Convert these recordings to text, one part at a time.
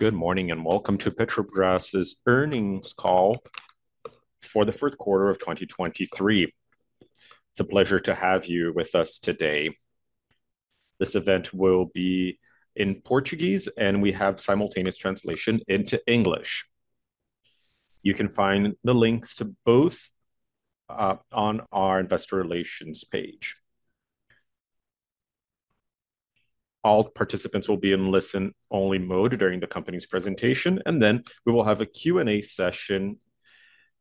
Good morning, and welcome to Petrobras' earnings call for the first quarter of 2023. It's a pleasure to have you with us today. This event will be in Portuguese, and we have simultaneous translation into English. You can find the links to both on our investor relations page. All participants will be in listen-only mode during the company's presentation, and then we will have a Q&A session,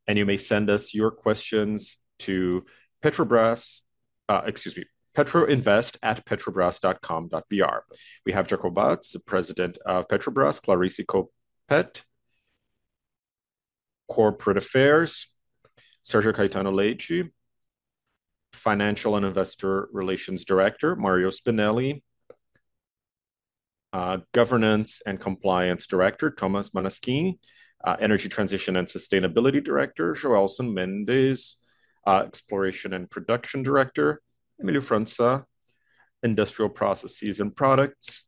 and you may send us your questions to petroinvest@petrobras.com.br. We have Jean Paul Prates, the President of Petrobras; Clarice Coppetti, Corporate Affairs; Sergio Caetano Leite, Financial and Investor Relations Director; Mário Spinelli, Governance and Compliance Director; Maurício Tolmasquim, Energy Transition and Sustainability Director; Joelson Mendes, Exploration and Production Director; William França, Industrial Processes and Products;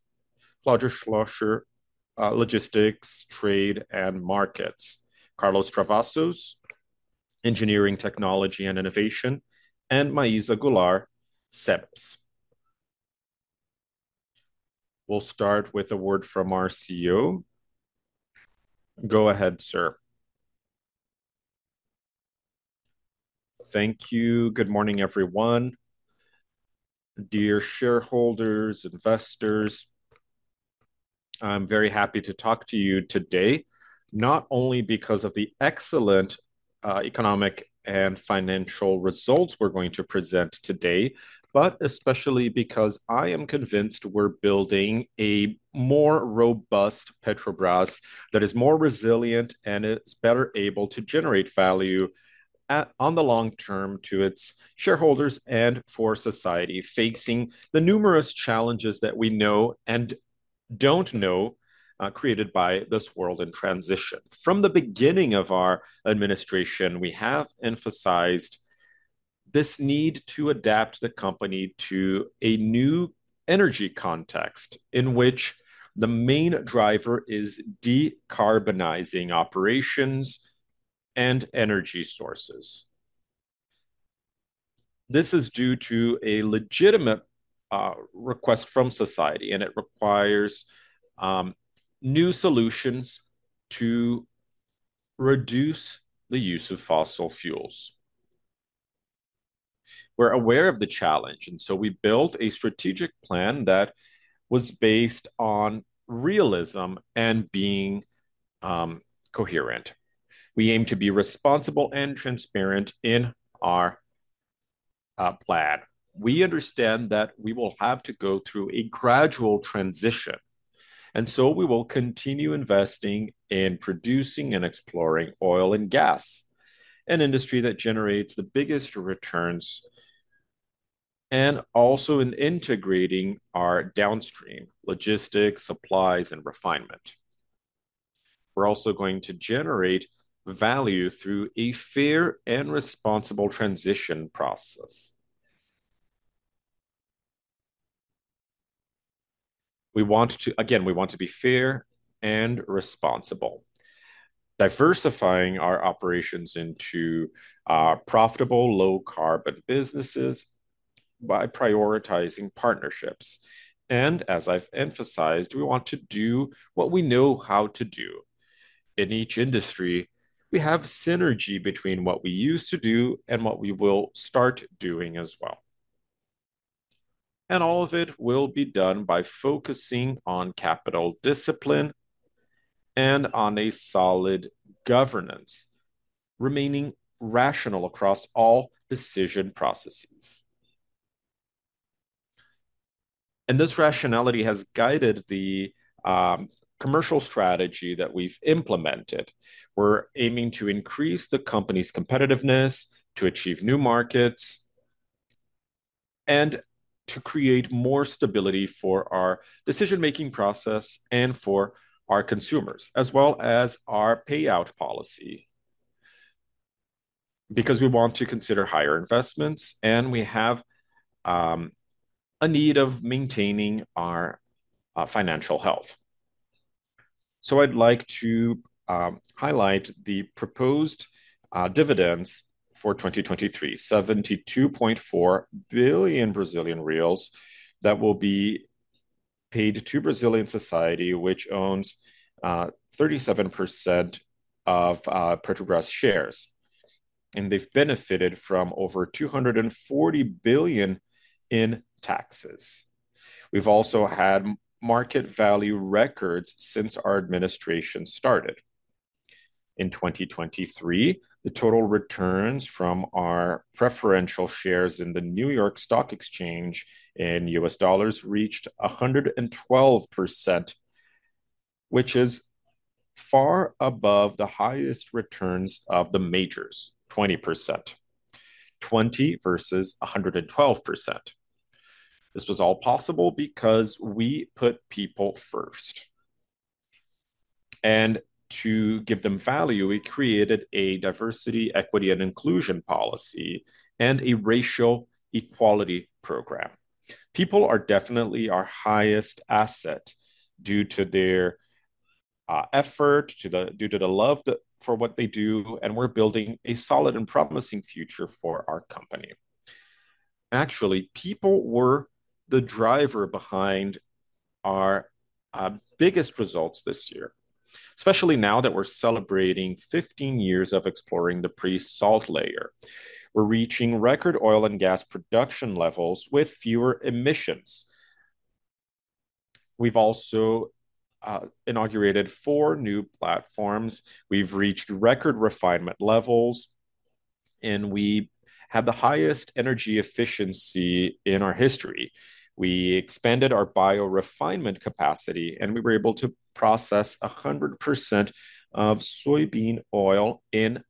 Claudio Schlosser, Logistics, Trade, and Markets; Carlos Travassos, Engineering, Technology, and Innovation; and Maísa Goulart, CENPES. We'll start with a word from our CEO. Go ahead, sir. Thank you. Good morning, everyone, dear shareholders, investors. I'm very happy to talk to you today, not only because of the excellent economic and financial results we're going to present today, but especially because I am convinced we're building a more robust Petrobras that is more resilient, and it's better able to generate value on the long term to its shareholders and for society, facing the numerous challenges that we know and don't know created by this world in transition. From the beginning of our administration, we have emphasized this need to adapt the company to a new energy context, in which the main driver is decarbonizing operations and energy sources. This is due to a legitimate request from society, and it requires new solutions to reduce the use of fossil fuels. We're aware of the challenge, and so we built a strategic plan that was based on realism and being coherent. We aim to be responsible and transparent in our plan. We understand that we will have to go through a gradual transition, and so we will continue investing in producing and exploring oil and gas, an industry that generates the biggest returns, and also in integrating our downstream logistics, supplies, and refinement. We're also going to generate value through a fair and responsible transition process. We want to... Again, we want to be fair and responsible, diversifying our operations into profitable low-carbon businesses by prioritizing partnerships, and as I've emphasized, we want to do what we know how to do. In each industry, we have synergy between what we used to do and what we will start doing as well, and all of it will be done by focusing on capital discipline and on a solid governance, remaining rational across all decision processes. And this rationality has guided the commercial strategy that we've implemented. We're aiming to increase the company's competitiveness to achieve new markets and to create more stability for our decision-making process and for our consumers, as well as our payout policy, because we want to consider higher investments, and we have a need of maintaining our financial health. So I'd like to highlight the proposed dividends for 2023, 72.4 billion Brazilian reais that will be paid to Brazilian society, which owns 37% of Petrobras shares, and they've benefited from over 240 billion in taxes. We've also had market value records since our administration started. In 2023, the total returns from our preferential shares in the New York Stock Exchange in U.S. dollars reached 112%, which is far above the highest returns of the majors, 20%. Twenty versus 112%. This was all possible because we put people first, and to give them value, we created a diversity, equity, and inclusion policy, and a racial equality program. People are definitely our highest asset due to their effort, due to the love for what they do, and we're building a solid and promising future for our company. Actually, people were the driver behind our biggest results this year, especially now that we're celebrating 15 years of exploring the pre-salt layer. We're reaching record oil and gas production levels with fewer emissions. We've also inaugurated four new platforms, we've reached record refinement levels, and we have the highest energy efficiency in our history. We expanded our biorefinement capacity, and we were able to process 100% of soybean oil in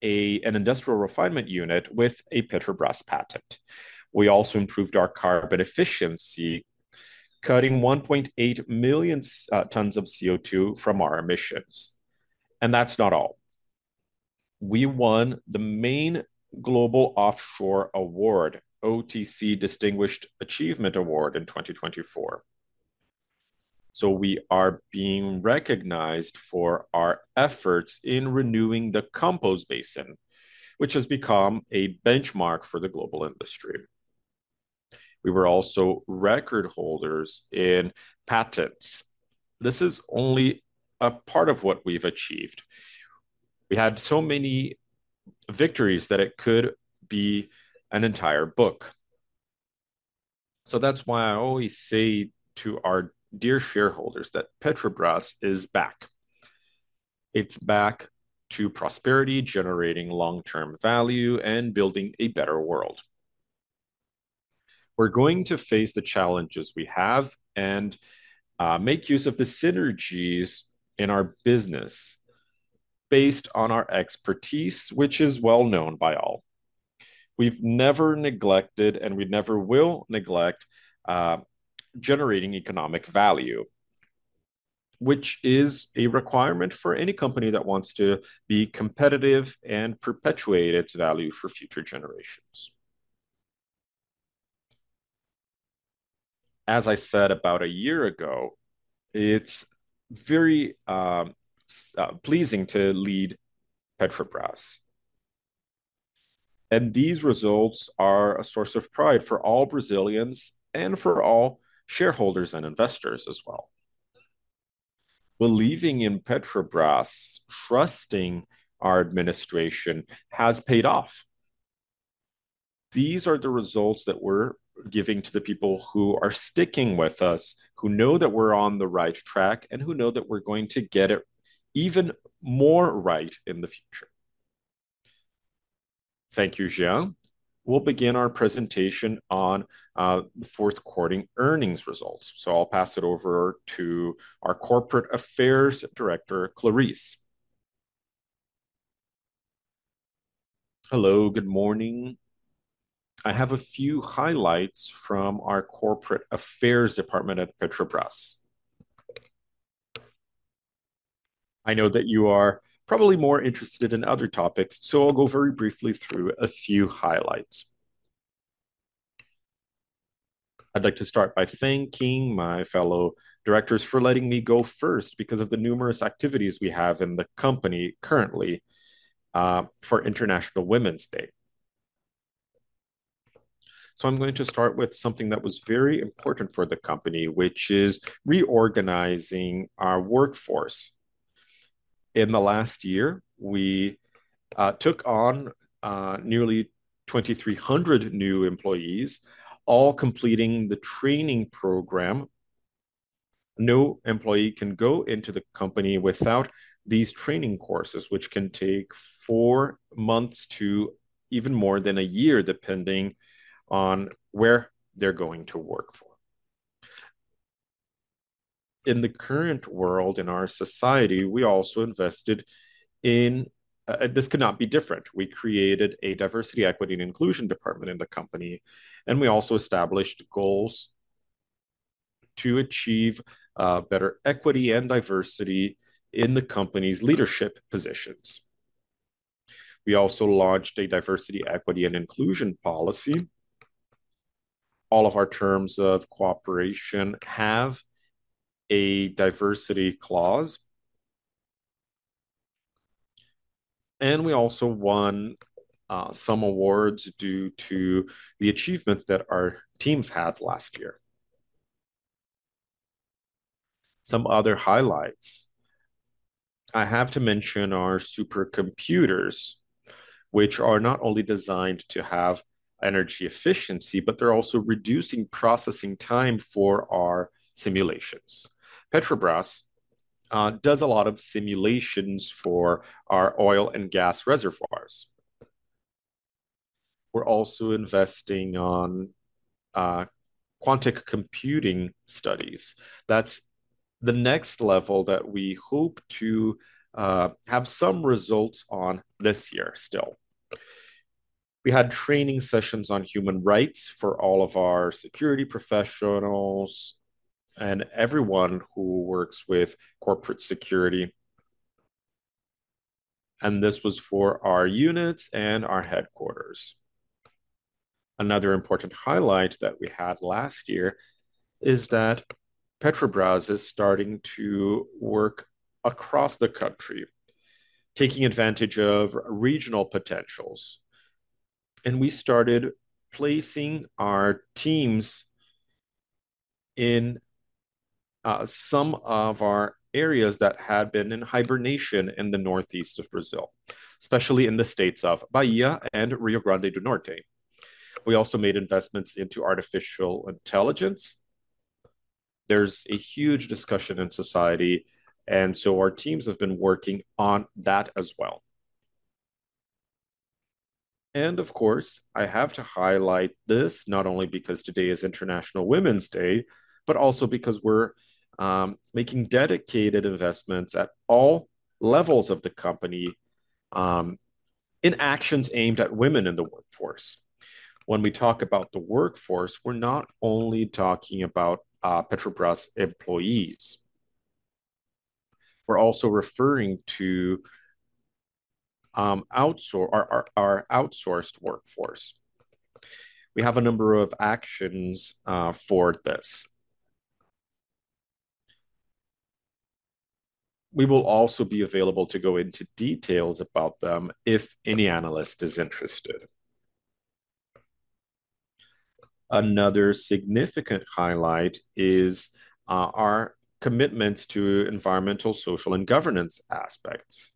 an industrial refinement unit with a Petrobras patent. We also improved our carbon efficiency, cutting 1.8 million tons of CO2 from our emissions. That's not all. We won the main global offshore award, OTC Distinguished Achievement Award, in 2024. So we are being recognized for our efforts in renewing the Campos Basin, which has become a benchmark for the global industry. We were also record holders in patents. This is only a part of what we've achieved. We had so many victories that it could be an entire book. So that's why I always say to our dear shareholders that Petrobras is back. It's back to prosperity, generating long-term value, and building a better world. We're going to face the challenges we have, and, make use of the synergies in our business based on our expertise, which is well-known by all. We've never neglected, and we never will neglect, generating economic value, which is a requirement for any company that wants to be competitive and perpetuate its value for future generations. As I said about a year ago, it's very so pleasing to lead Petrobras, and these results are a source of pride for all Brazilians, and for all shareholders and investors, as well. Believing in Petrobras, trusting our administration, has paid off. These are the results that we're giving to the people who are sticking with us, who know that we're on the right track, and who know that we're going to get it even more right in the future. Thank you, Jean. We'll begin our presentation on the fourth quarter earnings results, so I'll pass it over to our Corporate Affairs Director, Clarice. Hello, good morning. I have a few highlights from our corporate affairs department at Petrobras. I know that you are probably more interested in other topics, so I'll go very briefly through a few highlights. I'd like to start by thanking my fellow directors for letting me go first, because of the numerous activities we have in the company currently, for International Women's Day. So I'm going to start with something that was very important for the company, which is reorganizing our workforce. In the last year, we took on nearly 2,300 new employees, all completing the training program. No employee can go into the company without these training courses, which can take four months to even more than a year, depending on where they're going to work for. In the current world, in our society, we also invested in... This could not be different. We created a diversity, equity, and inclusion department in the company, and we also established goals to achieve better equity and diversity in the company's leadership positions. We also launched a diversity, equity, and inclusion policy. All of our terms of cooperation have a diversity clause. We also won some awards due to the achievements that our teams had last year. Some other highlights: I have to mention our supercomputers, which are not only designed to have energy efficiency, but they're also reducing processing time for our simulations. Petrobras does a lot of simulations for our oil and gas reservoirs. We're also investing on quantum computing studies. That's the next level that we hope to have some results on this year, still.... We had training sessions on human rights for all of our security professionals and everyone who works with corporate security, and this was for our units and our headquarters. Another important highlight that we had last year is that Petrobras is starting to work across the country, taking advantage of regional potentials, and we started placing our teams in some of our areas that had been in hibernation in the northeast of Brazil, especially in the states of Bahia and Rio Grande do Norte. We also made investments into artificial intelligence. There's a huge discussion in society, and so our teams have been working on that as well. And of course, I have to highlight this, not only because today is International Women's Day, but also because we're making dedicated investments at all levels of the company in actions aimed at women in the workforce. When we talk about the workforce, we're not only talking about Petrobras employees, we're also referring to our outsourced workforce. We have a number of actions for this. We will also be available to go into details about them if any analyst is interested. Another significant highlight is our commitment to environmental, social, and governance aspects.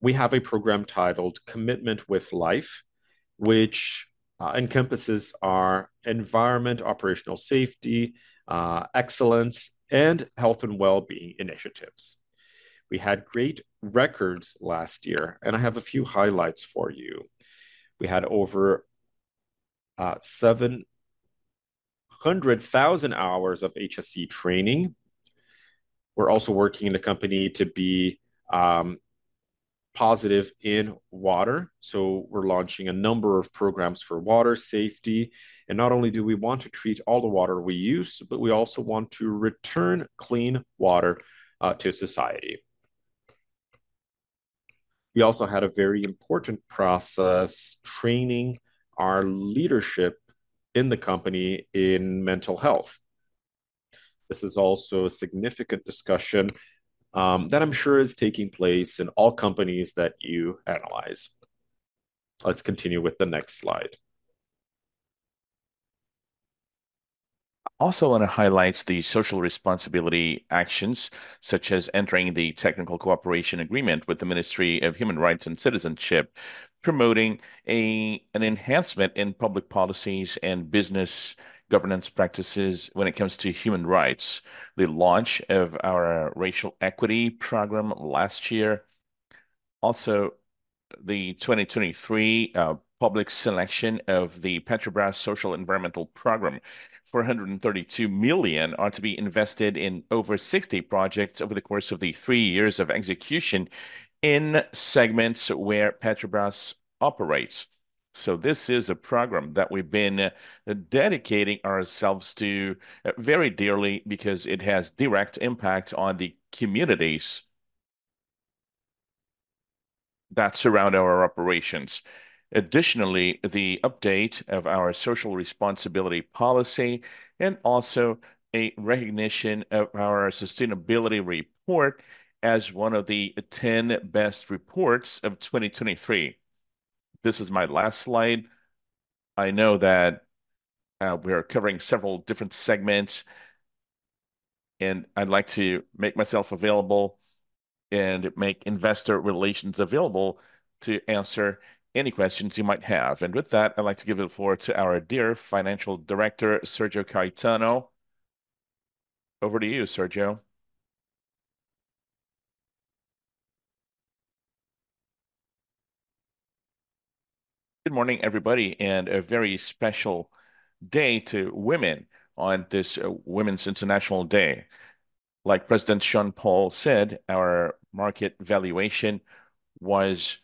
We have a program titled Commitment with Life, which encompasses our environment, operational safety, excellence, and health and wellbeing initiatives. We had great records last year, and I have a few highlights for you. We had over 700,000 hours of HSE training. We're also working in the company to be positive in water, so we're launching a number of programs for water safety, and not only do we want to treat all the water we use, but we also want to return clean water to society. We also had a very important process, training our leadership in the company in mental health. This is also a significant discussion that I'm sure is taking place in all companies that you analyze. Let's continue with the next slide. I also want to highlight the social responsibility actions, such as entering the Technical Cooperation Agreement with the Ministry of Human Rights and Citizenship, promoting an enhancement in public policies and business governance practices when it comes to human rights. The launch of our racial equity program last year. Also, the 2023 public selection of the Petrobras Social Environmental Program, 432 million are to be invested in over 60 projects over the course of the three years of execution in segments where Petrobras operates. So this is a program that we've been dedicating ourselves to very dearly because it has direct impact on the communities that surround our operations. Additionally, the update of our social responsibility policy, and also a recognition of our sustainability report as one of the 10 best reports of 2023. This is my last slide. I know that, we are covering several different segments, and I'd like to make myself available, and make investor relations available to answer any questions you might have. And with that, I'd like to give it forward to our dear Financial Director, Sergio Caetano. Over to you, Sergio. Good morning, everybody, and a very special day to women on this, Women's International Day. Like President Jean Paul said, our market valuation was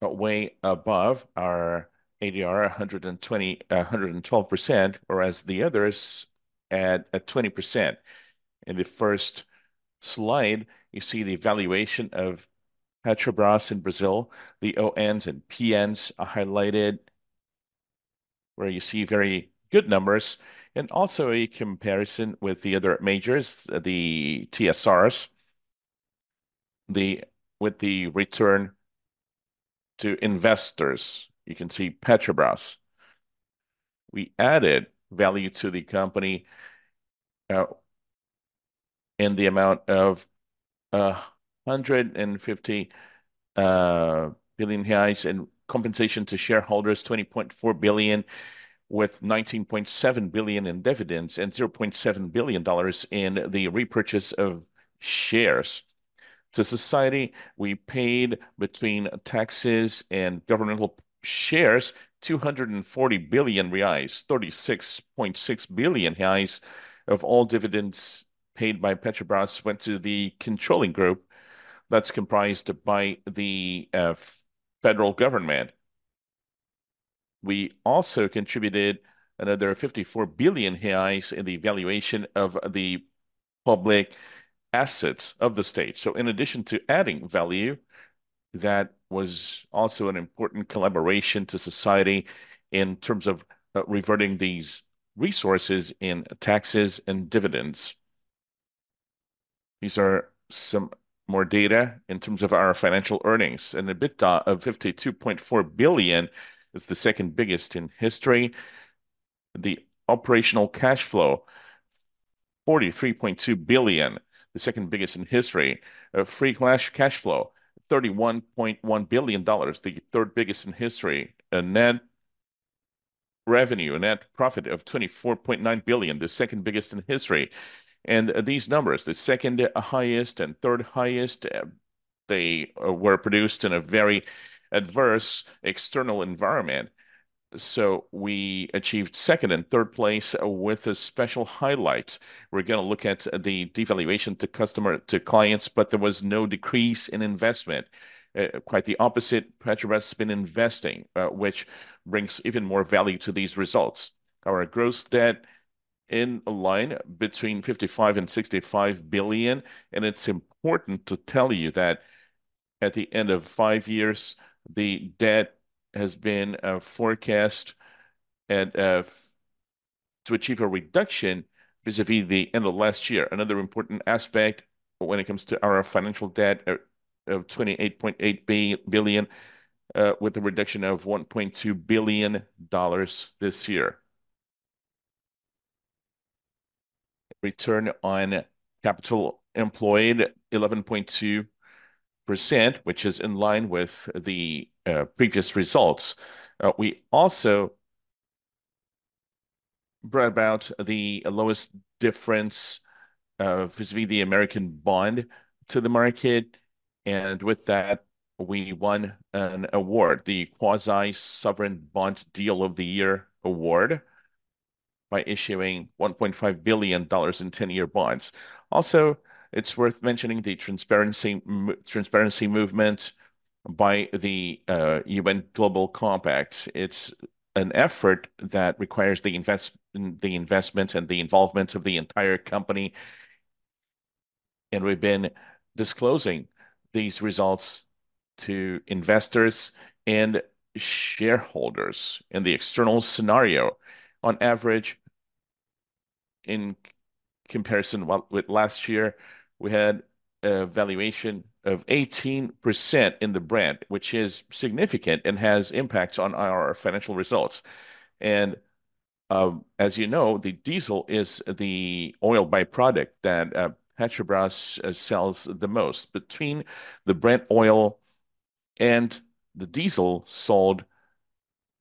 way above our ADR, 112%, whereas the others at 20%. In the first slide, you see the valuation of Petrobras in Brazil. The ONs and PNs are highlighted, where you see very good numbers, and also a comparison with the other majors, the TSRs. With the return to investors, you can see Petrobras. We added value to the company in the amount of 150 billion reais, and compensation to shareholders, 20.4 billion, with 19.7 billion in dividends and $0.7 billion in the repurchase of shares. To society, we paid between taxes and governmental shares, 240 billion reais; 36.6 billion reais of all dividends paid by Petrobras went to the controlling group that's comprised by the federal government. We also contributed another 54 billion reais in the valuation of the public assets of the state. So in addition to adding value, that was also an important collaboration to society in terms of reverting these resources in taxes and dividends. These are some more data in terms of our financial earnings. An EBITDA of 52.4 billion is the second biggest in history. The operational cash flow, 43.2 billion, the second biggest in history. Free cash flow, $31.1 billion, the third biggest in history. And net revenue, a net profit of 24.9 billion, the second biggest in history. These numbers, the second highest and third highest, were produced in a very adverse external environment. So we achieved second and third place with a special highlight. We're gonna look at the devaluation to customer, to clients, but there was no decrease in investment. Quite the opposite, Petrobras has been investing, which brings even more value to these results. Our gross debt in line between $55 billion-$65 billion, and it's important to tell you that at the end of five years, the debt has been forecast, and to achieve a reduction vis-a-vis the end of last year. Another important aspect when it comes to our financial debt of $28.8 billion, with a reduction of $1.2 billion this year. Return on capital employed, 11.2%, which is in line with the previous results. We also brought about the lowest difference vis-à-vis the American bond to the market, and with that, we won an award, the Quasi-Sovereign Bond Deal of the Year award, by issuing $1.5 billion in 10-year bonds. Also, it's worth mentioning the transparency movement by the UN Global Compact. It's an effort that requires the investment and the involvement of the entire company, and we've been disclosing these results to investors and shareholders in the external scenario. On average, in comparison with last year, we had a valuation of 18% in the brand, which is significant and has impacts on our financial results. As you know, the diesel is the oil by-product that Petrobras sells the most. Between the Brent oil and the diesel sold,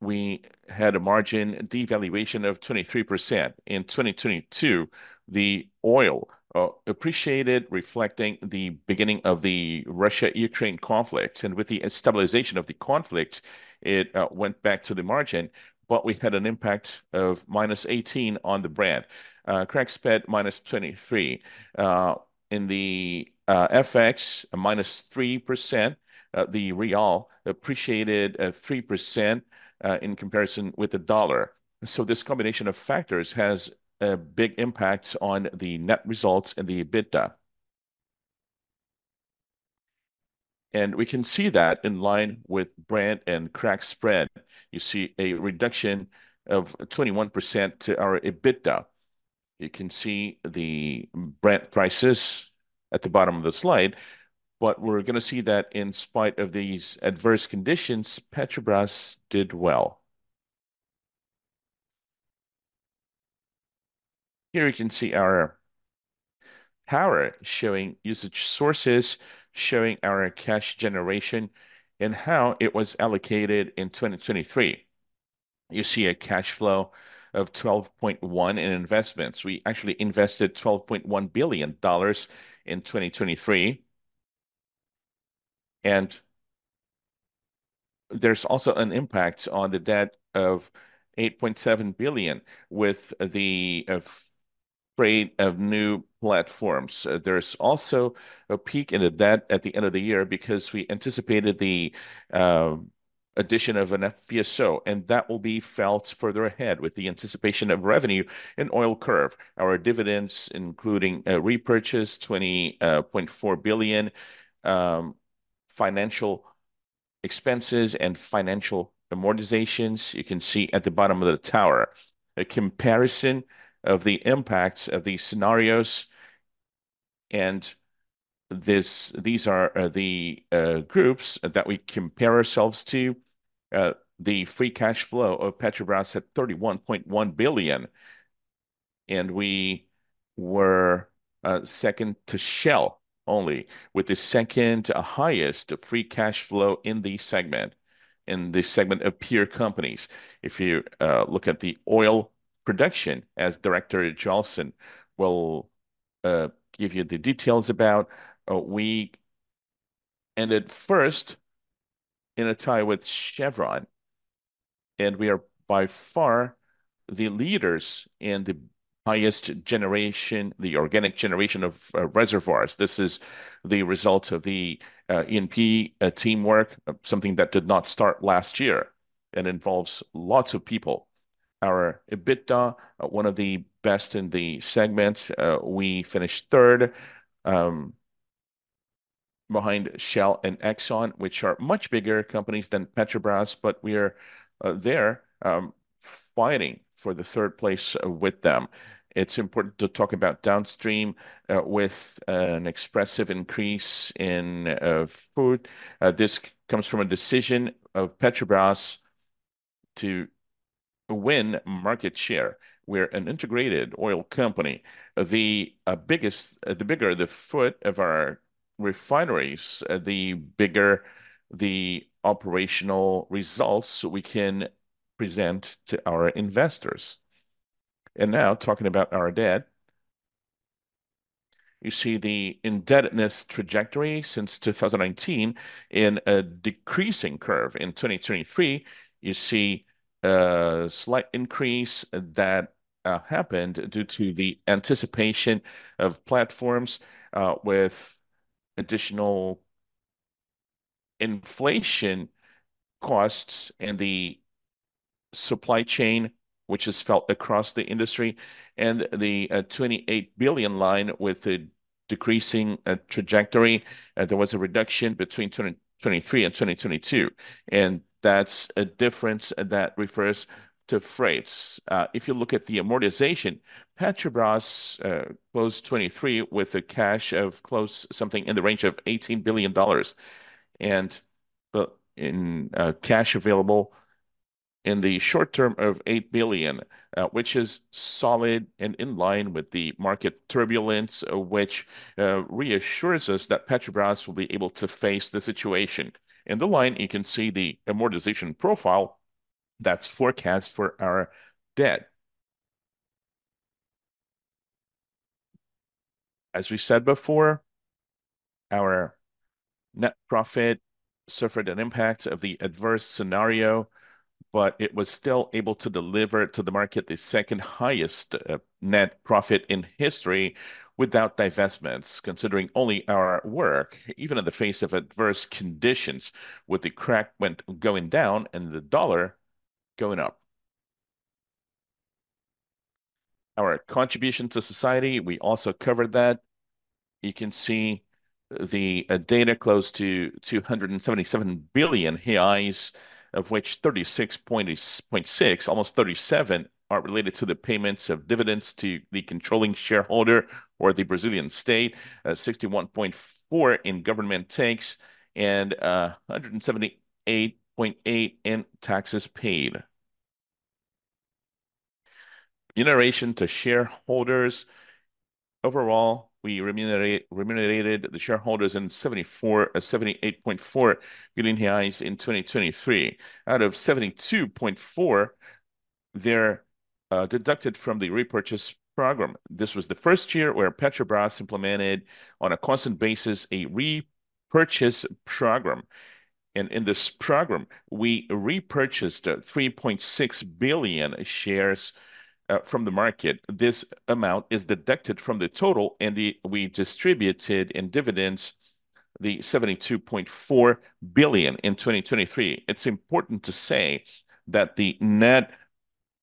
we had a margin devaluation of 23%. In 2022, the oil appreciated, reflecting the beginning of the Russia-Ukraine conflict, and with the stabilization of the conflict, it went back to the margin, but we had an impact of -18 on the Brent. Crack spread, -23. In the FX, -3%, the real appreciated 3% in comparison with the dollar. So this combination of factors has big impacts on the net results and the EBITDA. We can see that in line with Brent and crack spread. You see a reduction of 21% to our EBITDA. You can see the Brent prices at the bottom of the slide, but we're gonna see that in spite of these adverse conditions, Petrobras did well. Here you can see our power showing usage sources, showing our cash generation and how it was allocated in 2023. You see a cash flow of $12.1 billion in investments. We actually invested $12.1 billion in 2023, and there's also an impact on the debt of $8.7 billion with the freight of new platforms. There's also a peak in the debt at the end of the year because we anticipated the addition of an FPSO, and that will be felt further ahead with the anticipation of revenue and oil curve. Our dividends, including repurchase, $20.4 billion, financial expenses and financial amortizations, you can see at the bottom of the tower. A comparison of the impacts of these scenarios, and this—these are the groups that we compare ourselves to. The free cash flow of Petrobras at $31.1 billion, and we were second to Shell only, with the second highest free cash flow in the segment, in the segment of peer companies. If you look at the oil production, as Director Joelson will give you the details about, we ended first in a tie with Chevron, and we are by far the leaders in the highest generation, the organic generation of reservoirs. This is the result of the E&P teamwork, something that did not start last year, and involves lots of people. Our EBITDA one of the best in the segments. We finished third behind Shell and Exxon, which are much bigger companies than Petrobras, but we are there fighting for the third place with them. It's important to talk about downstream with an expressive increase in fuel. This comes from a decision of Petrobras to win market share. We're an integrated oil company. The bigger the footprint of our refineries, the bigger the operational results we can present to our investors. Now, talking about our debt, you see the indebtedness trajectory since 2019 in a decreasing curve. In 2023, you see a slight increase that happened due to the anticipation of platforms with additional inflation costs in the supply chain, which is felt across the industry, and the $28 billion line with a decreasing trajectory. There was a reduction between 2023 and 2022, and that's a difference that refers to freights. If you look at the amortization, Petrobras closed 2023 with a cash of close something in the range of $18 billion, and in cash available in the short term of $8 billion, which is solid and in line with the market turbulence, which reassures us that Petrobras will be able to face the situation. In the line, you can see the amortization profile that's forecast for our debt. As we said before, our net profit suffered an impact of the adverse scenario, but it was still able to deliver to the market the second-highest net profit in history without divestments, considering only our work, even in the face of adverse conditions, with the crack spread going down and the dollar going up. Our contribution to society, we also covered that. You can see the data close to 277 billion, of which 36.6, almost 37, are related to the payments of dividends to the controlling shareholder or the Brazilian state. 61.4 in government takes and a 178.8 in taxes paid. Remuneration to shareholders. Overall, we remunerated the shareholders in 74, 78.4 billion reais in 2023, out of 72.4 there deducted from the repurchase program. This was the first year where Petrobras implemented, on a constant basis, a repurchase program, and in this program, we repurchased 3.6 billion shares from the market. This amount is deducted from the total, and we distributed in dividends the 72.4 billion in 2023. It's important to say that the net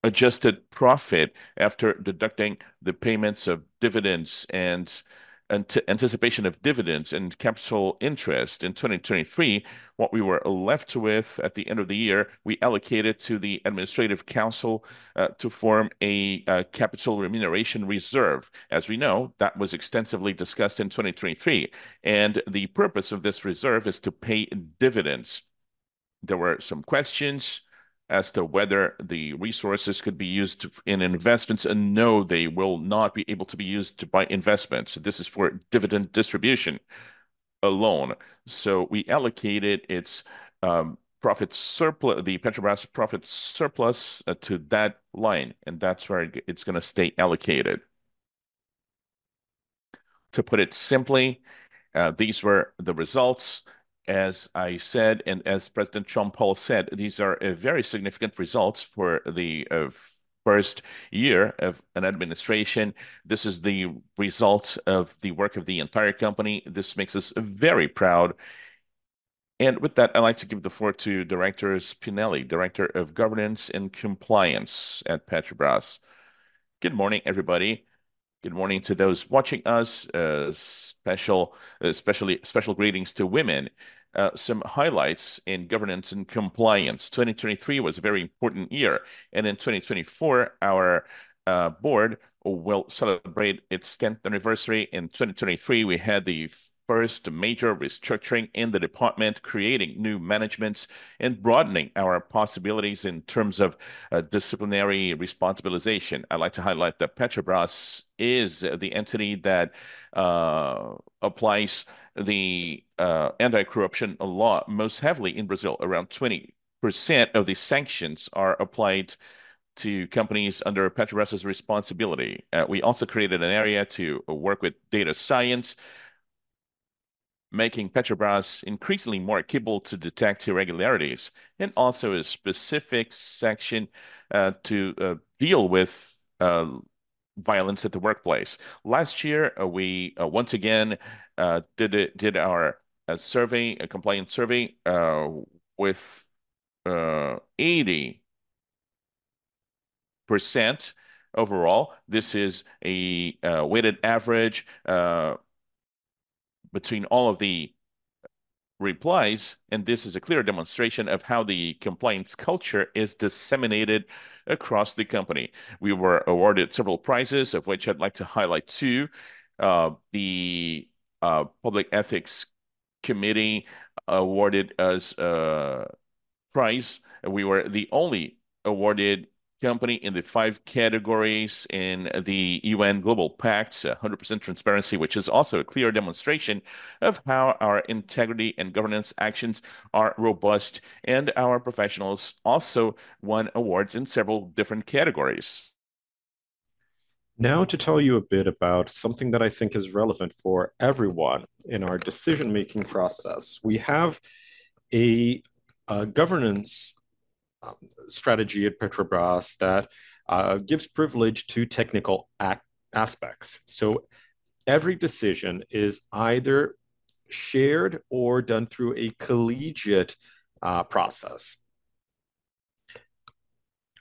adjusted profit, after deducting the payments of dividends and anticipation of dividends and capital interest in 2023, what we were left with at the end of the year, we allocated to the administrative council, to form a capital remuneration reserve. As we know, that was extensively discussed in 2023, and the purpose of this reserve is to pay dividends. There were some questions as to whether the resources could be used to, in investments, and no, they will not be able to be used to buy investments. This is for dividend distribution alone. So we allocated its profit surplus, the Petrobras profit surplus, to that line, and that's where it, it's gonna stay allocated. To put it simply, these were the results, as I said, and as President Jean Paul said, these are a very significant results for the first year of an administration. This is the result of the work of the entire company. This makes us very proud. And with that, I'd like to give the floor to Director Spinelli, Director of Governance and Compliance at Petrobras. Good morning, everybody. Good morning to those watching us. Special greetings to women. Some highlights in governance and compliance. 2023 was a very important year, and in 2024, our board will celebrate its 10th anniversary. In 2023, we had the first major restructuring in the department, creating new managements and broadening our possibilities in terms of disciplinary responsibilization. I'd like to highlight that Petrobras is the entity that applies the anti-corruption law most heavily in Brazil. Around 20% of the sanctions are applied to companies under Petrobras' responsibility. We also created an area to work with data science, ... making Petrobras increasingly more capable to detect irregularities, and also a specific section to deal with violence at the workplace. Last year, we once again did our survey, a complaint survey, with 80% overall. This is a weighted average between all of the replies, and this is a clear demonstration of how the complaints culture is disseminated across the company. We were awarded several prizes, of which I'd like to highlight two. The Public Ethics Committee awarded us a prize, and we were the only awarded company in the five categories in the UN Global Pact, 100% transparency, which is also a clear demonstration of how our integrity and governance actions are robust, and our professionals also won awards in several different categories. Now, to tell you a bit about something that I think is relevant for everyone in our decision-making process. We have a governance strategy at Petrobras that gives privilege to technical aspects. So every decision is either shared or done through a collegiate process.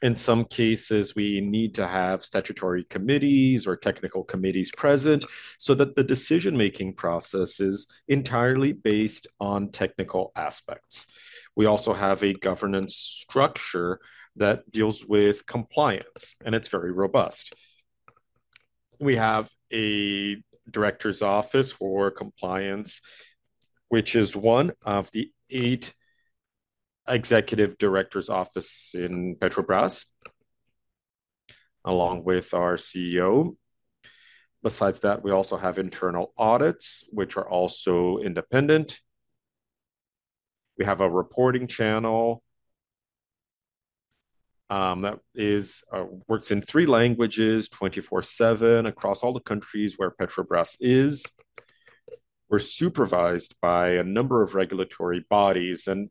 In some cases, we need to have statutory committees or technical committees present so that the decision-making process is entirely based on technical aspects. We also have a governance structure that deals with compliance, and it's very robust. We have a director's office for compliance, which is one of the eight executive director's office in Petrobras, along with our CEO. Besides that, we also have internal audits, which are also independent. We have a reporting channel that works in three languages, 24/7, across all the countries where Petrobras is. We're supervised by a number of regulatory bodies, and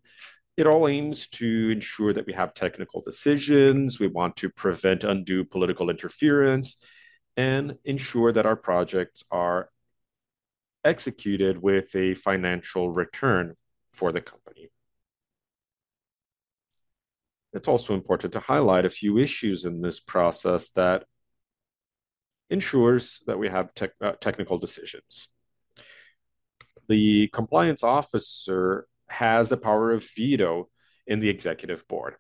it all aims to ensure that we have technical decisions. We want to prevent undue political interference and ensure that our projects are executed with a financial return for the company. It's also important to highlight a few issues in this process that ensures that we have technical decisions. The compliance officer has the power of veto in the executive board,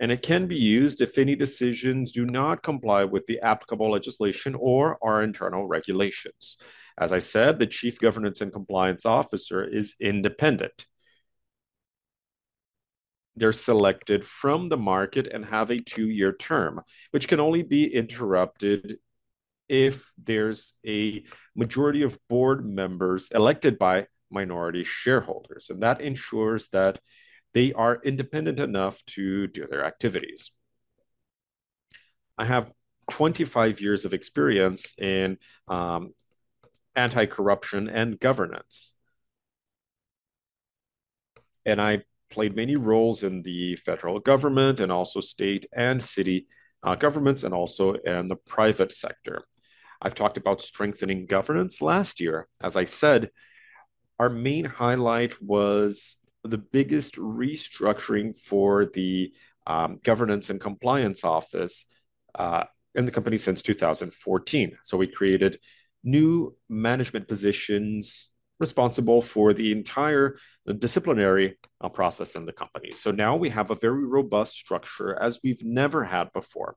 and it can be used if any decisions do not comply with the applicable legislation or our internal regulations. As I said, the Chief Governance and Compliance Officer is independent. They're selected from the market and have a two-year term, which can only be interrupted if there's a majority of board members elected by minority shareholders, and that ensures that they are independent enough to do their activities. I have 25 years of experience in anti-corruption and governance, and I've played many roles in the federal government and also state and city governments, and also in the private sector. I've talked about strengthening governance last year. As I said, our main highlight was the biggest restructuring for the governance and compliance office in the company since 2014. So we created new management positions responsible for the entire disciplinary process in the company. So now we have a very robust structure as we've never had before.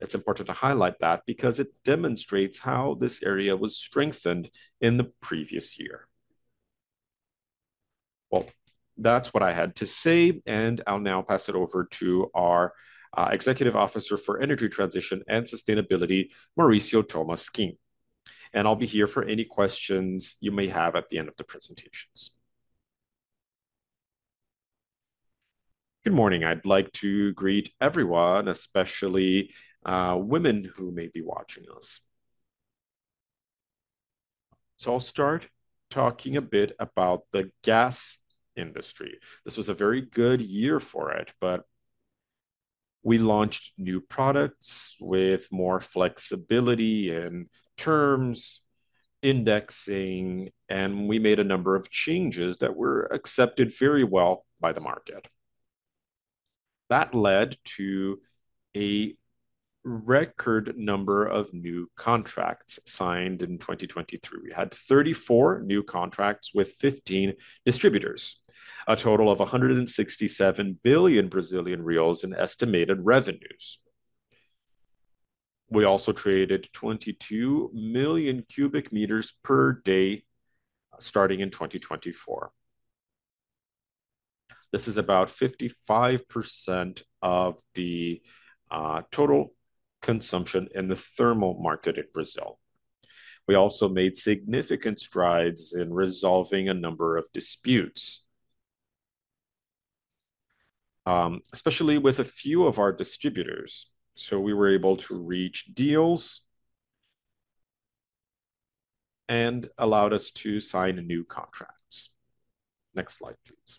It's important to highlight that because it demonstrates how this area was strengthened in the previous year. Well, that's what I had to say, and I'll now pass it over to our Executive Officer for Energy Transition and Sustainability, Maurício Tolmasquim, and I'll be here for any questions you may have at the end of the presentations. Good morning. I'd like to greet everyone, especially, women who may be watching us. So I'll start talking a bit about the gas industry. This was a very good year for it, but we launched new products with more flexibility and terms, indexing, and we made a number of changes that were accepted very well by the market. That led to a record number of new contracts signed in 2023. We had 34 new contracts with 15 distributors, a total of 167 billion Brazilian reais in estimated revenues. We also traded 22 million cubic meters per day, starting in 2024. This is about 55% of the total consumption in the thermal market in Brazil. We also made significant strides in resolving a number of disputes.... especially with a few of our distributors. So we were able to reach deals and allowed us to sign new contracts. Next slide, please.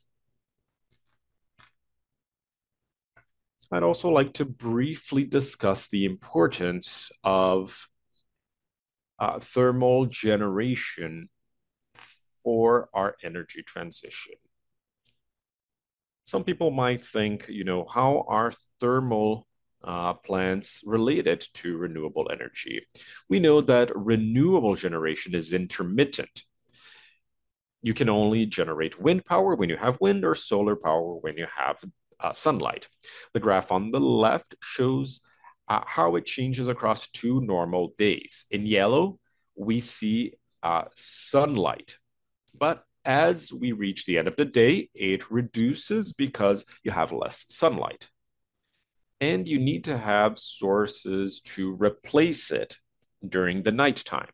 I'd also like to briefly discuss the importance of thermal generation for our energy transition. Some people might think, you know, how are thermal plants related to renewable energy? We know that renewable generation is intermittent. You can only generate wind power when you have wind, or solar power when you have sunlight. The graph on the left shows how it changes across two normal days. In yellow, we see sunlight, but as we reach the end of the day, it reduces because you have less sunlight, and you need to have sources to replace it during the nighttime.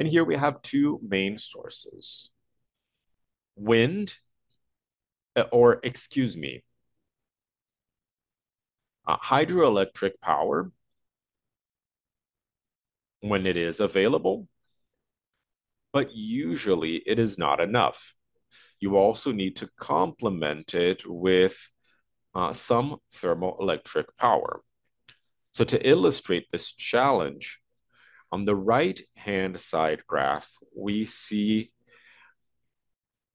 Here we have two main sources: wind, or excuse me, hydroelectric power when it is available, but usually it is not enough. You also need to complement it with some thermoelectric power. So to illustrate this challenge, on the right-hand side graph, we see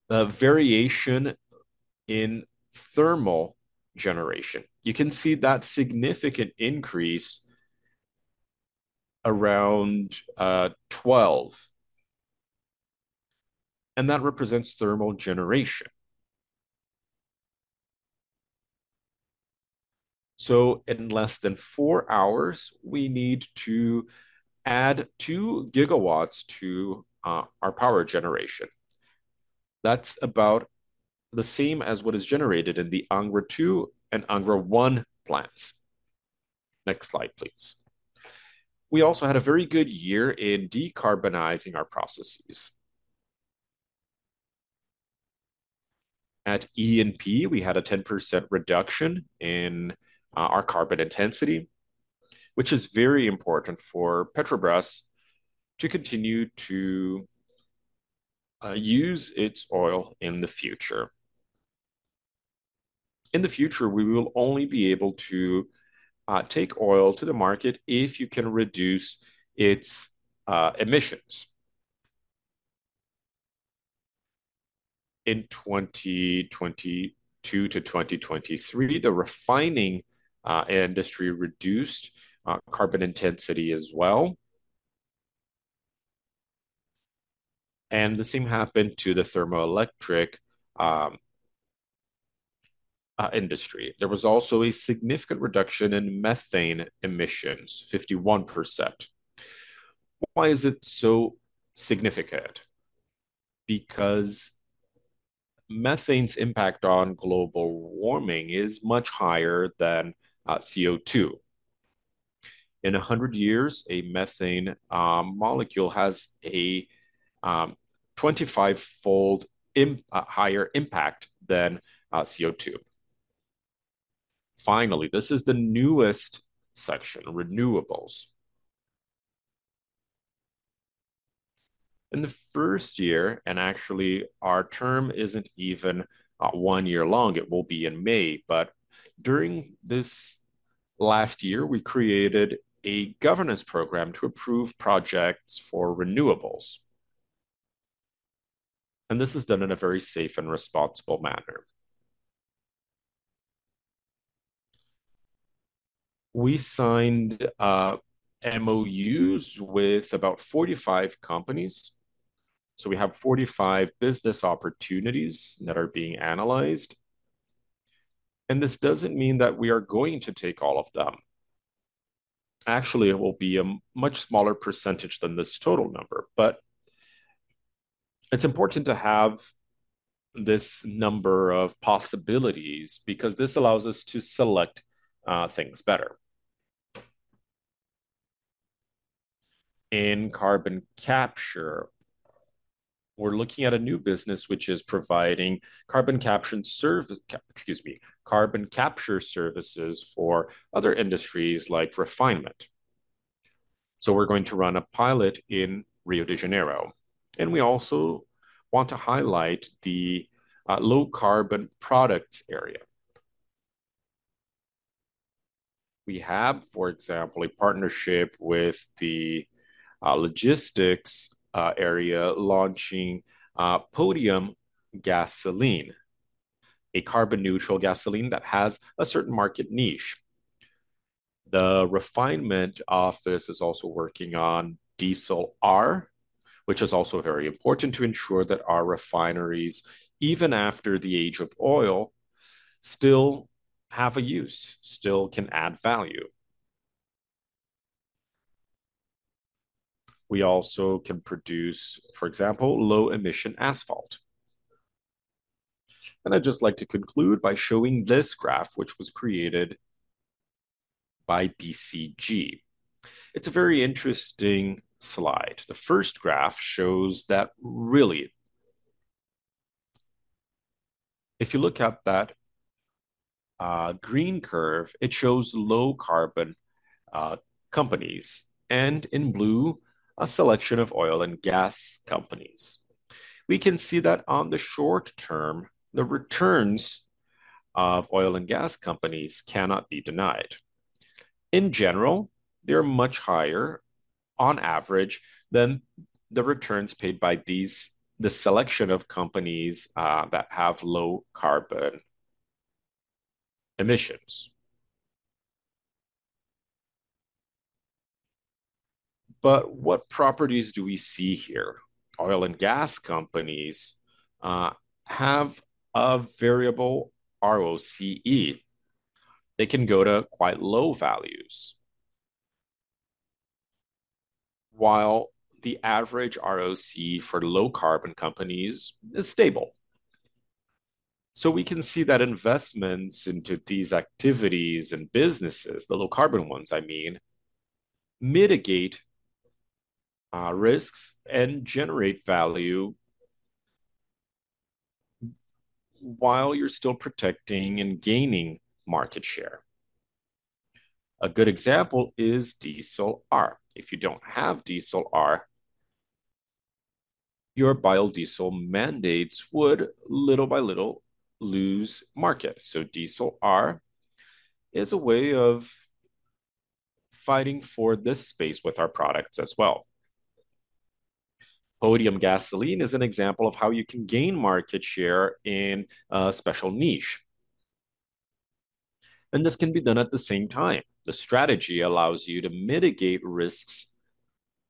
the variation in thermal generation. You can see that significant increase around 12, and that represents thermal generation. So in less than four hours, we need to add 2 GW to our power generation. That's about the same as what is generated in the Angra 2 and Angra 1 plants. Next slide, please. We also had a very good year in decarbonizing our processes. At E&P, we had a 10% reduction in our carbon intensity, which is very important for Petrobras to continue to use its oil in the future. In the future, we will only be able to take oil to the market if you can reduce its emissions. In 2022-2023, the refining industry reduced carbon intensity as well, and the same happened to the thermoelectric industry. There was also a significant reduction in methane emissions, 51%. Why is it so significant? Because methane's impact on global warming is much higher than CO2. In 100 years, a methane molecule has a 25-fold higher impact than CO2. Finally, this is the newest section, renewables. In the first year, and actually, our term isn't even one year long; it will be in May, but during this last year, we created a governance program to approve projects for renewables, and this is done in a very safe and responsible manner. We signed MOUs with about 45 companies, so we have 45 business opportunities that are being analyzed, and this doesn't mean that we are going to take all of them. Actually, it will be a much smaller percentage than this total number. But it's important to have this number of possibilities because this allows us to select things better. In carbon capture, we're looking at a new business, which is providing carbon capture services for other industries like refinement. So we're going to run a pilot in Rio de Janeiro, and we also want to highlight the low-carbon products area. We have, for example, a partnership with the logistics area, launching Podium Gasoline, a carbon-neutral gasoline that has a certain market niche. The refinement office is also working on Diesel R, which is also very important to ensure that our refineries, even after the age of oil, still have a use, still can add value. We also can produce, for example, low-emission asphalt. And I'd just like to conclude by showing this graph, which was created-... by BCG. It's a very interesting slide. The first graph shows that really, if you look at that, green curve, it shows low carbon companies, and in blue, a selection of oil and gas companies. We can see that on the short term, the returns of oil and gas companies cannot be denied. In general, they're much higher on average than the returns paid by these the selection of companies that have low carbon emissions. But what properties do we see here? Oil and gas companies have a variable ROCE. They can go to quite low values, while the average ROC for low carbon companies is stable. So we can see that investments into these activities and businesses, the low carbon ones, I mean, mitigate risks and generate value while you're still protecting and gaining market share. A good example is Diesel R. If you don't have Diesel R, your biodiesel mandates would little by little lose market. So Diesel R is a way of fighting for this space with our products as well. Podium Gasoline is an example of how you can gain market share in a special niche, and this can be done at the same time. The strategy allows you to mitigate risks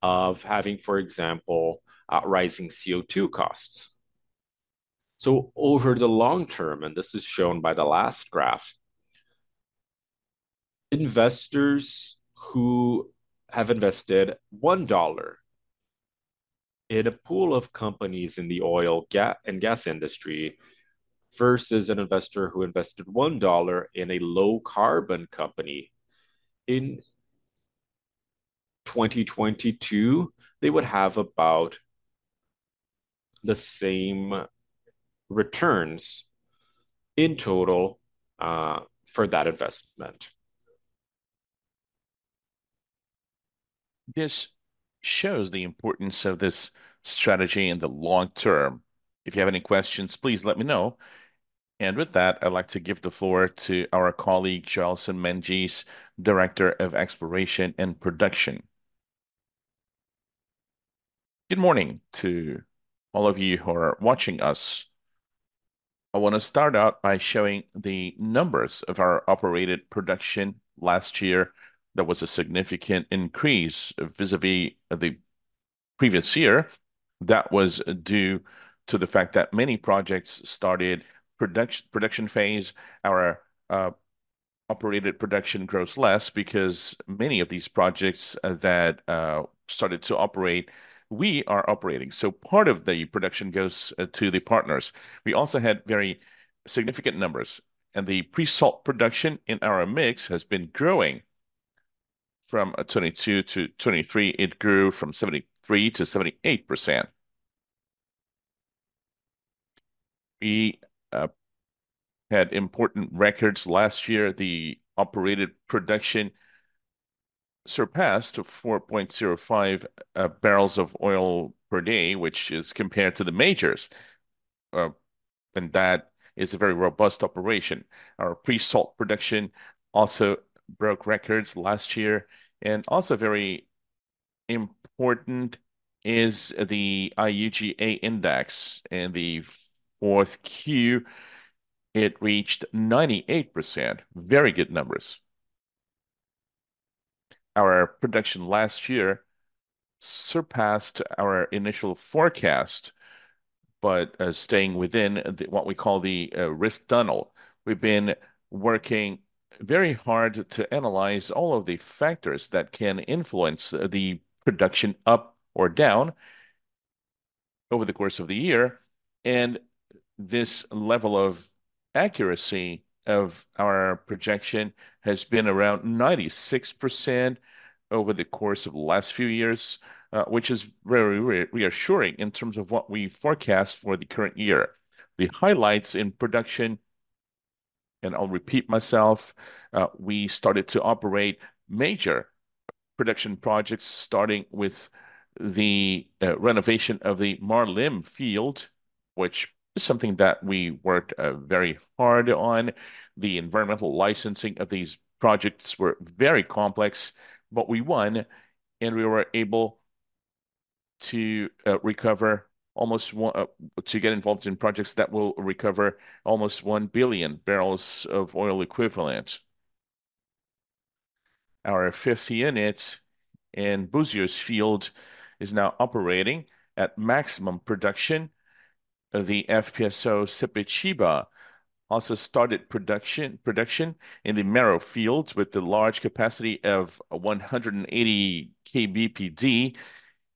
of having, for example, rising CO2 costs. So over the long term, and this is shown by the last graph, investors who have invested $1 in a pool of companies in the oil and gas industry, versus an investor who invested $1 in a low carbon company in 2022, they would have about the same returns in total, for that investment. This shows the importance of this strategy in the long term. If you have any questions, please let me know. With that, I'd like to give the floor to our colleague, Joelson Mendes, Director of Exploration and Production. Good morning to all of you who are watching us. I wanna start out by showing the numbers of our operated production. Last year, there was a significant increase vis-à-vis the previous year. That was due to the fact that many projects started production, production phase. Our operated production grows less because many of these projects that started to operate, we are operating. So part of the production goes to the partners. We also had very significant numbers, and the pre-salt production in our mix has been growing from 2022-2023. It grew from 73%-78%. We had important records last year. The operated production surpassed 4.05 barrels of oil per day, which is compared to the majors, and that is a very robust operation. Our pre-salt production also broke records last year, and also very important is the utilization index. In Q4, it reached 98%. Very good numbers. Our production last year surpassed our initial forecast, but staying within what we call the risk tunnel. We've been working very hard to analyze all of the factors that can influence the production up or down over the course of the year, and this level of accuracy of our projection has been around 96% over the course of the last few years, which is very reassuring in terms of what we forecast for the current year. The highlights in production, and I'll repeat myself, we started to operate major production projects, starting with the renovation of the Marlim field, which is something that we worked very hard on. The environmental licensing of these projects were very complex, but we won, and we were able to recover almost one... to get involved in projects that will recover almost 1 billion barrels of oil equivalent. Our fifth unit in Búzios field is now operating at maximum production. The FPSO Sepetiba also started production in the Mero field with the large capacity of 180 kbpd...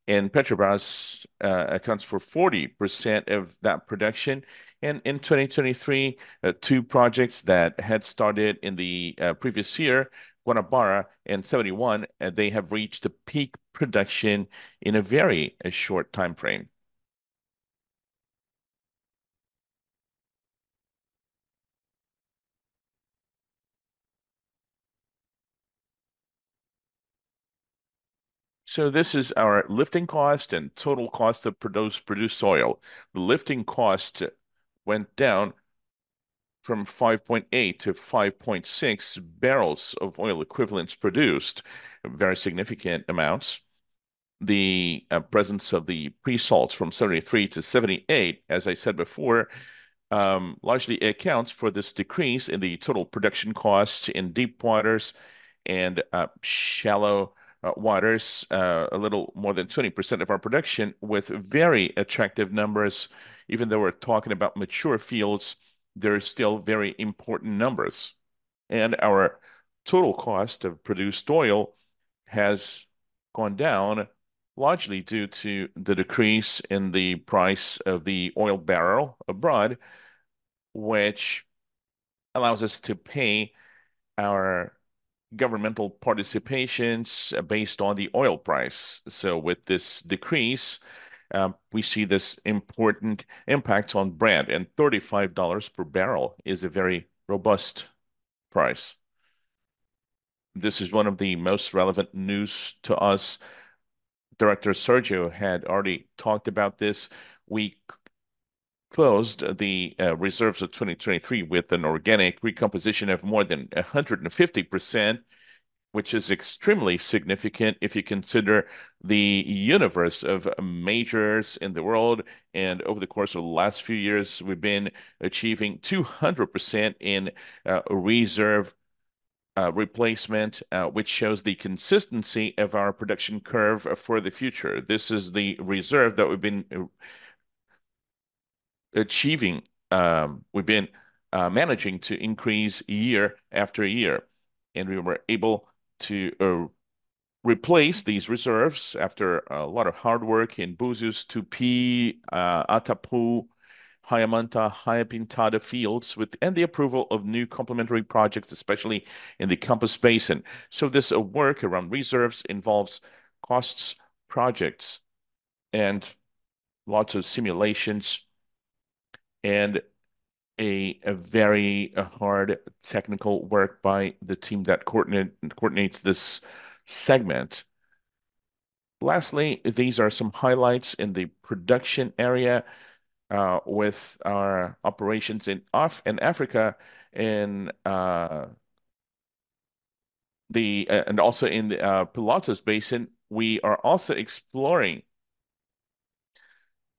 and Petrobras accounts for 40% of that production. In 2023, two projects that had started in the previous year, Guanabara and P-71, they have reached a peak production in a very short timeframe. So this is our lifting cost and total cost of produce, produced oil. The lifting cost went down from 5.8 to 5.6 barrels of oil equivalents produced, very significant amounts. The presence of the pre-salts from 73%-78%, as I said before, largely accounts for this decrease in the total production cost in deep waters and shallow waters, a little more than 20% of our production, with very attractive numbers. Even though we're talking about mature fields, they're still very important numbers. And our total cost of produced oil has gone down largely due to the decrease in the price of the oil barrel abroad, which allows us to pay our governmental participations based on the oil price. So with this decrease, we see this important impact on Brent, and $35 per barrel is a very robust price. This is one of the most relevant news to us. Director Sergio had already talked about this. We closed the reserves of 2023 with an organic recomposition of more than 150%, which is extremely significant if you consider the universe of majors in the world. And over the course of the last few years, we've been achieving 200% in reserve replacement, which shows the consistency of our production curve for the future. This is the reserve that we've been achieving. We've been managing to increase year-after-year. We were able to replace these reserves after a lot of hard work in Búzios, Tupi, Atapu, Raia Manta, Raia Pintada fields, with and the approval of new complementary projects, especially in the Campos Basin. This work around reserves involves costs, projects, and lots of simulations, and a very hard technical work by the team that coordinate, coordinates this segment. Lastly, these are some highlights in the production area, with our operations in Africa and also in the Pelotas Basin. We are also exploring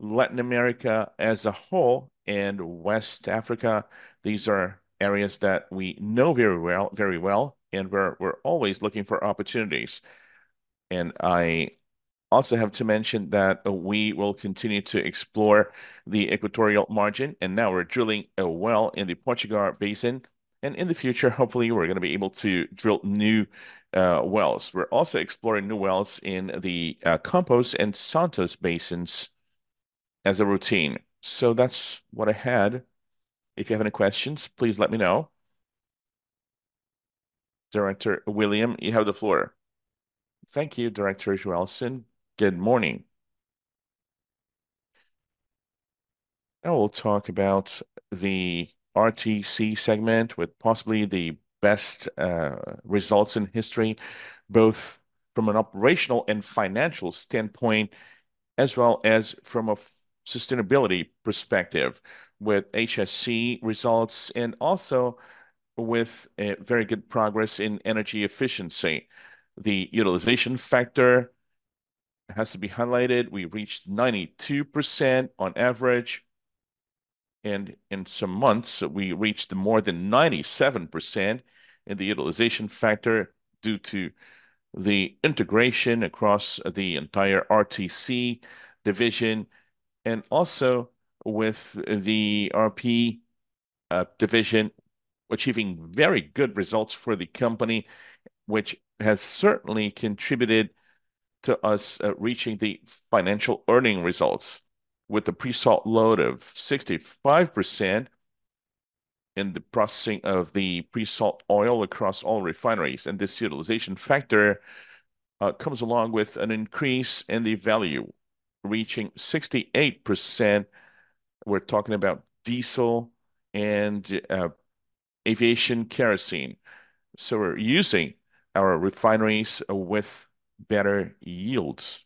Latin America as a whole and West Africa. These are areas that we know very well, very well, and we're, we're always looking for opportunities. And I also have to mention that we will continue to explore the Equatorial Margin, and now we're drilling a well in the Potiguar Basin, and in the future, hopefully, we're gonna be able to drill new wells. We're also exploring new wells in the Campos and Santos Basins as a routine. So that's what I had. If you have any questions, please let me know. Director William, you have the floor. Thank you, Director Joelson. Good morning. I will talk about the RTC segment with possibly the best results in history, both from an operational and financial standpoint, as well as from a sustainability perspective, with HSE results, and also with a very good progress in energy efficiency. The utilization factor has to be highlighted. We reached 92% on average, and in some months, we reached more than 97% in the utilization factor due to the integration across the entire RTC division, and also with the RP division, achieving very good results for the company, which has certainly contributed to us reaching the financial earning results with the pre-salt load of 65% in the processing of the pre-salt oil across all refineries. This utilization factor comes along with an increase in the value, reaching 68%. We're talking about diesel and aviation kerosene. So we're using our refineries with better yields.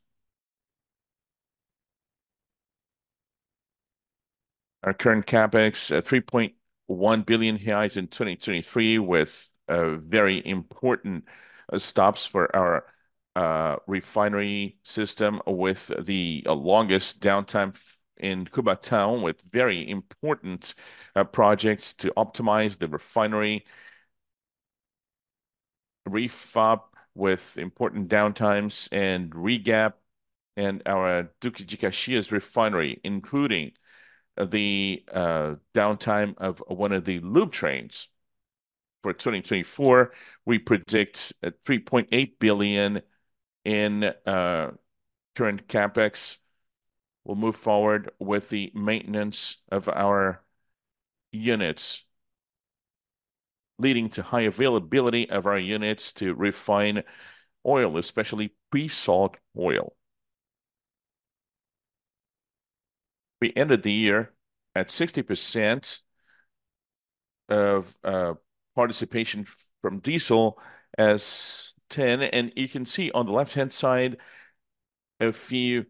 Our current CapEx, 3.1 billion reais in 2023, with very important stops for our refinery system, with the longest downtime in Cubatão, with very important projects to optimize the refinery. REPAR with important downtimes and REGAP, and our Duque de Caxias refinery, including the downtime of one of the lube trains. For 2024, we predict $3.8 billion in current CapEx. We'll move forward with the maintenance of our units, leading to high availability of our units to refine oil, especially pre-salt oil. We ended the year at 60% of participation from diesel S10, and you can see on the left-hand side a few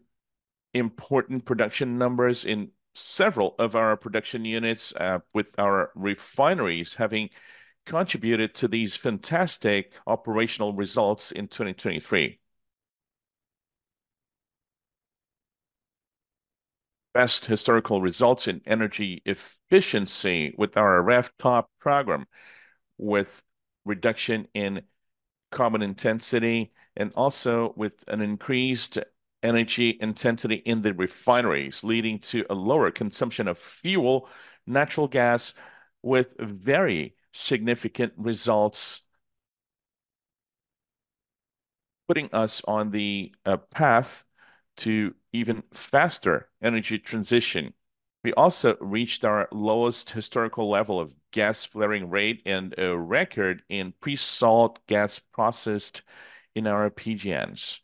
important production numbers in several of our production units, with our refineries having contributed to these fantastic operational results in 2023. Best historical results in energy efficiency with our RefTop program, with reduction in carbon intensity, and also with an increased energy intensity in the refineries, leading to a lower consumption of fuel, natural gas, with very significant results, putting us on the path to even faster energy transition. We also reached our lowest historical level of gas flaring rate and a record in pre-salt gas processed in our PGNs.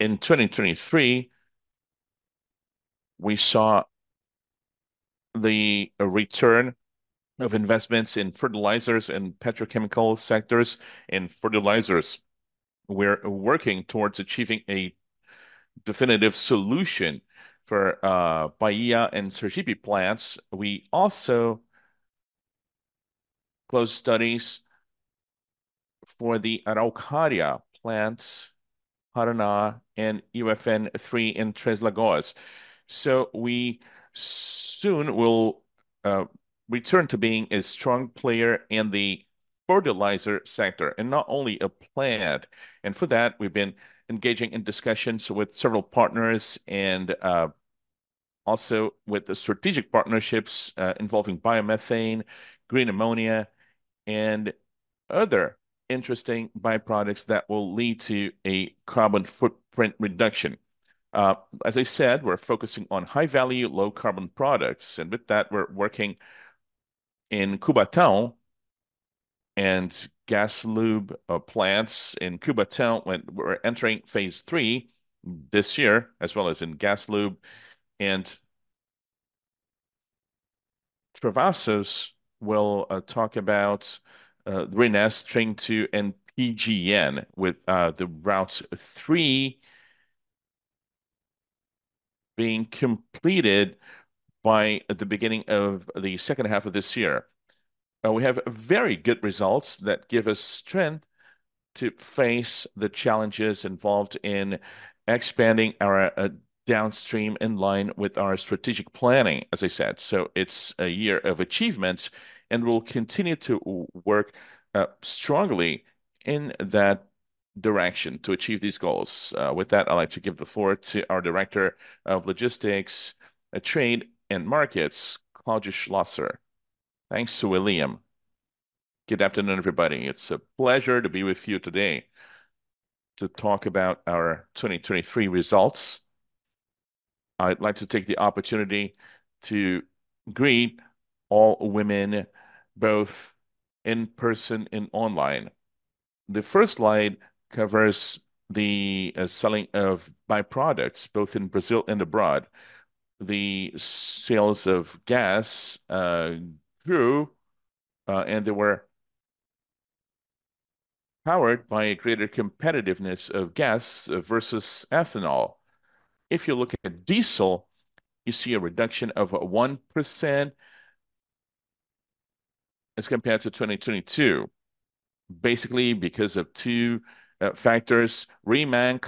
In 2023, we saw the return of investments in fertilizers and petrochemical sectors. In fertilizers, we're working towards achieving a definitive solution for Bahia and Sergipe plants. We also closed studies for the Araucária plants, Paraná, and UFN 3 in Três Lagoas. So we soon will return to being a strong player in the fertilizer sector, and not only a plant. For that, we've been engaging in discussions with several partners and, also with the strategic partnerships, involving biomethane, green ammonia, and other interesting byproducts that will lead to a carbon footprint reduction. As I said, we're focusing on high-value, low-carbon products, and with that, we're working in Cubatão and Gaslub plants. In Cubatão, we're entering phase three this year, as well as in Gaslub. And Travassos will talk about RNEST Train two and PGN with the Route three being completed by the beginning of the second half of this year. We have very good results that give us strength to face the challenges involved in expanding our downstream in line with our strategic planning, as I said. So it's a year of achievements, and we'll continue to work strongly in that direction to achieve these goals. With that, I'd like to give the floor to our Director of Logistics, Trade and Markets, Claudio Schlosser. Thanks, William. Good afternoon, everybody. It's a pleasure to be with you today to talk about our 2023 results. I'd like to take the opportunity to greet all women, both in person and online. The first slide covers the selling of byproducts, both in Brazil and abroad. The sales of gas grew, and they were powered by a greater competitiveness of gas versus ethanol. If you look at diesel, you see a reduction of 1% as compared to 2022, basically because of two factors. Reman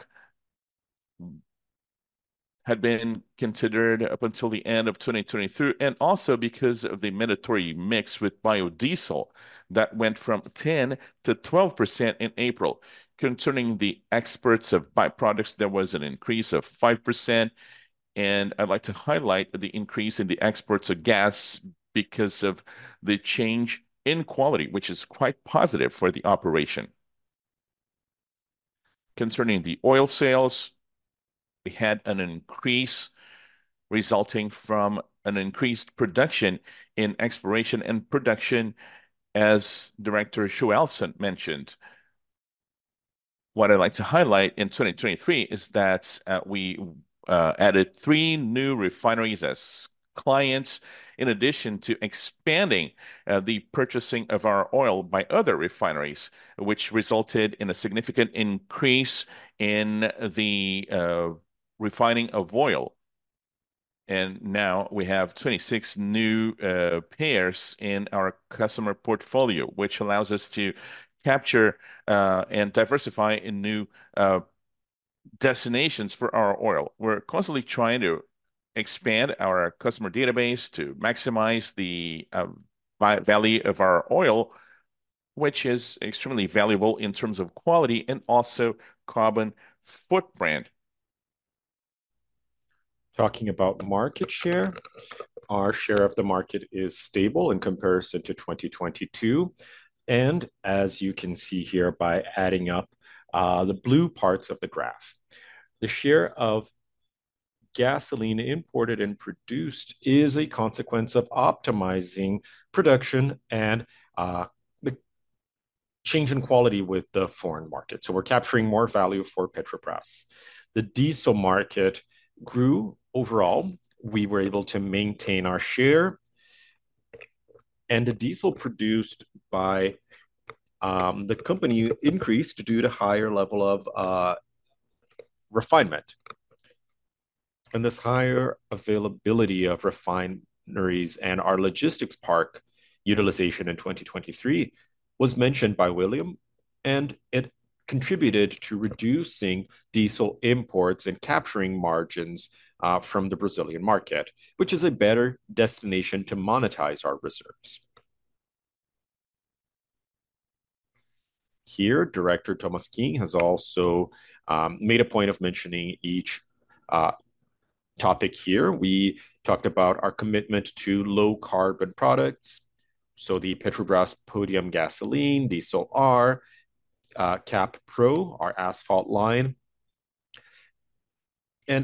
had been considered up until the end of 2023, and also because of the mandatory mix with biodiesel that went from 10%-12% in April. Concerning the exports of byproducts, there was an increase of 5%, and I'd like to highlight the increase in the exports of gas because of the change in quality, which is quite positive for the operation. Concerning the oil sales, we had an increase resulting from an increased production in exploration and production, as Director Joao Alcinte mentioned. What I'd like to highlight in 2023 is that we added 3 new refineries as clients, in addition to expanding the purchasing of our oil by other refineries, which resulted in a significant increase in the refining of oil. And now we have 26 new payers in our customer portfolio, which allows us to capture and diversify in new destinations for our oil. We're constantly trying to expand our customer database to maximize the value of our oil, which is extremely valuable in terms of quality and also carbon footprint. ... Talking about market share, our share of the market is stable in comparison to 2022, and as you can see here, by adding up the blue parts of the graph. The share of gasoline imported and produced is a consequence of optimizing production and the change in quality with the foreign market. So we're capturing more value for Petrobras. The diesel market grew. Overall, we were able to maintain our share, and the diesel produced by the company increased due to higher level of refinement. And this higher availability of refineries and our logistics park utilization in 2023 was mentioned by William, and it contributed to reducing diesel imports and capturing margins from the Brazilian market, which is a better destination to monetize our reserves. Here, Director Tomas Queiroz has also made a point of mentioning each topic here. We talked about our commitment to low-carbon products, so the Petrobras Podium Gasoline, Diesel R, CAP PRO, our asphalt line.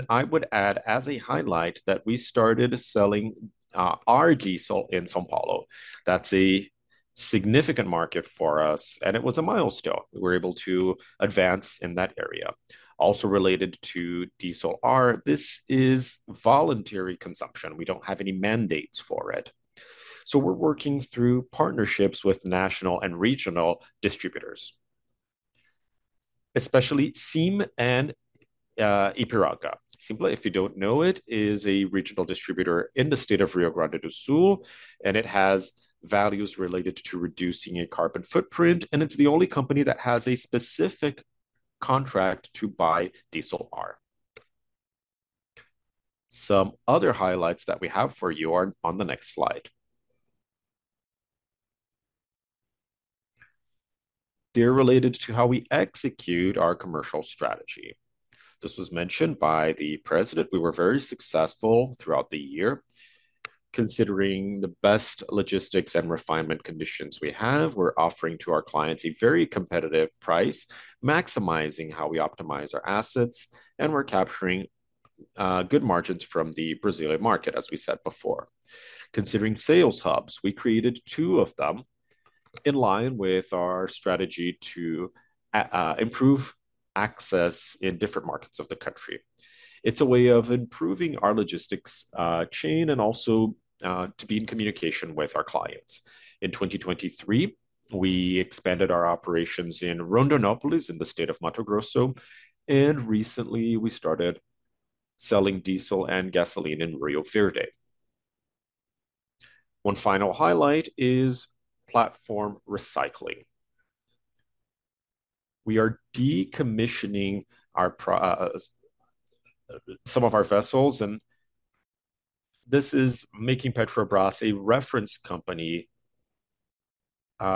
I would add as a highlight that we started selling our diesel in São Paulo. That's a significant market for us, and it was a milestone. We were able to advance in that area. Also related to Diesel R, this is voluntary consumption. We don't have any mandates for it, so we're working through partnerships with national and regional distributors, especially SIM and Ipiranga. SIM, if you don't know it, is a regional distributor in the state of Rio Grande do Sul, and it has values related to reducing a carbon footprint, and it's the only company that has a specific contract to buy Diesel R. Some other highlights that we have for you are on the next slide. They're related to how we execute our commercial strategy. This was mentioned by the President. We were very successful throughout the year, considering the best logistics and refinement conditions we have. We're offering to our clients a very competitive price, maximizing how we optimize our assets, and we're capturing good margins from the Brazilian market, as we said before. Considering sales hubs, we created two of them in line with our strategy to improve access in different markets of the country. It's a way of improving our logistics chain and also to be in communication with our clients. In 2023, we expanded our operations in Rondonópolis, in the state of Mato Grosso, and recently, we started selling diesel and gasoline in Rio Verde. One final highlight is platform recycling. We are decommissioning some of our vessels, and this is making Petrobras a reference company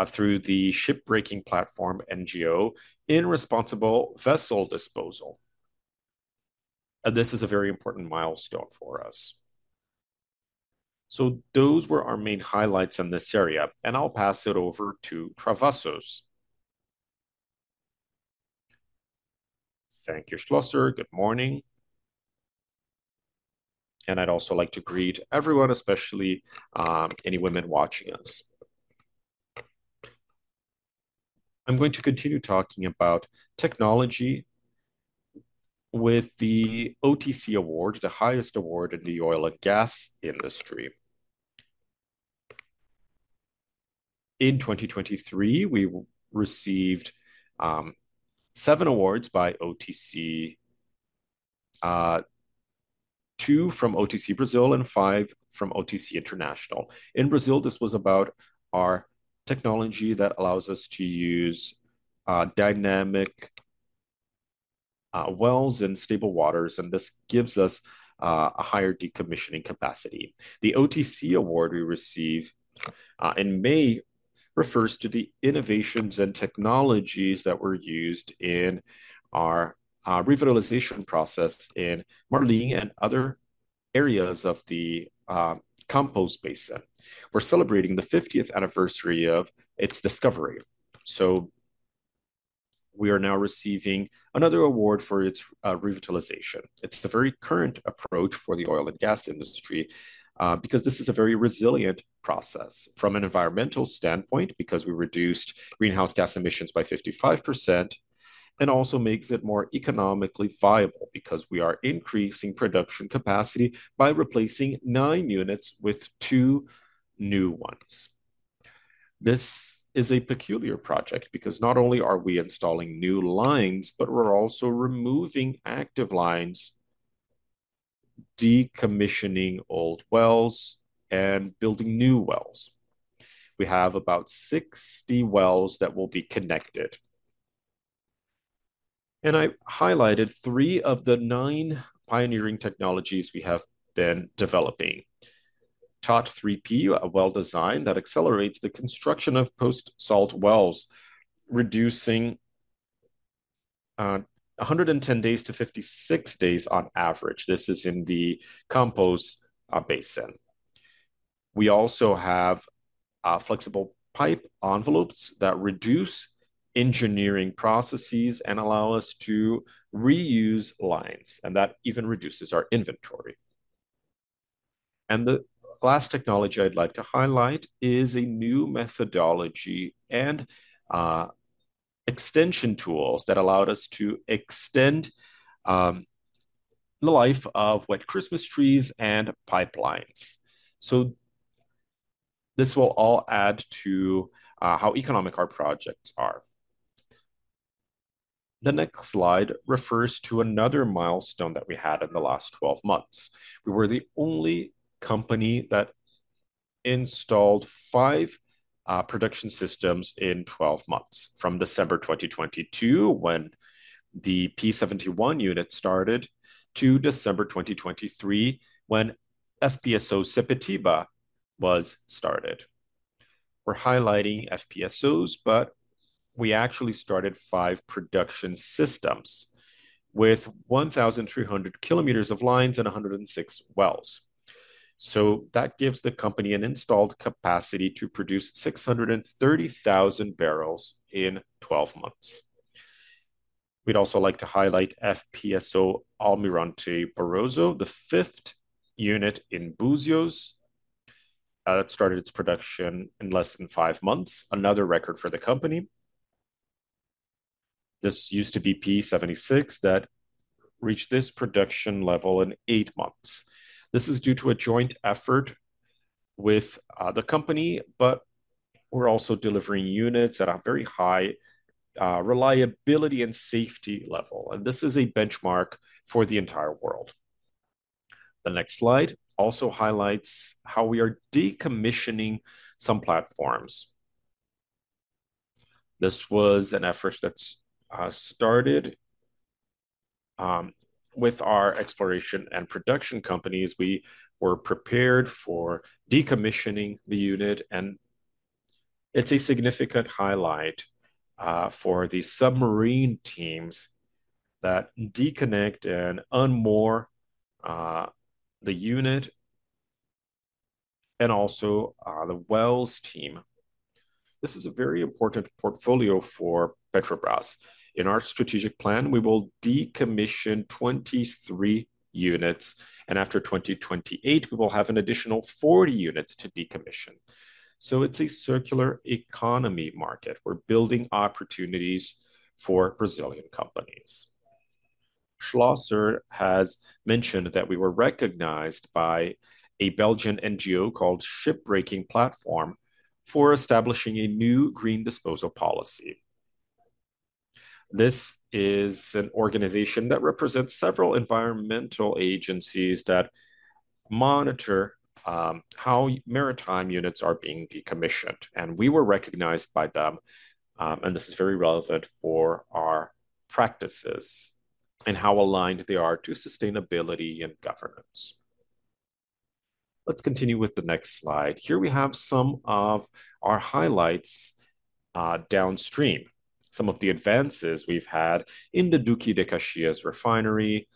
through the Shipbreaking Platform NGO in responsible vessel disposal, and this is a very important milestone for us. So those were our main highlights in this area, and I'll pass it over to Travassos. Thank you, Schlosser. Good morning, and I'd also like to greet everyone, especially any women watching us. I'm going to continue talking about technology with the OTC award, the highest award in the oil and gas industry. In 2023, we received seven awards by OTC, two from OTC Brazil and five from OTC International. In Brazil, this was about our technology that allows us to use dynamic wells in stable waters, and this gives us a higher decommissioning capacity. The OTC award we received in May refers to the innovations and technologies that were used in our revitalization process in Marlim and other areas of the Campos Basin. We're celebrating the 50th anniversary of its discovery, so we are now receiving another award for its revitalization. It's a very current approach for the oil and gas industry, because this is a very resilient process from an environmental standpoint, because we reduced greenhouse gas emissions by 55%, and also makes it more economically viable, because we are increasing production capacity by replacing nine units with two new ones. This is a peculiar project because not only are we installing new lines, but we're also removing active lines, decommissioning old wells, and building new wells. We have about 60 wells that will be connected. I highlighted three of the nine pioneering technologies we have been developing. TOT 3P, a well design that accelerates the construction of post-salt wells, reducing 110 days-56 days on average. This is in the Campos Basin. We also have flexible pipe envelopes that reduce engineering processes and allow us to reuse lines, and that even reduces our inventory. And the last technology I'd like to highlight is a new methodology and extension tools that allowed us to extend the life of wet Christmas trees and pipelines. So this will all add to how economic our projects are. The next slide refers to another milestone that we had in the last 12 months. We were the only company that installed five production systems in 12 months, from December 2022, when the P-71 unit started, to December 2023, when FPSO Sepetiba was started. We're highlighting FPSOs, but we actually started five production systems with 1,300 kilometers of lines and 106 wells. So that gives the company an installed capacity to produce 630,000 barrels in 12 months. We'd also like to highlight FPSO Almirante Barroso, the fifth unit in Búzios, that started its production in less than five months, another record for the company. This used to be P-76 that reached this production level in eight months. This is due to a joint effort with the company, but we're also delivering units at a very high reliability and safety level, and this is a benchmark for the entire world. The next slide also highlights how we are decommissioning some platforms. This was an effort that started with our exploration and production companies. We were prepared for decommissioning the unit, and it's a significant highlight for the submarine teams that deconnect and unmoor the unit, and also the wells team. This is a very important portfolio for Petrobras. In our strategic plan, we will decommission 23 units, and after 2028, we will have an additional 40 units to decommission. So it's a circular economy market. We're building opportunities for Brazilian companies. Schlosser has mentioned that we were recognized by a Belgian NGO called Shipbreaking Platform for establishing a new green disposal policy. This is an organization that represents several environmental agencies that monitor how maritime units are being decommissioned, and we were recognized by them, and this is very relevant for our practices and how aligned they are to sustainability and governance. Let's continue with the next slide. Here we have some of our highlights, downstream. Some of the advances we've had in the Duque de Caxias Refinery,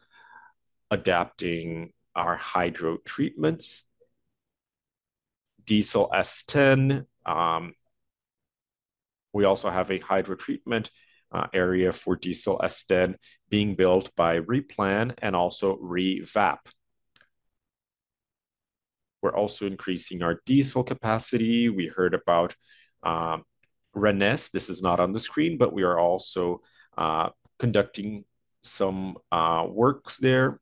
adapting our hydrotreatments, diesel S10. We also have a hydrotreatment area for diesel S10 being built by Replan and also Revap. We're also increasing our diesel capacity. We heard about RNEST. This is not on the screen, but we are also conducting some works there.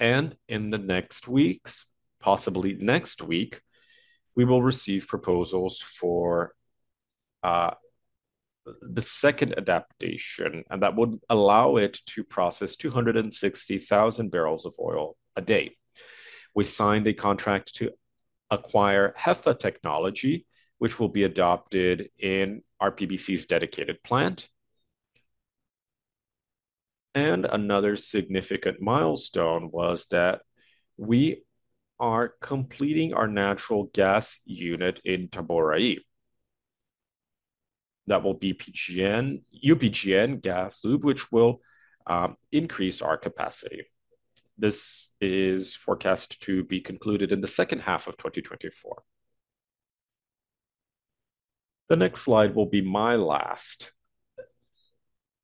In the next weeks, possibly next week, we will receive proposals for the second adaptation, and that would allow it to process 260,000 barrels of oil a day. We signed a contract to acquire HEFA technology, which will be adopted in our RPBC's dedicated plant. Another significant milestone was that we are completing our natural gas unit in Itaboraí. That will be PGN, UPGN GasLub, which will increase our capacity. This is forecast to be concluded in the second half of 2024. The next slide will be my last.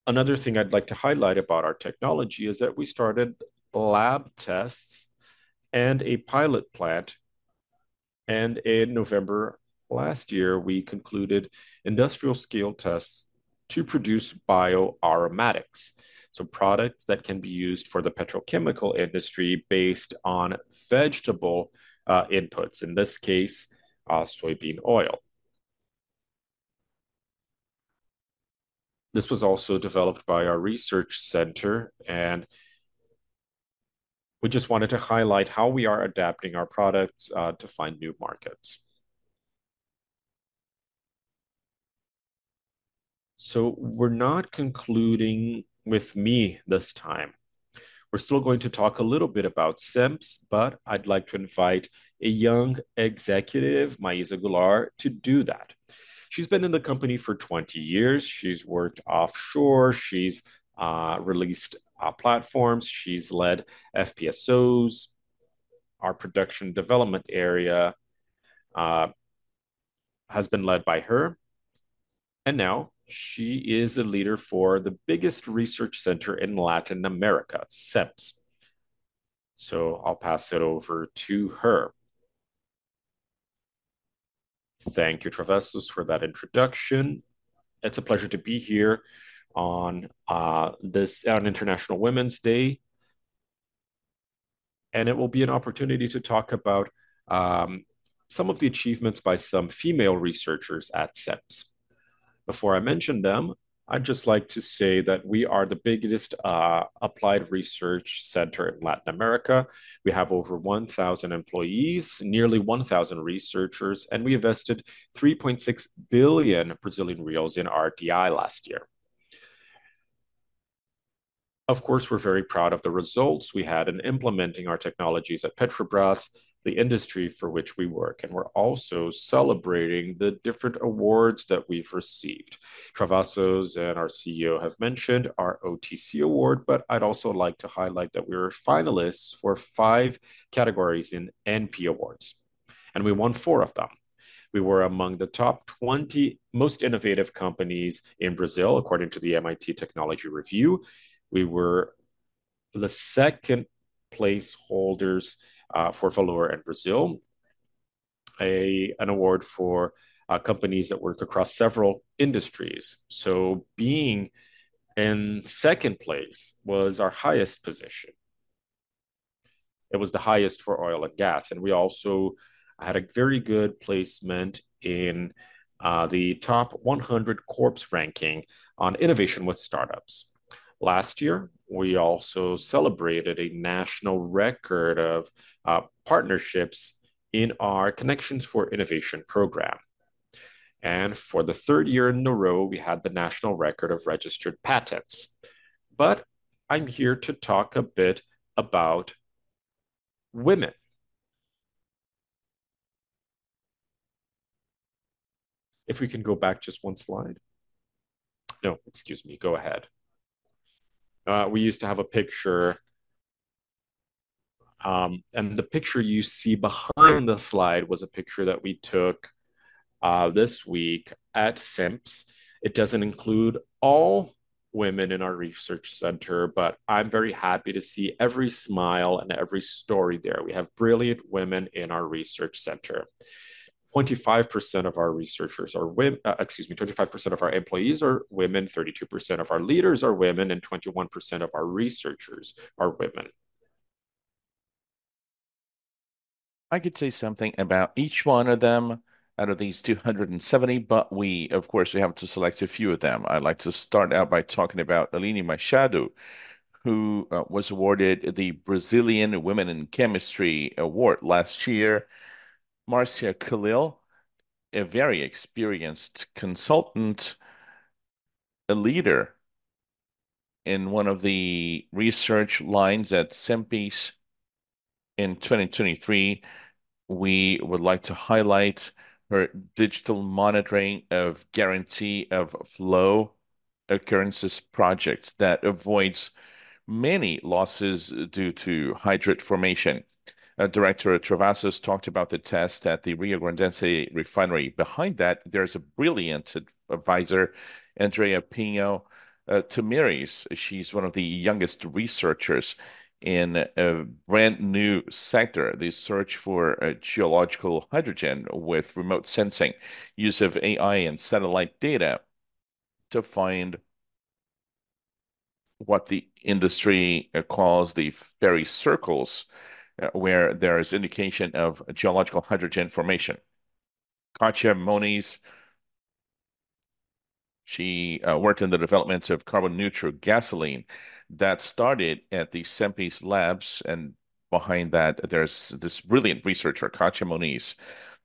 Another thing I'd like to highlight about our technology is that we started lab tests and a pilot plant, and in November last year, we concluded industrial scale tests to produce bioaromatics, so products that can be used for the petrochemical industry based on vegetable inputs, in this case, soybean oil. This was also developed by our research center, and we just wanted to highlight how we are adapting our products to find new markets.... So we're not concluding with me this time. We're still going to talk a little bit about CENPES, but I'd like to invite a young executive, Maísa Goulart, to do that. She's been in the company for 20 years. She's worked offshore, she's released platforms, she's led FPSOs. Our production development area has been led by her, and now she is a leader for the biggest research center in Latin America, CENPES. So I'll pass it over to her. Thank you, Travassos, for that introduction. It's a pleasure to be here on International Women's Day, and it will be an opportunity to talk about some of the achievements by some female researchers at CENPES. Before I mention them, I'd just like to say that we are the biggest applied research center in Latin America. We have over 1,000 employees, nearly 1,000 researchers, and we invested 3.6 billion Brazilian reais in RDI last year. Of course, we're very proud of the results we had in implementing our technologies at Petrobras, the industry for which we work, and we're also celebrating the different awards that we've received. Travassos and our CEO have mentioned our OTC award, but I'd also like to highlight that we were finalists for five categories in ANP Awards, and we won four of them. We were among the top 20 most innovative companies in Brazil, according to the MIT Technology Review. We were the second place holders for Valor in Brazil, an award for companies that work across several industries. So being in second place was our highest position. It was the highest for oil and gas, and we also had a very good placement in the top 100 corps ranking on innovation with start-ups. Last year, we also celebrated a national record of partnerships in our Connections for Innovation program. And for the third year in a row, we had the national record of registered patents. But I'm here to talk a bit about women. If we can go back just one slide. No, excuse me, go ahead. We used to have a picture, and the picture you see behind the slide was a picture that we took this week at CENPES. It doesn't include all women in our research center, but I'm very happy to see every smile and every story there. We have brilliant women in our research center. 25% of our researchers are—excuse me, 25% of our employees are women, 32% of our leaders are women, and 21% of our researchers are women. I could say something about each one of them out of these 270, but we, of course, we have to select a few of them. I'd like to start out by talking about Aline Machado, who was awarded the Brazilian Women in Chemistry award last year. Marcia Khalil, a very experienced consultant, a leader in one of the research lines at CENPES in 2023. We would like to highlight her digital monitoring of guarantee of flow occurrences projects that avoids many losses due to hydrate formation. Director Travassos talked about the test at the Riograndense Refinery. Behind that, there's a brilliant advisor, Andreia Pinho Tamires. She's one of the youngest researchers in a brand-new sector, the search for geological hydrogen with remote sensing, use of AI and satellite data to find what the industry calls the fairy circles, where there is indication of geological hydrogen formation. Kátia Moniz, she worked in the development of carbon-neutral gasoline that started at the CENPES labs, and behind that, there's this brilliant researcher, Kátia Moniz.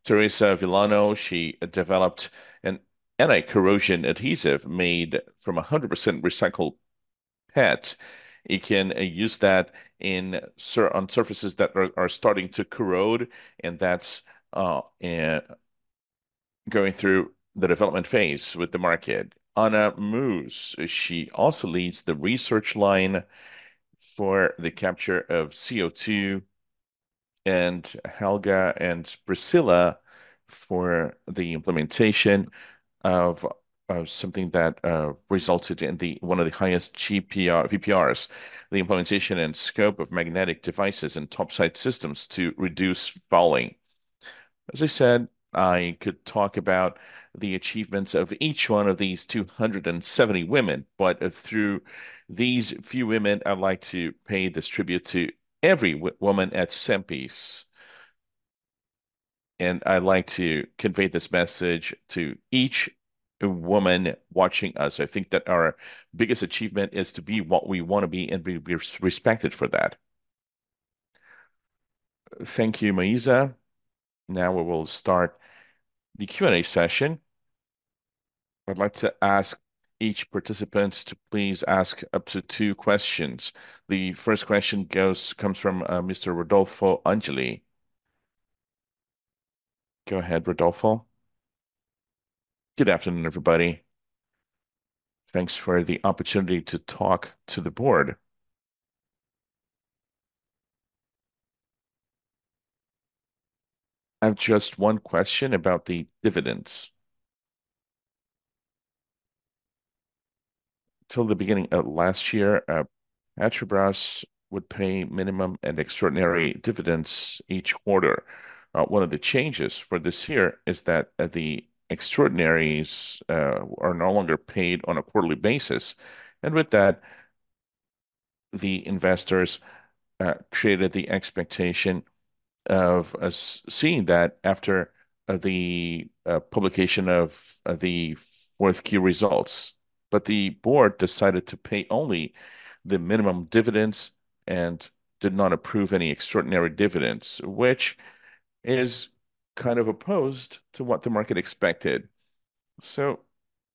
Teresa Villano, she developed an anti-corrosion adhesive made from 100% recycled PET. It can use that on surfaces that are starting to corrode, and that's going through the development phase with the market. Ana Musse, she also leads the research line for the capture of CO2, and Helga and Priscila for the implementation of, of something that resulted in the one of the highest GPR-VPRs, the implementation and scope of magnetic devices and top-side systems to reduce fouling. As I said, I could talk about the achievements of each one of these 270 women, but through these few women, I'd like to pay this tribute to every woman at CENPES, and I'd like to convey this message to each woman watching us. I think that our biggest achievement is to be what we want to be and be, be respected for that.... Thank you, Maísa. Now we will start the Q&A session. I'd like to ask each participant to please ask up to two questions. The first question goes, comes from Mr. Rodolfo Angele. Go ahead, Rodolfo. Good afternoon, everybody. Thanks for the opportunity to talk to the board. I have just one question about the dividends. Till the beginning of last year, Petrobras would pay minimum and extraordinary dividends each quarter. One of the changes for this year is that the extraordinaries are no longer paid on a quarterly basis, and with that, the investors created the expectation of seeing that after the publication of the fourth quarter results. But the board decided to pay only the minimum dividends and did not approve any extraordinary dividends, which is kind of opposed to what the market expected. So,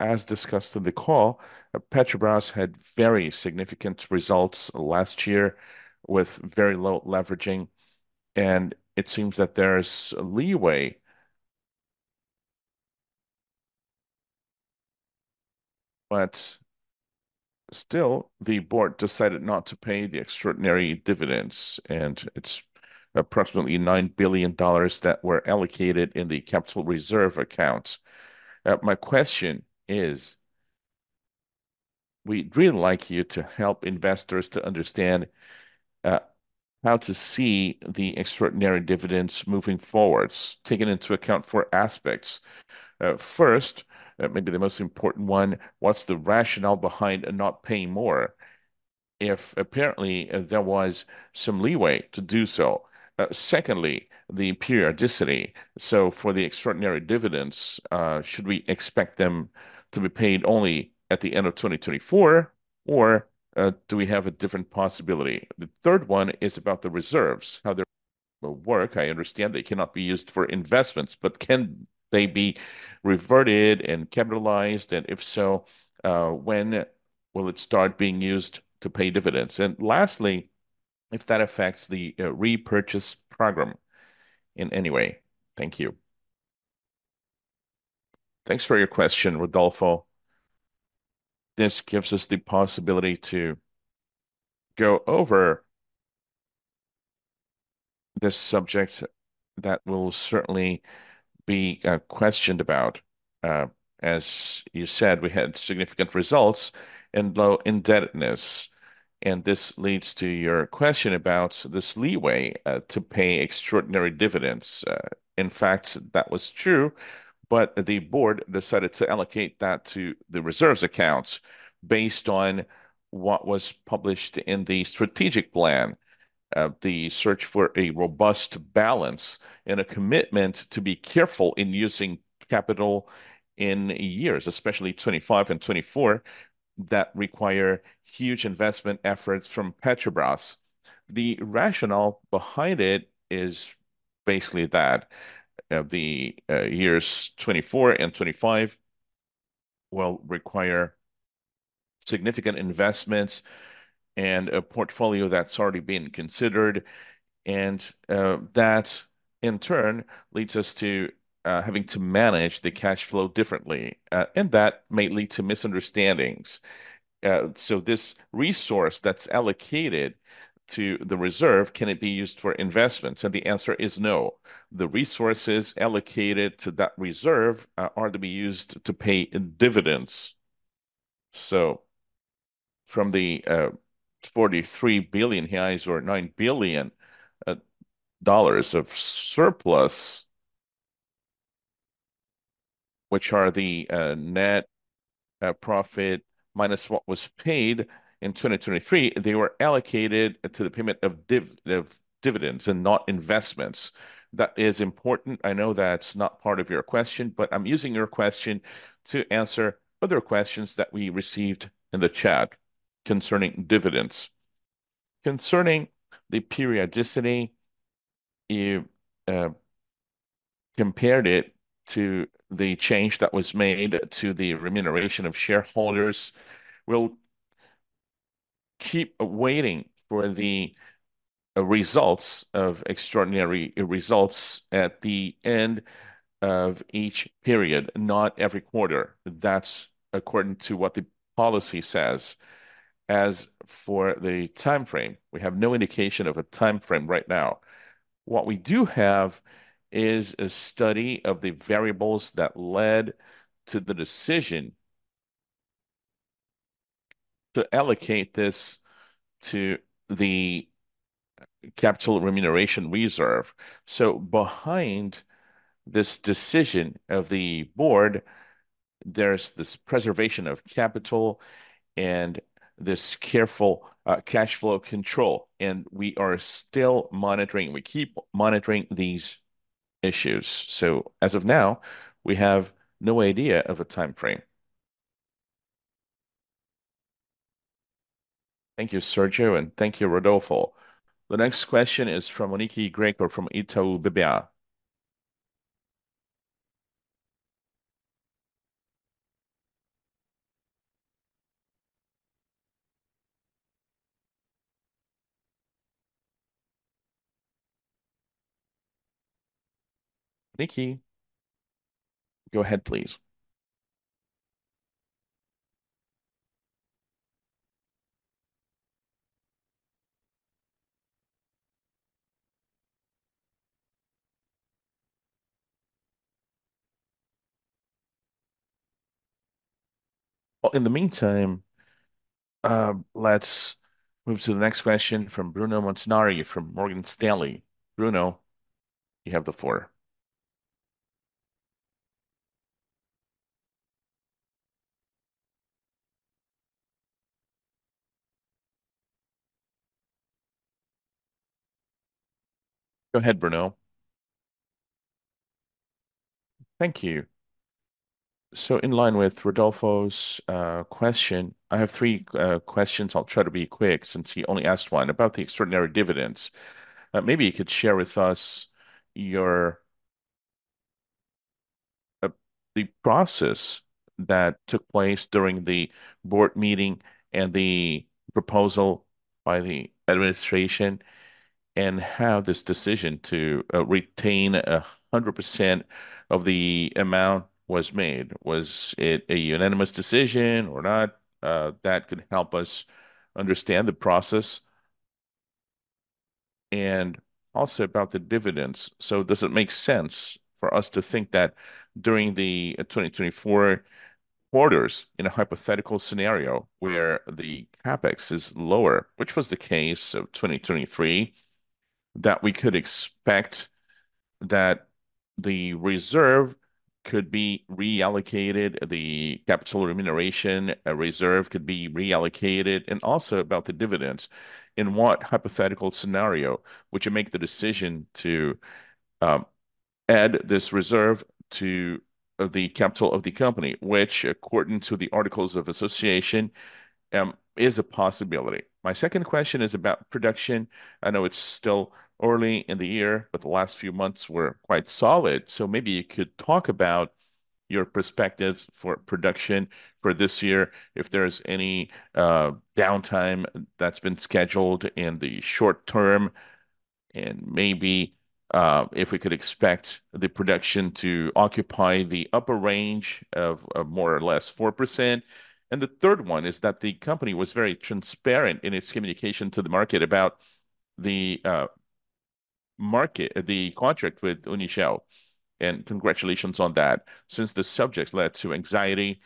as discussed in the call, Petrobras had very significant results last year with very low leveraging, and it seems that there is a leeway. But still, the board decided not to pay the extraordinary dividends, and it's approximately $9 billion that were allocated in the capital reserve accounts. My question is: we'd really like you to help investors to understand, how to see the extraordinary dividends moving forward, taking into account four aspects. First, maybe the most important one, what's the rationale behind not paying more if apparently there was some leeway to do so? Secondly, the periodicity. So for the extraordinary dividends, should we expect them to be paid only at the end of 2024, or, do we have a different possibility? The third one is about the reserves, how they work. I understand they cannot be used for investments, but can they be reverted and capitalized, and if so, when will it start being used to pay dividends? And lastly, if that affects the, repurchase program in any way. Thank you. Thanks for your question, Rodolfo. This gives us the possibility to go over this subject that will certainly be, questioned about. As you said, we had significant results and low indebtedness, and this leads to your question about this leeway, to pay extraordinary dividends. In fact, that was true, but the board decided to allocate that to the reserves accounts based on what was published in the strategic plan of the search for a robust balance and a commitment to be careful in using capital in years, especially 2025 and 2024, that require huge investment efforts from Petrobras. The rationale behind it is basically that the years 2024 and 2025 will require significant investments and a portfolio that's already been considered, and that, in turn, leads us to having to manage the cash flow differently, and that may lead to misunderstandings. So this resource that's allocated to the reserve, can it be used for investments? And the answer is no. The resources allocated to that reserve are to be used to pay dividends. So from the 43 billion reais or $9 billion of surplus, which are the net profit minus what was paid in 2023, they were allocated to the payment of dividends and not investments. That is important. I know that's not part of your question, but I'm using your question to answer other questions that we received in the chat concerning dividends. Concerning the periodicity, you compared it to the change that was made to the remuneration of shareholders. We'll keep waiting for the results of extraordinary results at the end of each period, not every quarter. That's according to what the policy says. As for the time frame, we have no indication of a time frame right now. What we do have is a study of the variables that led to the decision to allocate this to the capital remuneration reserve. So behind this decision of the board, there's this preservation of capital and this careful cash flow control, and we are still monitoring, we keep monitoring these issues. So as of now, we have no idea of a time frame.... Thank you, Sergio, and thank you, Rodolfo. The next question is from Monique Greco from Itaú BBA. Nikki, go ahead, please. Well, in the meantime, let's move to the next question from Bruno Montanari from Morgan Stanley. Bruno, you have the floor. Go ahead, Bruno. Thank you. So in line with Rodolfo's question, I have three questions. I'll try to be quick since he only asked one. About the extraordinary dividends, maybe you could share with us your, the process that took place during the board meeting and the proposal by the administration, and how this decision to retain 100% of the amount was made. Was it a unanimous decision or not? That could help us understand the process. Also about the dividends, so does it make sense for us to think that during the 2024 quarters, in a hypothetical scenario where the CapEx is lower, which was the case of 2023, that we could expect that the reserve could be reallocated, the capital remuneration reserve could be reallocated? Also about the dividends, in what hypothetical scenario would you make the decision to add this reserve to the capital of the company, which according to the articles of association is a possibility? My second question is about production. I know it's still early in the year, but the last few months were quite solid. So maybe you could talk about your perspectives for production for this year, if there's any downtime that's been scheduled in the short term, and maybe if we could expect the production to occupy the upper range of more or less 4%. And the third one is that the company was very transparent in its communication to the market about the contract with Unigel, and congratulations on that. Since the subject led to anxiety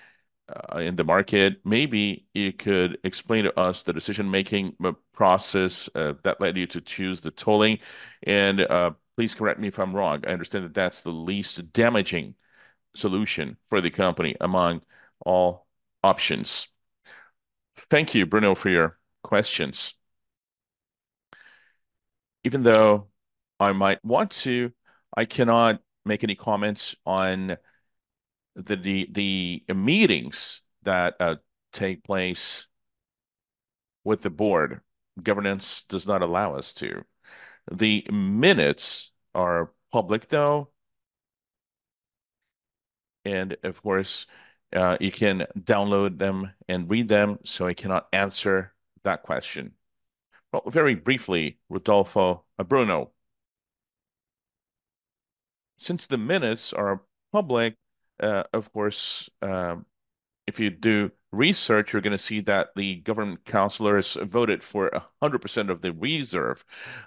in the market, maybe you could explain to us the decision-making process that led you to choose the tolling. And please correct me if I'm wrong, I understand that that's the least damaging solution for the company among all options. Thank you, Bruno, for your questions. Even though I might want to, I cannot make any comments on the meetings that take place with the board. Governance does not allow us to. The minutes are public, though, and of course, you can download them and read them, so I cannot answer that question. But very briefly, Rodolfo Bruno, since the minutes are public, of course, if you do research, you're going to see that the government councilors voted for 100% of the reserve.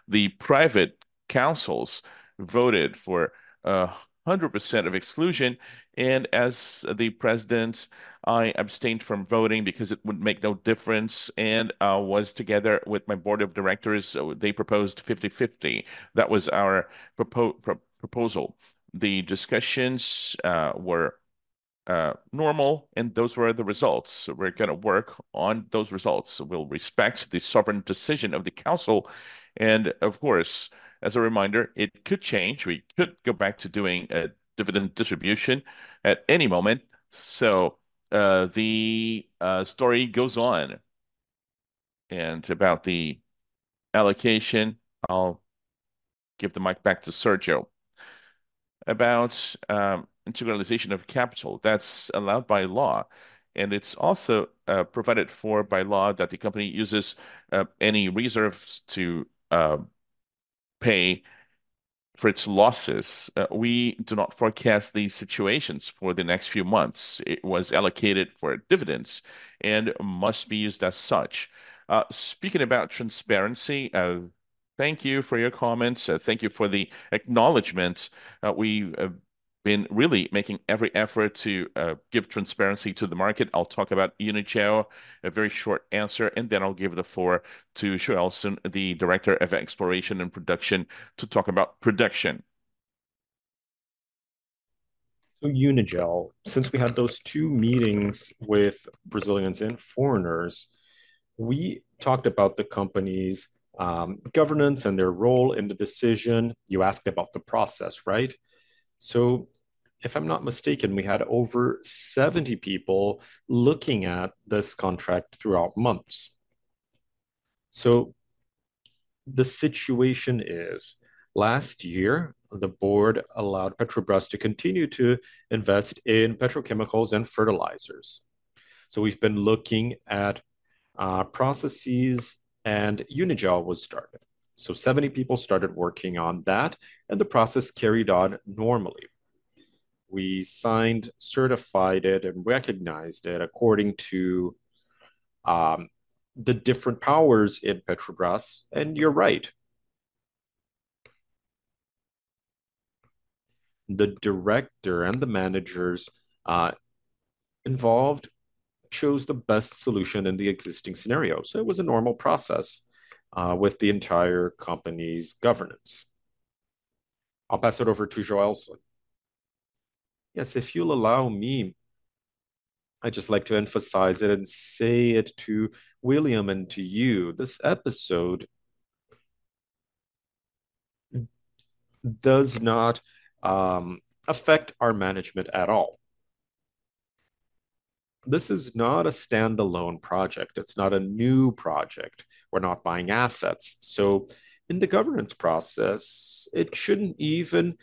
The private councils voted for 100% of exclusion, and as the president, I abstained from voting because it would make no difference, and was together with my board of directors, so they proposed 50/50. That was our proposal. The discussions were normal, and those were the results. We're going to work on those results. We'll respect the sovereign decision of the council, and of course, as a reminder, it could change. We could go back to doing a dividend distribution at any moment. So, the story goes on. About the allocation, I'll give the mic back to Sergio. About internalization of capital, that's allowed by law, and it's also provided for by law that the company uses any reserves to pay for its losses. We do not forecast these situations for the next few months. It was allocated for dividends and must be used as such. Speaking about transparency, thank you for your comments. Thank you for the acknowledgment. We have been really making every effort to give transparency to the market. I'll talk about Unigel, a very short answer, and then I'll give the floor to Joelson, the Director of Exploration and Production, to talk about production. So Unigel, since we had those two meetings with Brazilians and foreigners, we talked about the company's governance and their role in the decision. You asked about the process, right? If I'm not mistaken, we had over 70 people looking at this contract throughout months. So the situation is, last year, the board allowed Petrobras to continue to invest in petrochemicals and fertilizers. So we've been looking at processes, and Unigel was started. So 70 people started working on that, and the process carried on normally. We signed, certified it, and recognized it according to the different powers in Petrobras, and you're right. The director and the managers involved chose the best solution in the existing scenario, so it was a normal process with the entire company's governance. I'll pass it over to Joelson. Yes, if you'll allow me, I'd just like to emphasize it and say it to William and to you, this episode does not affect our management at all. This is not a standalone project. It's not a new project. We're not buying assets. So in the governance process, it shouldn't even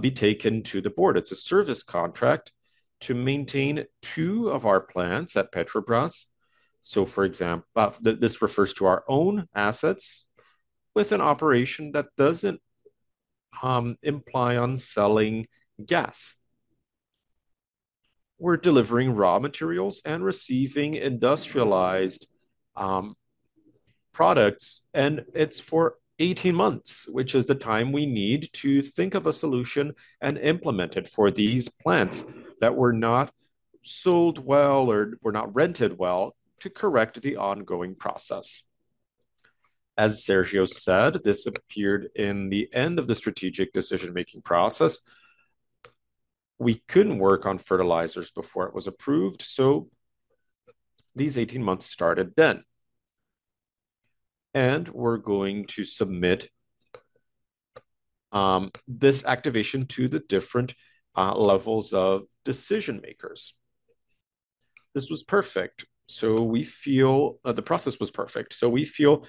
be taken to the board. It's a service contract to maintain two of our plants at Petrobras. This refers to our own assets with an operation that doesn't imply on selling gas. We're delivering raw materials and receiving industrialized products, and it's for 18 months, which is the time we need to think of a solution and implement it for these plants that were not sold well or were not rented well to correct the ongoing process. As Sergio said, this appeared in the end of the strategic decision-making process. We couldn't work on fertilizers before it was approved, so these 18 months started then, and we're going to submit this activation to the different levels of decision-makers. This was perfect, so we feel the process was perfect. So we feel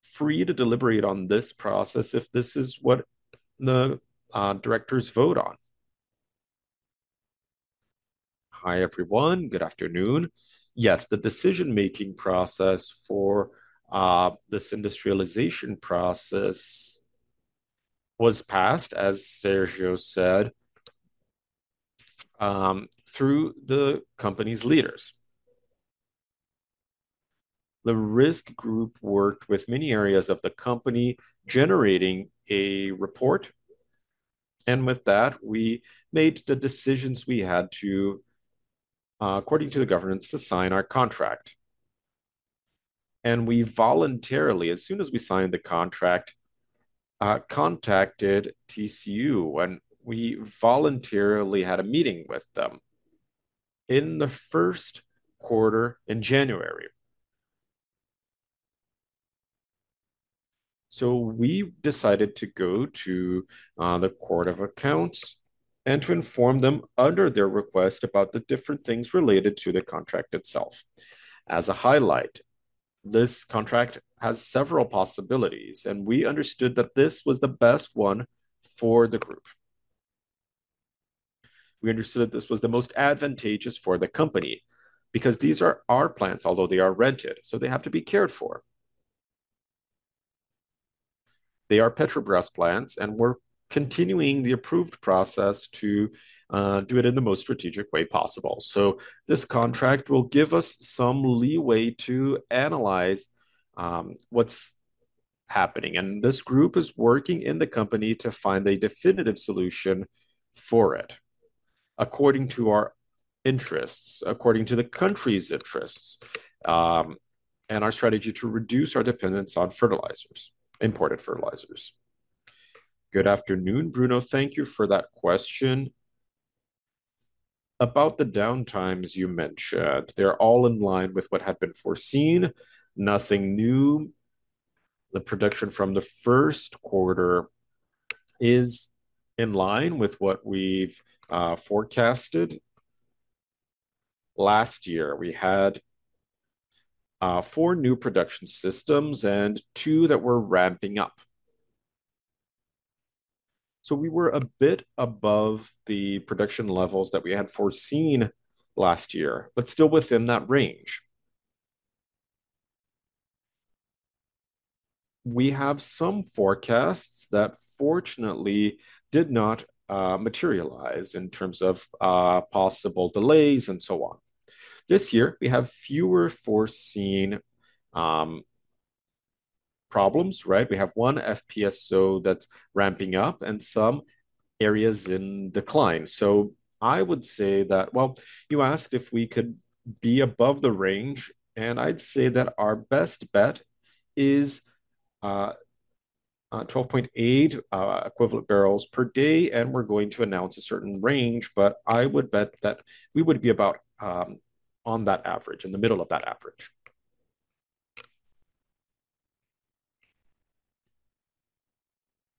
free to deliberate on this process if this is what the directors vote on. Hi, everyone. Good afternoon. Yes, the decision-making process for this industrialization process was passed, as Sergio said, through the company's leaders. The risk group worked with many areas of the company, generating a report, and with that, we made the decisions we had to according to the governance, to sign our contract. We voluntarily, as soon as we signed the contract, contacted TCU, and we voluntarily had a meeting with them in the first quarter, in January. So we decided to go to the Court of Accounts and to inform them under their request about the different things related to the contract itself. As a highlight, this contract has several possibilities, and we understood that this was the best one for the group. We understood this was the most advantageous for the company because these are our plants, although they are rented, so they have to be cared for. They are Petrobras plants, and we're continuing the approved process to do it in the most strategic way possible. So this contract will give us some leeway to analyze what's happening, and this group is working in the company to find a definitive solution for it, according to our interests, according to the country's interests, and our strategy to reduce our dependence on fertilizers, imported fertilizers. Good afternoon, Bruno. Thank you for that question. About the downtimes you mentioned, they're all in line with what had been foreseen. Nothing new. The production from the first quarter is in line with what we've forecasted. Last year, we had four new production systems and two that were ramping up. So we were a bit above the production levels that we had foreseen last year, but still within that range. We have some forecasts that fortunately did not materialize in terms of possible delays and so on. This year, we have fewer foreseen problems, right? We have one FPSO that's ramping up and some areas in decline. So I would say that... Well, you asked if we could be above the range, and I'd say that our best bet is 12.8 equivalent barrels per day, and we're going to announce a certain range, but I would bet that we would be about on that average, in the middle of that average.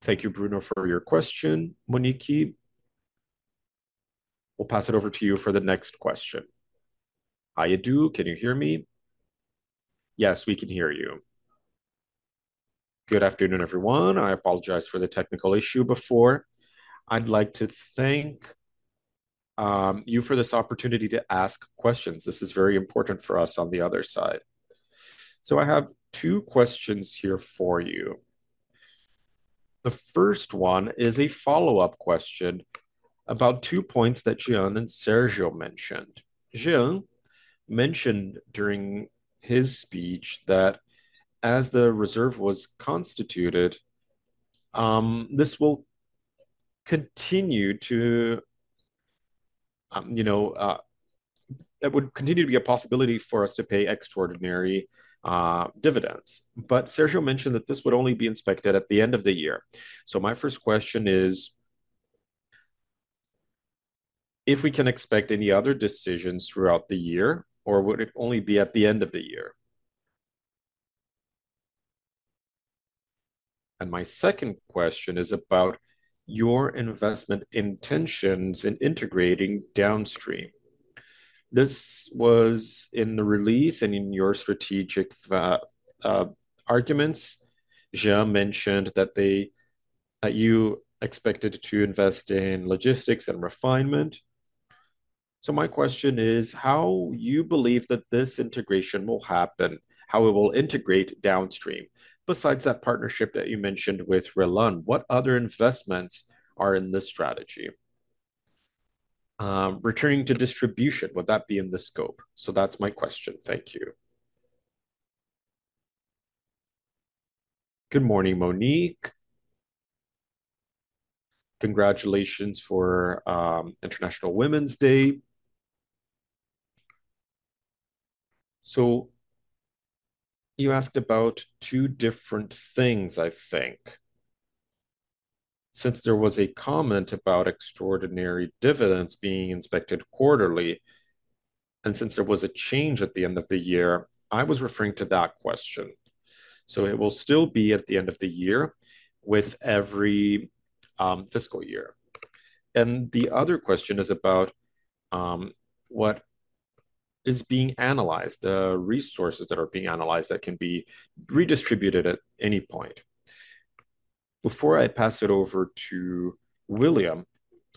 Thank you, Bruno, for your question. Monique, we'll pass it over to you for the next question. Hi, Adu. Can you hear me? Yes, we can hear you. Good afternoon, everyone. I apologize for the technical issue before. I'd like to thank you for this opportunity to ask questions. This is very important for us on the other side. So I have two questions here for you. The first one is a follow-up question about two points that Jean and Sergio mentioned. Jean mentioned during his speech that as the reserve was constituted, this will continue to, you know, it would continue to be a possibility for us to pay extraordinary dividends. But Sergio mentioned that this would only be inspected at the end of the year. So my first question is: If we can expect any other decisions throughout the year, or would it only be at the end of the year? And my second question is about your investment intentions in integrating downstream. This was in the release and in your strategic arguments. Jean mentioned that they, that you expected to invest in logistics and refinement. So my question is: How you believe that this integration will happen? How it will integrate downstream, besides that partnership that you mentioned with RLAM, what other investments are in this strategy? Returning to distribution, would that be in the scope? So that's my question. Thank you. Good morning, Monique. Congratulations for International Women's Day. So you asked about two different things, I think. Since there was a comment about extraordinary dividends being inspected quarterly, and since there was a change at the end of the year, I was referring to that question. So it will still be at the end of the year with every fiscal year. And the other question is about what is being analyzed, the resources that are being analyzed that can be redistributed at any point. Before I pass it over to William,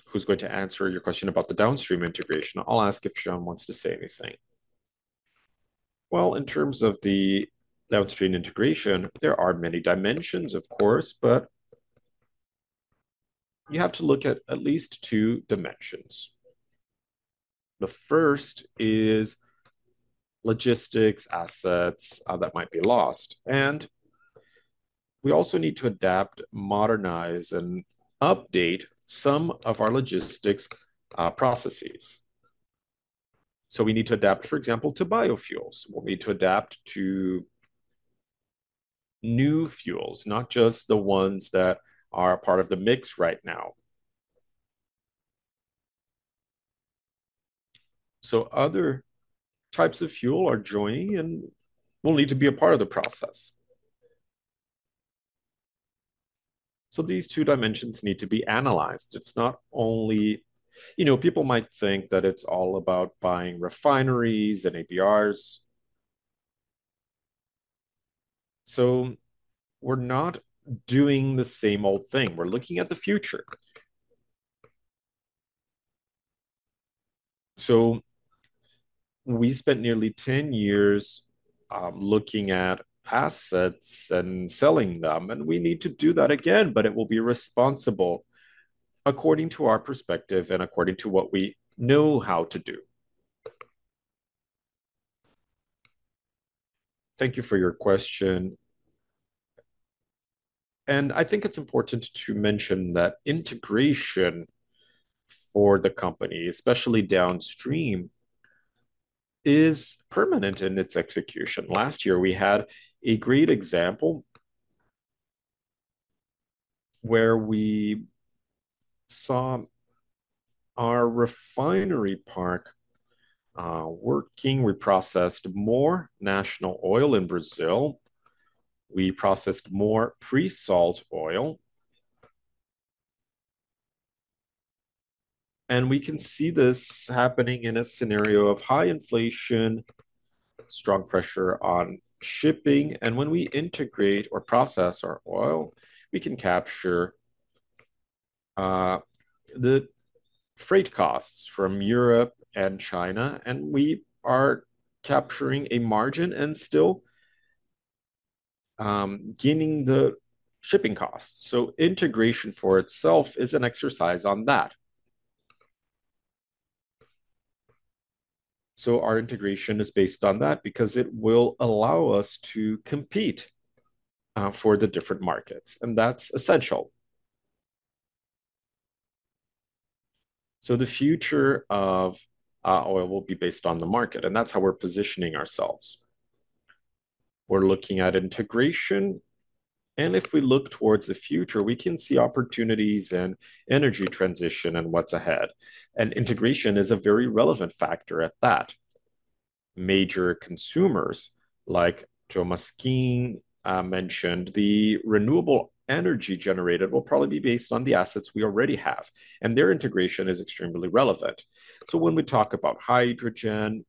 who's going to answer your question about the downstream integration, I'll ask if Jean wants to say anything. Well, in terms of the downstream integration, there are many dimensions, of course, but you have to look at least two dimensions. The first is logistics, assets that might be lost, and we also need to adapt, modernize, and update some of our logistics processes. So we need to adapt, for example, to biofuels. We'll need to adapt to new fuels, not just the ones that are a part of the mix right now. So other types of fuel are joining and will need to be a part of the process. So these two dimensions need to be analyzed. It's not only... You know, people might think that it's all about buying refineries and APRs. So we're not doing the same old thing. We're looking at the future. So we spent nearly 10 years looking at assets and selling them, and we need to do that again, but it will be responsible according to our perspective and according to what we know how to do. Thank you for your question. I think it's important to mention that integration for the company, especially downstream, is permanent in its execution. Last year, we had a great example where we saw our refinery park working. We processed more national oil in Brazil, we processed more pre-salt oil. And we can see this happening in a scenario of high inflation, strong pressure on shipping, and when we integrate or process our oil, we can capture the freight costs from Europe and China, and we are capturing a margin and still gaining the shipping costs. So integration for itself is an exercise on that. So our integration is based on that because it will allow us to compete for the different markets, and that's essential. So the future of oil will be based on the market, and that's how we're positioning ourselves. We're looking at integration, and if we look towards the future, we can see opportunities and energy transition and what's ahead. And integration is a very relevant factor at that. Major consumers, like Joe Maskin, mentioned, the renewable energy generated will probably be based on the assets we already have, and their integration is extremely relevant. So when we talk about hydrogen,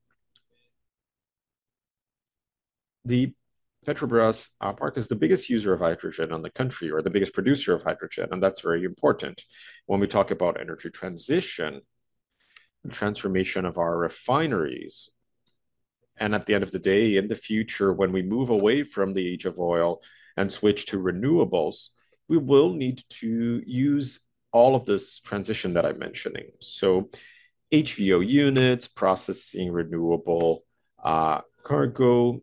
the Petrobras Park is the biggest user of hydrogen in the country, or the biggest producer of hydrogen, and that's very important. When we talk about energy transition and transformation of our refineries, and at the end of the day, in the future, when we move away from the age of oil and switch to renewables, we will need to use all of this transition that I'm mentioning. So HVO units, processing renewable cargo,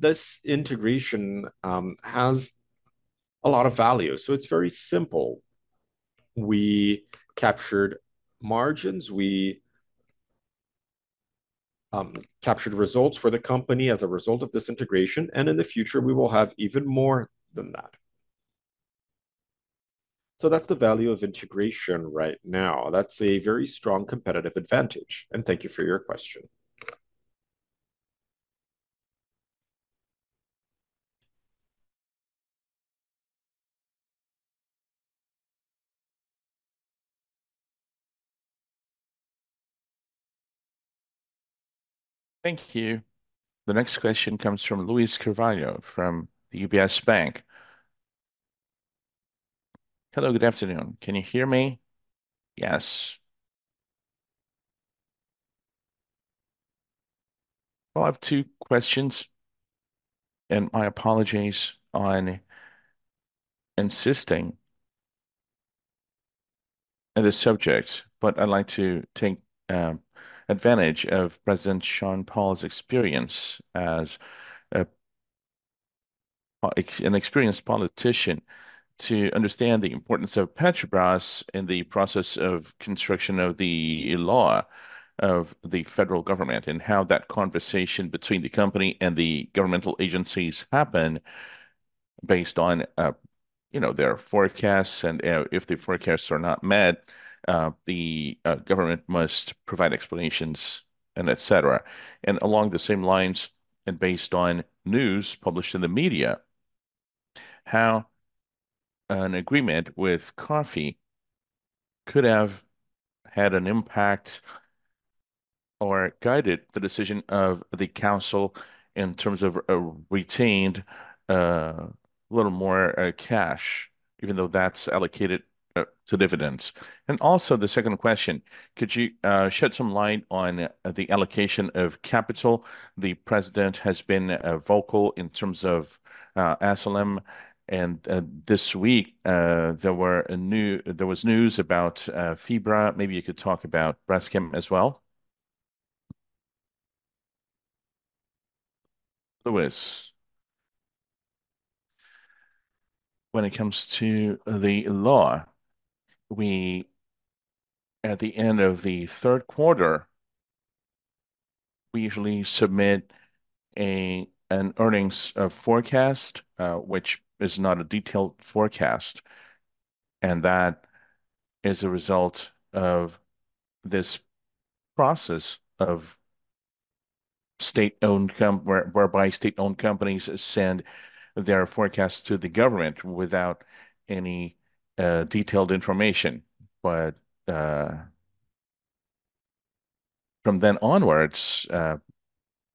this integration has a lot of value. So it's very simple. We captured margins, captured results for the company as a result of this integration, and in the future, we will have even more than that. So that's the value of integration right now. That's a very strong competitive advantage, and thank you for your question. Thank you. The next question comes from Luis Carvalho from the UBS Bank. Hello, good afternoon. Can you hear me? Yes. Well, I have two questions, and my apologies on insisting on the subject, but I'd like to take advantage of President Jean Paul's experience as an experienced politician to understand the importance of Petrobras in the process of construction of the law of the federal government, and how that conversation between the company and the governmental agencies happen based on, you know, their forecasts. And, if the forecasts are not met, the government must provide explanations and etcetera. Along the same lines, and based on news published in the media, how an agreement with CARF could have had an impact or guided the decision of the council in terms of retained a little more cash, even though that's allocated to dividends? And also, the second question: Could you shed some light on the allocation of capital? The president has been vocal in terms of Acelen, and this week there was news about Vibra. Maybe you could talk about Braskem as well. Luis, when it comes to the law, we, at the end of the third quarter, we usually submit an earnings forecast, which is not a detailed forecast, and that is a result of this process of state-owned comp... Whereby state-owned companies send their forecasts to the government without any detailed information. But from then onwards,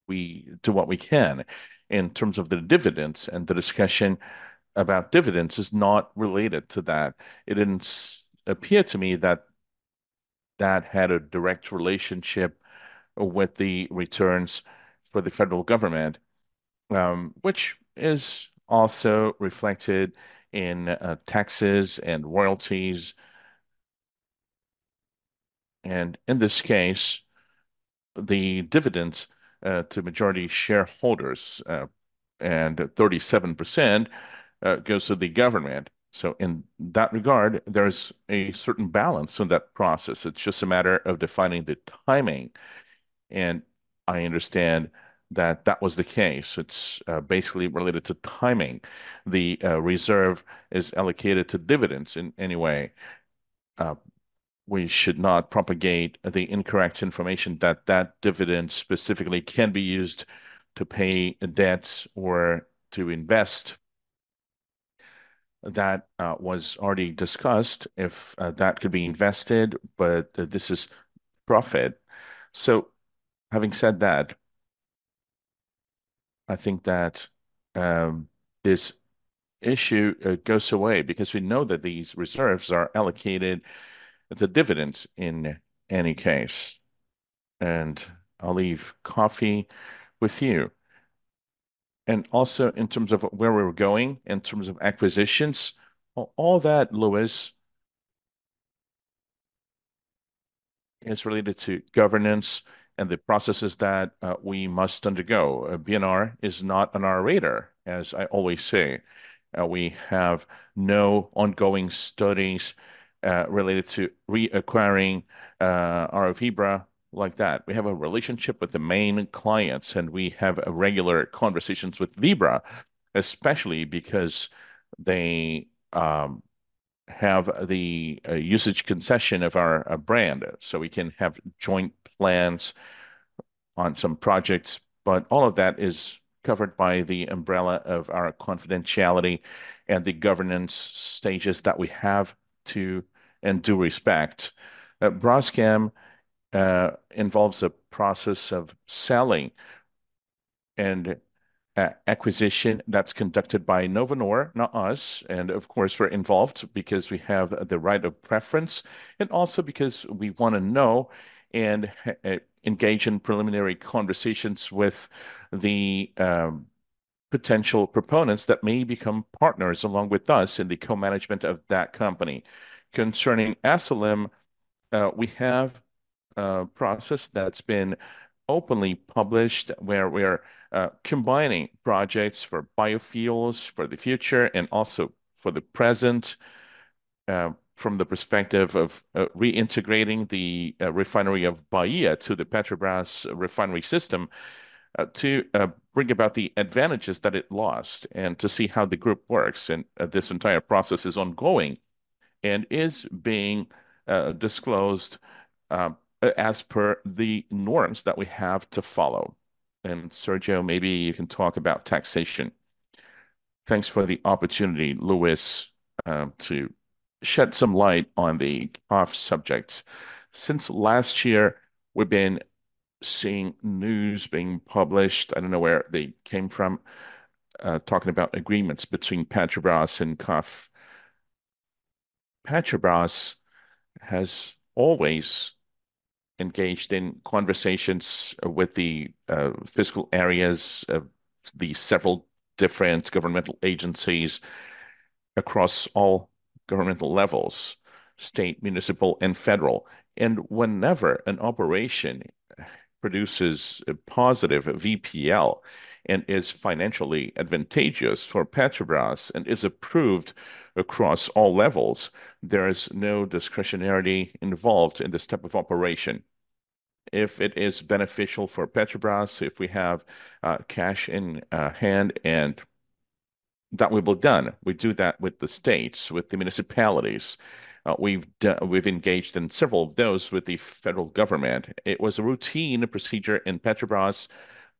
we do what we can. In terms of the dividends, and the discussion about dividends is not related to that. It didn't appear to me that that had a direct relationship with the returns for the federal government, which is also reflected in taxes and royalties. And in this case, the dividends to majority shareholders, and 37% goes to the government. So in that regard, there's a certain balance in that process. It's just a matter of defining the timing, and I understand that that was the case. It's basically related to timing. The reserve is allocated to dividends, in any way. We should not propagate the incorrect information that that dividend specifically can be used to pay debts or to invest. That was already discussed, if that could be invested, but this is profit. So having said that, I think that this issue goes away because we know that these reserves are allocated to dividends in any case. And I'll leave CARF with you. And also, in terms of where we're going, in terms of acquisitions, all that, Luiz, is related to governance and the processes that we must undergo. BR is not on our radar, as I always say. We have no ongoing studies related to reacquiring our Vibra like that. We have a relationship with the main clients, and we have regular conversations with Vibra, especially because they have-... have the usage concession of our brand, so we can have joint plans on some projects. But all of that is covered by the umbrella of our confidentiality and the governance stages that we have to and do respect. Braskem involves a process of selling and acquisition that's conducted by Novonor, not us, and of course, we're involved because we have the right of preference, and also because we want to know and engage in preliminary conversations with the potential proponents that may become partners along with us in the co-management of that company. Concerning Acelen, we have a process that's been openly published, where we're combining projects for biofuels for the future and also for the present, from the perspective of reintegrating the refinery of Bahia to the Petrobras refinery system, to bring about the advantages that it lost and to see how the group works. And this entire process is ongoing, and is being disclosed, as per the norms that we have to follow. And Sergio, maybe you can talk about taxation. Thanks for the opportunity, Luis, to shed some light on the CARF subject. Since last year, we've been seeing news being published, I don't know where they came from, talking about agreements between Petrobras and CARF. Petrobras has always engaged in conversations with the fiscal areas of the several different governmental agencies across all governmental levels: state, municipal, and federal. Whenever an operation produces a positive VPL, and is financially advantageous for Petrobras, and is approved across all levels, there is no discretionary involved in this type of operation. If it is beneficial for Petrobras, if we have cash in hand, and that we will done, we do that with the states, with the municipalities. We've engaged in several of those with the federal government. It was a routine, a procedure in Petrobras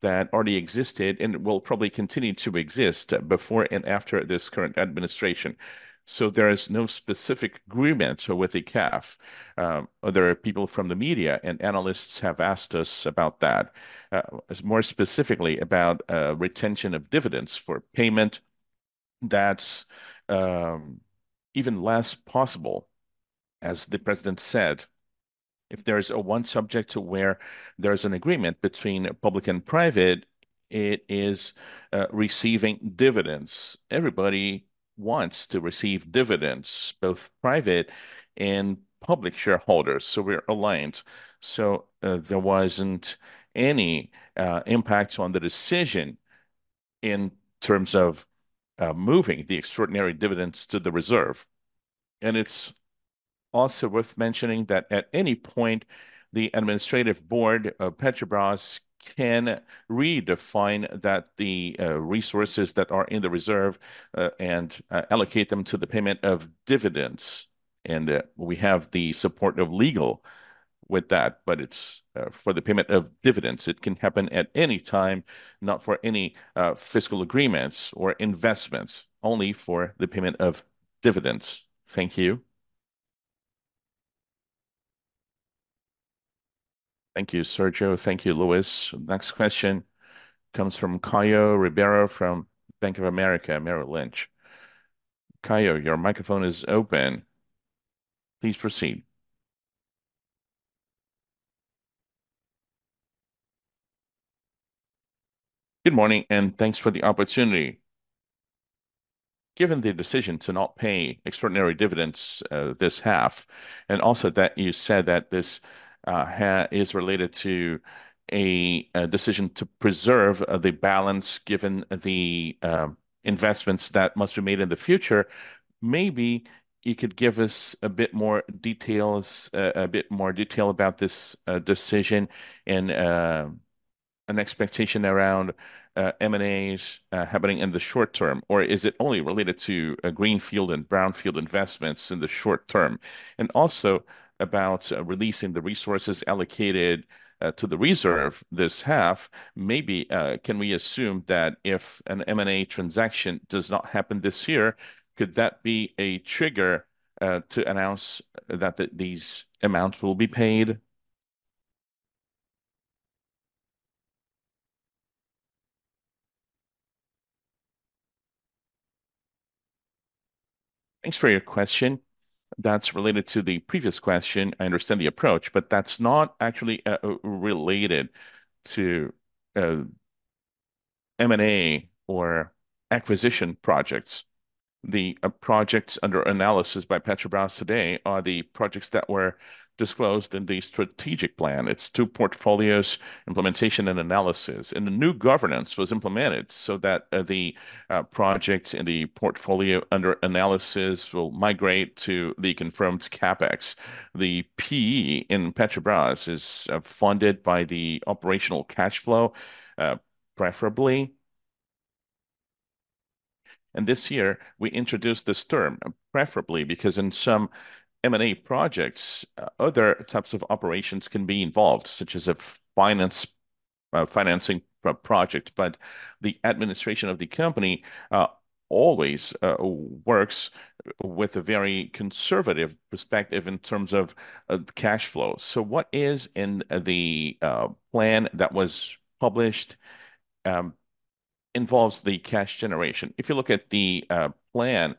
that already existed, and will probably continue to exist before and after this current administration. There is no specific agreement with the CAF. Other people from the media and analysts have asked us about that, more specifically about retention of dividends for payment. That's even less possible, as the president said. If there is a one subject to where there's an agreement between public and private, it is receiving dividends. Everybody wants to receive dividends, both private and public shareholders, so we're aligned. So, there wasn't any impact on the decision in terms of moving the extraordinary dividends to the reserve. And it's also worth mentioning that at any point, the administrative board of Petrobras can redefine that the resources that are in the reserve and allocate them to the payment of dividends, and we have the support of legal with that, but it's for the payment of dividends. It can happen at any time, not for any fiscal agreements or investments, only for the payment of dividends. Thank you. Thank you, Sergio. Thank you, Luis. Next question comes from Caio Ribeiro from Bank of America Merrill Lynch. Caio, your microphone is open. Please proceed. Good morning, and thanks for the opportunity. Given the decision to not pay extraordinary dividends this half, and also that you said that this is related to a decision to preserve the balance given the investments that must be made in the future, maybe you could give us a bit more details, a bit more detail about this decision, and an expectation around M&As happening in the short term. Or is it only related to a greenfield and brownfield investments in the short term? Also about releasing the resources allocated to the reserve this half, maybe, can we assume that if an M&A transaction does not happen this year, could that be a trigger to announce that these amounts will be paid? Thanks for your question. That's related to the previous question. I understand the approach, but that's not actually related to M&A or acquisition projects. The projects under analysis by Petrobras today are the projects that were disclosed in the strategic plan. It's two portfolios: implementation and analysis. And the new governance was implemented so that the projects in the portfolio under analysis will migrate to the confirmed CapEx. The E&P in Petrobras is funded by the operational cash flow, preferably-... This year, we introduced this term, preferably because in some M&A projects, other types of operations can be involved, such as a finance, financing project. But the administration of the company always works with a very conservative perspective in terms of cash flow. So what is in the plan that was published involves the cash generation. If you look at the plan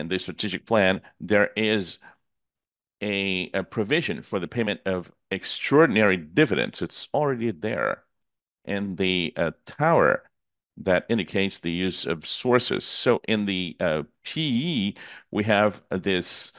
and the strategic plan, there is a provision for the payment of extraordinary dividends. It's already there in the tower that indicates the use of sources. So in the PE, we have this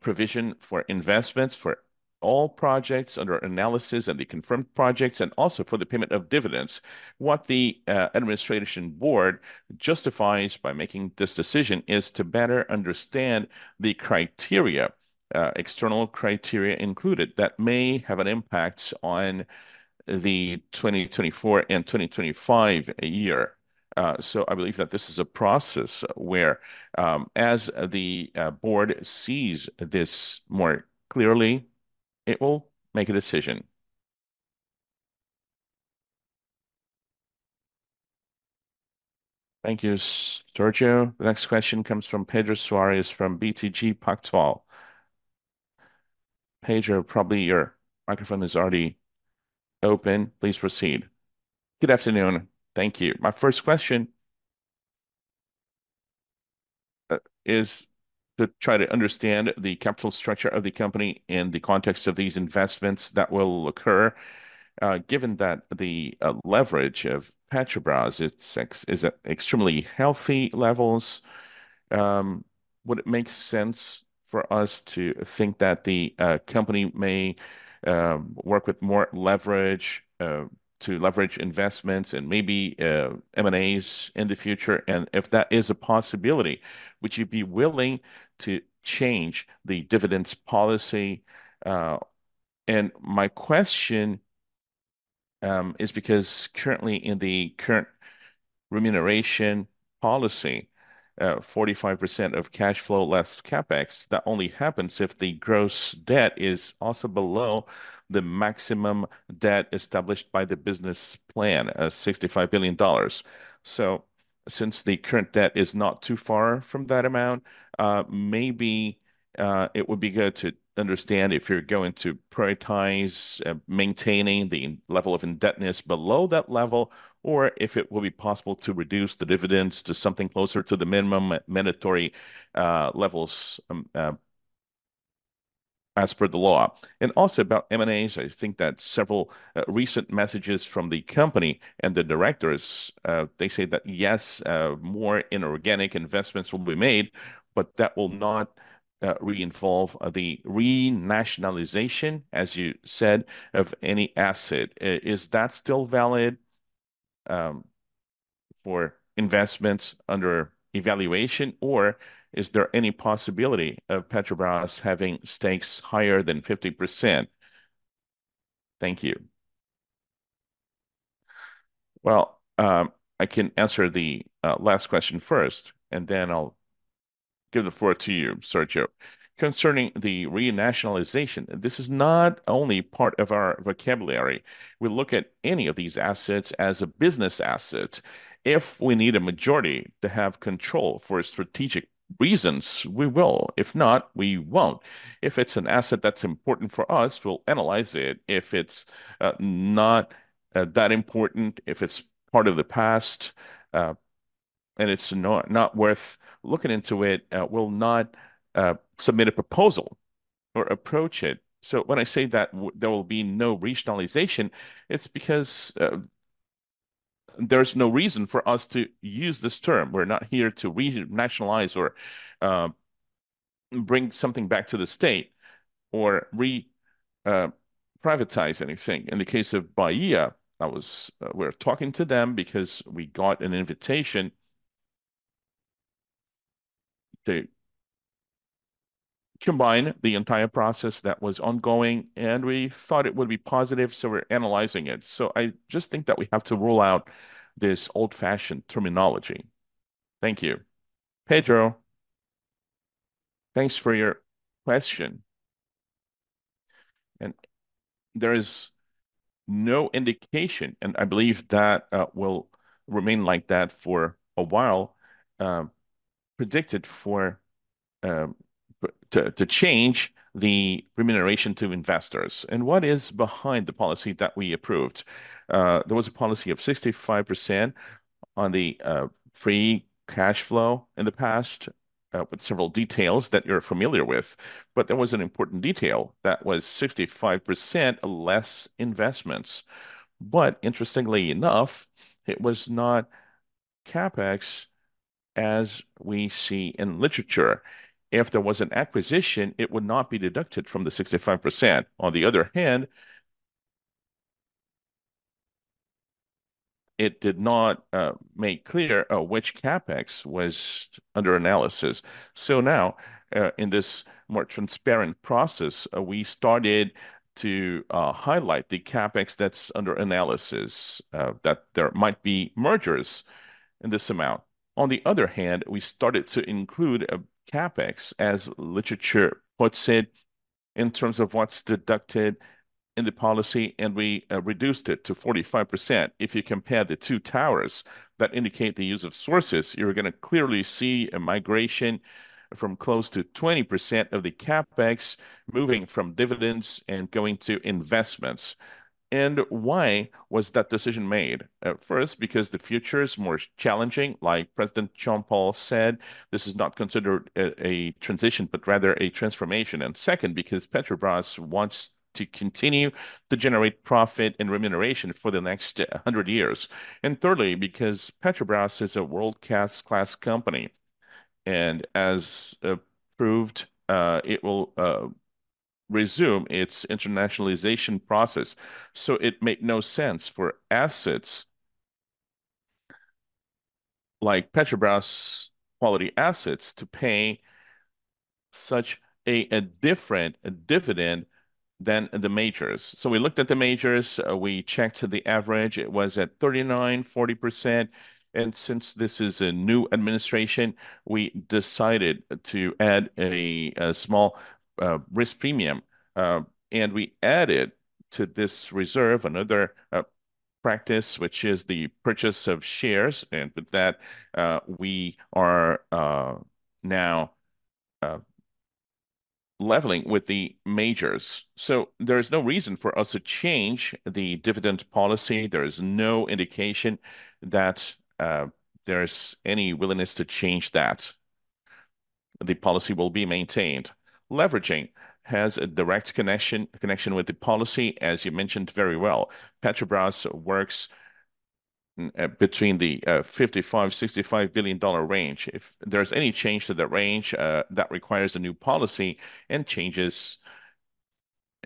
provision for investments for all projects under analysis and the confirmed projects, and also for the payment of dividends. What the administration board justifies by making this decision is to better understand the criteria, external criteria included, that may have an impact on the 2024 and 2025 year. So I believe that this is a process where, as the board sees this more clearly, it will make a decision. Thank you, Sergio. The next question comes from Pedro Soares from BTG Pactual. Pedro, probably your microphone is already open. Please proceed. Good afternoon. Thank you. My first question is to try to understand the capital structure of the company in the context of these investments that will occur. Given that the leverage of Petrobras, it's at extremely healthy levels, would it make sense for us to think that the company may work with more leverage to leverage investments and maybe M&As in the future? And if that is a possibility, would you be willing to change the dividends policy? And my question is because currently in the current remuneration policy, 45% of cash flow less CapEx, that only happens if the gross debt is also below the maximum debt established by the business plan, $65 billion. So since the current debt is not too far from that amount, maybe it would be good to understand if you're going to prioritize maintaining the level of indebtedness below that level, or if it will be possible to reduce the dividends to something closer to the minimum mandatory levels as per the law. And also about M&As, I think that several recent messages from the company and the directors they say that, yes, more inorganic investments will be made, but that will not reinvolve the renationalization, as you said, of any asset. Is that still valid for investments under evaluation, or is there any possibility of Petrobras having stakes higher than 50%? Thank you. Well, I can answer the last question first, and then I'll give the floor to you, Sergio. Concerning the renationalization, this is not only part of our vocabulary. We look at any of these assets as a business asset. If we need a majority to have control for strategic reasons, we will. If not, we won't. If it's an asset that's important for us, we'll analyze it. If it's not that important, if it's part of the past, and it's not worth looking into it, we'll not submit a proposal or approach it. So when I say that there will be no renationalization, it's because there's no reason for us to use this term. We're not here to renationalize or bring something back to the state or reprivatize anything. In the case of Bahia, that was... We're talking to them because we got an invitation to combine the entire process that was ongoing, and we thought it would be positive, so we're analyzing it. I just think that we have to rule out this old-fashioned terminology. Thank you. Pedro, thanks for your question. There is no indication, and I believe that will remain like that for a while, predicted to change the remuneration to investors. What is behind the policy that we approved? There was a policy of 65% on the free cash flow in the past, with several details that you're familiar with, but there was an important detail. That was 65% less investments. Interestingly enough, it was not CapEx, as we see in literature. If there was an acquisition, it would not be deducted from the 65%. On the other hand, it did not make clear which CapEx was under analysis. So now, in this more transparent process, we started to highlight the CapEx that's under analysis, that there might be mergers in this amount. On the other hand, we started to include a CapEx as literature. What's said in terms of what's deducted in the policy, and we reduced it to 45%. If you compare the two towers that indicate the use of sources, you're gonna clearly see a migration from close to 20% of the CapEx moving from dividends and going to investments. And why was that decision made? First, because the future is more challenging, like President Jean Paul said, this is not considered a transition, but rather a transformation. And second, because Petrobras wants to continue to generate profit and remuneration for the next 100 years. And thirdly, because Petrobras is a world-class company, and as proved, it will resume its internationalization process. So it made no sense for assets like Petrobras-quality assets to pay such a different dividend than the majors. So we looked at the majors, we checked the average, it was at 39%-40%, and since this is a new administration, we decided to add a small risk premium. And we added to this reserve another practice, which is the purchase of shares, and with that, we are now leveling with the majors. So there is no reason for us to change the dividend policy. There is no indication that there is any willingness to change that. The policy will be maintained. Leveraging has a direct connection with the policy, as you mentioned very well. Petrobras works between the $55 billion-$65 billion range. If there's any change to the range, that requires a new policy and changes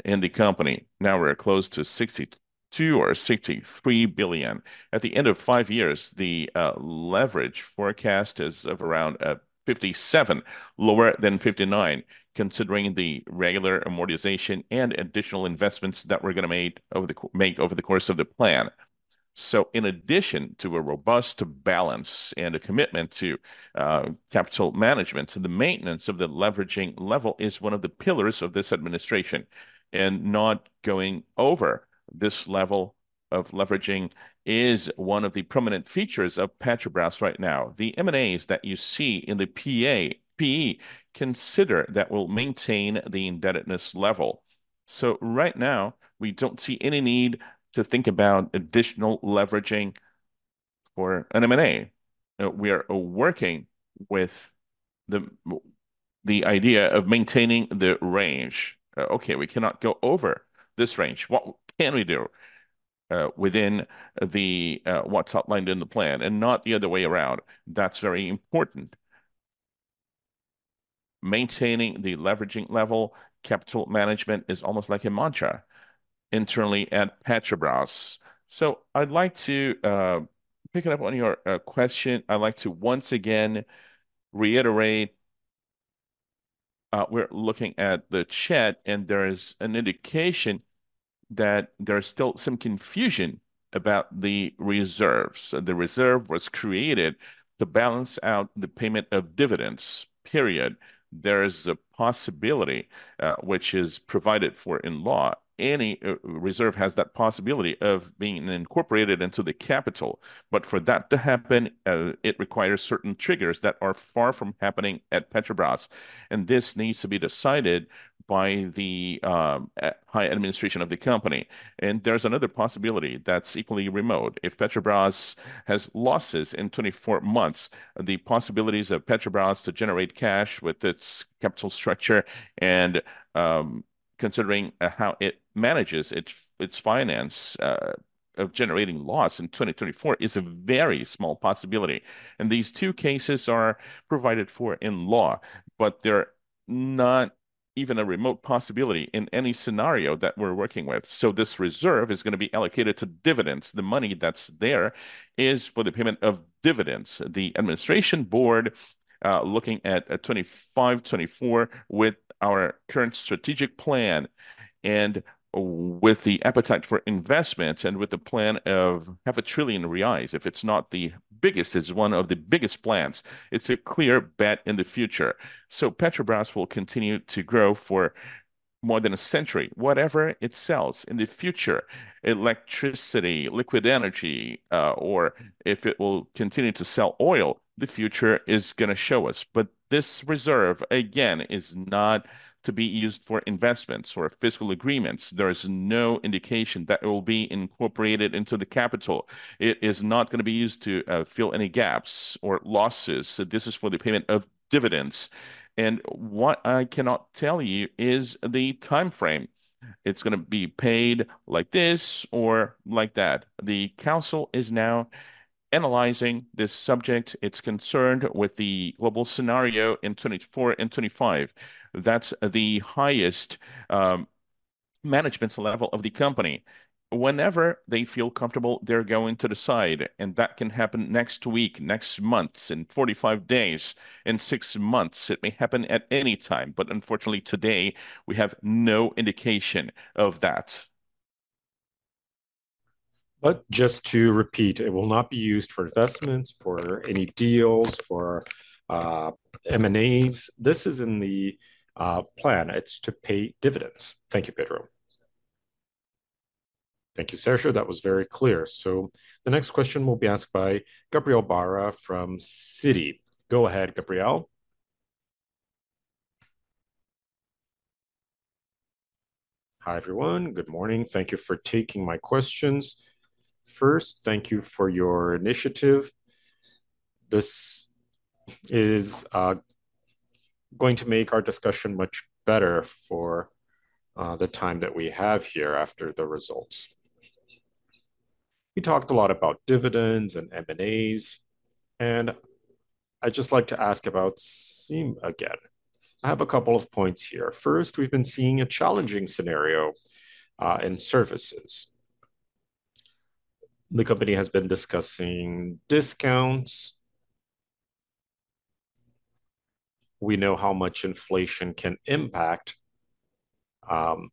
in the company. Now we're close to $62 billion or $63 billion. At the end of 5 years, the leverage forecast is of around 57, lower than 59, considering the regular amortization and additional investments that we're gonna make over the course of the plan. In addition to a robust balance and a commitment to capital management, the maintenance of the leveraging level is one of the pillars of this administration. Not going over this level of leveraging is one of the prominent features of Petrobras right now. The M&As that you see in the PA-PE, consider that will maintain the indebtedness level. So right now, we don't see any need to think about additional leveraging or an M&A. We are working with the idea of maintaining the range. "Okay, we cannot go over this range. What can we do, within what's outlined in the plan, and not the other way around?" That's very important. Maintaining the leveraging level, capital management is almost like a mantra internally at Petrobras. So I'd like to, picking up on your question, I'd like to once again reiterate, we're looking at the chat, and there is an indication that there is still some confusion about the reserves. The reserve was created to balance out the payment of dividends, period. There is a possibility, which is provided for in law. Any reserve has that possibility of being incorporated into the capital, but for that to happen, it requires certain triggers that are far from happening at Petrobras, and this needs to be decided by the high administration of the company. There's another possibility that's equally remote. If Petrobras has losses in 24 months, the possibilities of Petrobras to generate cash with its capital structure and considering how it manages its finance of generating loss in 2024 is a very small possibility. These two cases are provided for in law, but they're not even a remote possibility in any scenario that we're working with. This reserve is gonna be allocated to dividends. The money that's there is for the payment of dividends. The administration board, looking at 2025, 2024, with our current strategic plan and with the appetite for investment and with the plan of 500 billion reais, if it's not the biggest, it's one of the biggest plans. It's a clear bet in the future. So Petrobras will continue to grow for more than a century, whatever it sells in the future, electricity, liquid energy, or if it will continue to sell oil, the future is gonna show us. But this reserve, again, is not to be used for investments or fiscal agreements. There is no indication that it will be incorporated into the capital. It is not gonna be used to, fill any gaps or losses. So this is for the payment of dividends, and what I cannot tell you is the timeframe. It's gonna be paid like this or like that. The council is now analyzing this subject. It's concerned with the global scenario in 2024 and 2025. That's the highest, management level of the company. Whenever they feel comfortable, they're going to decide, and that can happen next week, next months, in 45 days, in six months. It may happen at any time, but unfortunately, today, we have no indication of that. ... But just to repeat, it will not be used for investments, for any deals, for M&As. This is in the plan. It's to pay dividends. Thank you, Pedro. Thank you, Sergio. That was very clear. So the next question will be asked by Gabriel Barra from Citi. Go ahead, Gabriel. Hi, everyone. Good morning. Thank you for taking my questions. First, thank you for your initiative. This is going to make our discussion much better for the time that we have here after the results. You talked a lot about dividends and M&As, and I'd just like to ask about SIM again. I have a couple of points here. First, we've been seeing a challenging scenario in services. The company has been discussing discounts. We know how much inflation can impact the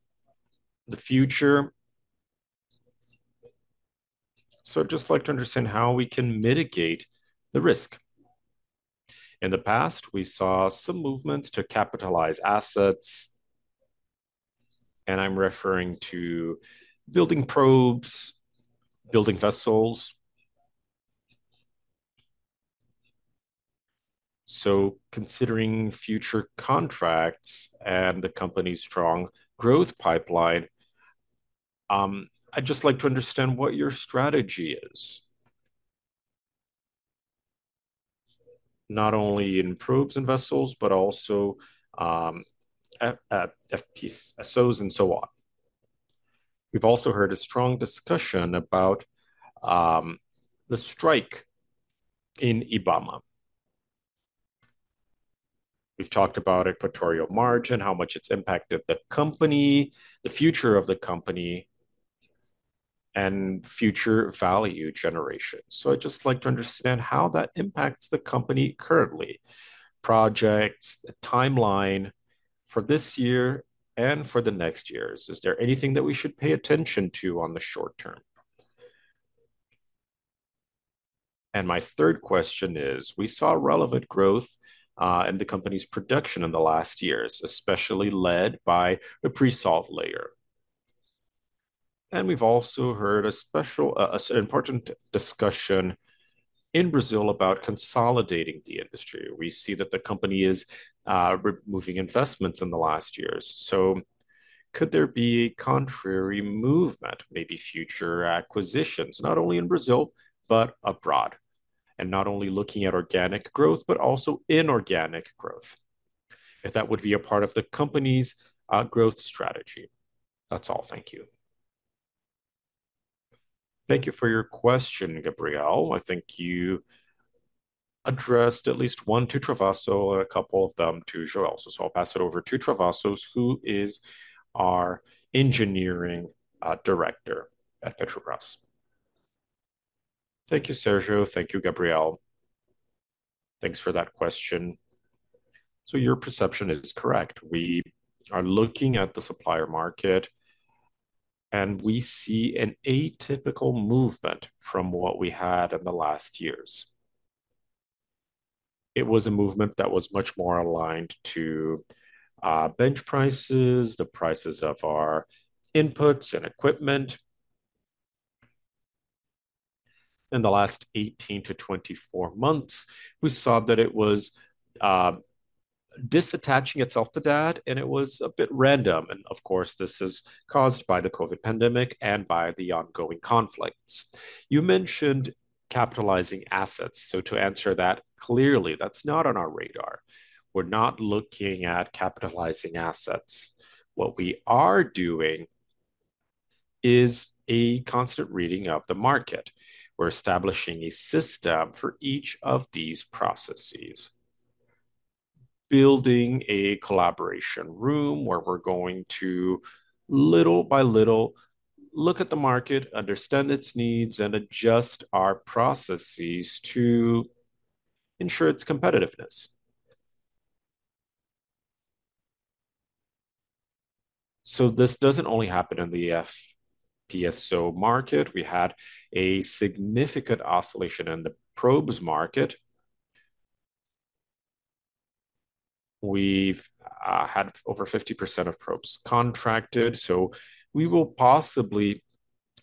future. So I'd just like to understand how we can mitigate the risk. In the past, we saw some movements to capitalize assets, and I'm referring to building probes, building vessels. So considering future contracts and the company's strong growth pipeline, I'd just like to understand what your strategy is, not only in probes and vessels, but also, FPSOs, and so on. We've also heard a strong discussion about, the strike in IBAMA. We've talked about Equatorial Margin, how much it's impacted the company, the future of the company, and future value generation. So I'd just like to understand how that impacts the company currently, projects, the timeline for this year and for the next years. Is there anything that we should pay attention to on the short term? My third question is, we saw relevant growth in the company's production in the last years, especially led by the pre-salt layer. We've also heard a special, an important discussion in Brazil about consolidating the industry. We see that the company is removing investments in the last years, so could there be a contrary movement, maybe future acquisitions, not only in Brazil, but abroad? And not only looking at organic growth, but also inorganic growth, if that would be a part of the company's growth strategy. That's all. Thank you. Thank you for your question, Gabriel. I think you addressed at least one to Travassos and a couple of them to Joelson. So I'll pass it over to Travassos, who is our engineering director at Petrobras. Thank you, Sergio. Thank you, Gabriel. Thanks for that question. So your perception is correct. We are looking at the supplier market, and we see an atypical movement from what we had in the last years. It was a movement that was much more aligned to benchmark prices, the prices of our inputs and equipment. In the last 18-24 months, we saw that it was detaching itself to that, and it was a bit random. And of course, this is caused by the COVID pandemic and by the ongoing conflicts. You mentioned capitalizing assets. So to answer that, clearly, that's not on our radar. We're not looking at capitalizing assets. What we are doing is a constant reading of the market. We're establishing a system for each of these processes, building a collaboration room where we're going to, little by little, look at the market, understand its needs, and adjust our processes to ensure its competitiveness. So this doesn't only happen in the FPSO market. We had a significant oscillation in the probes market. We've had over 50% of probes contracted, so we will possibly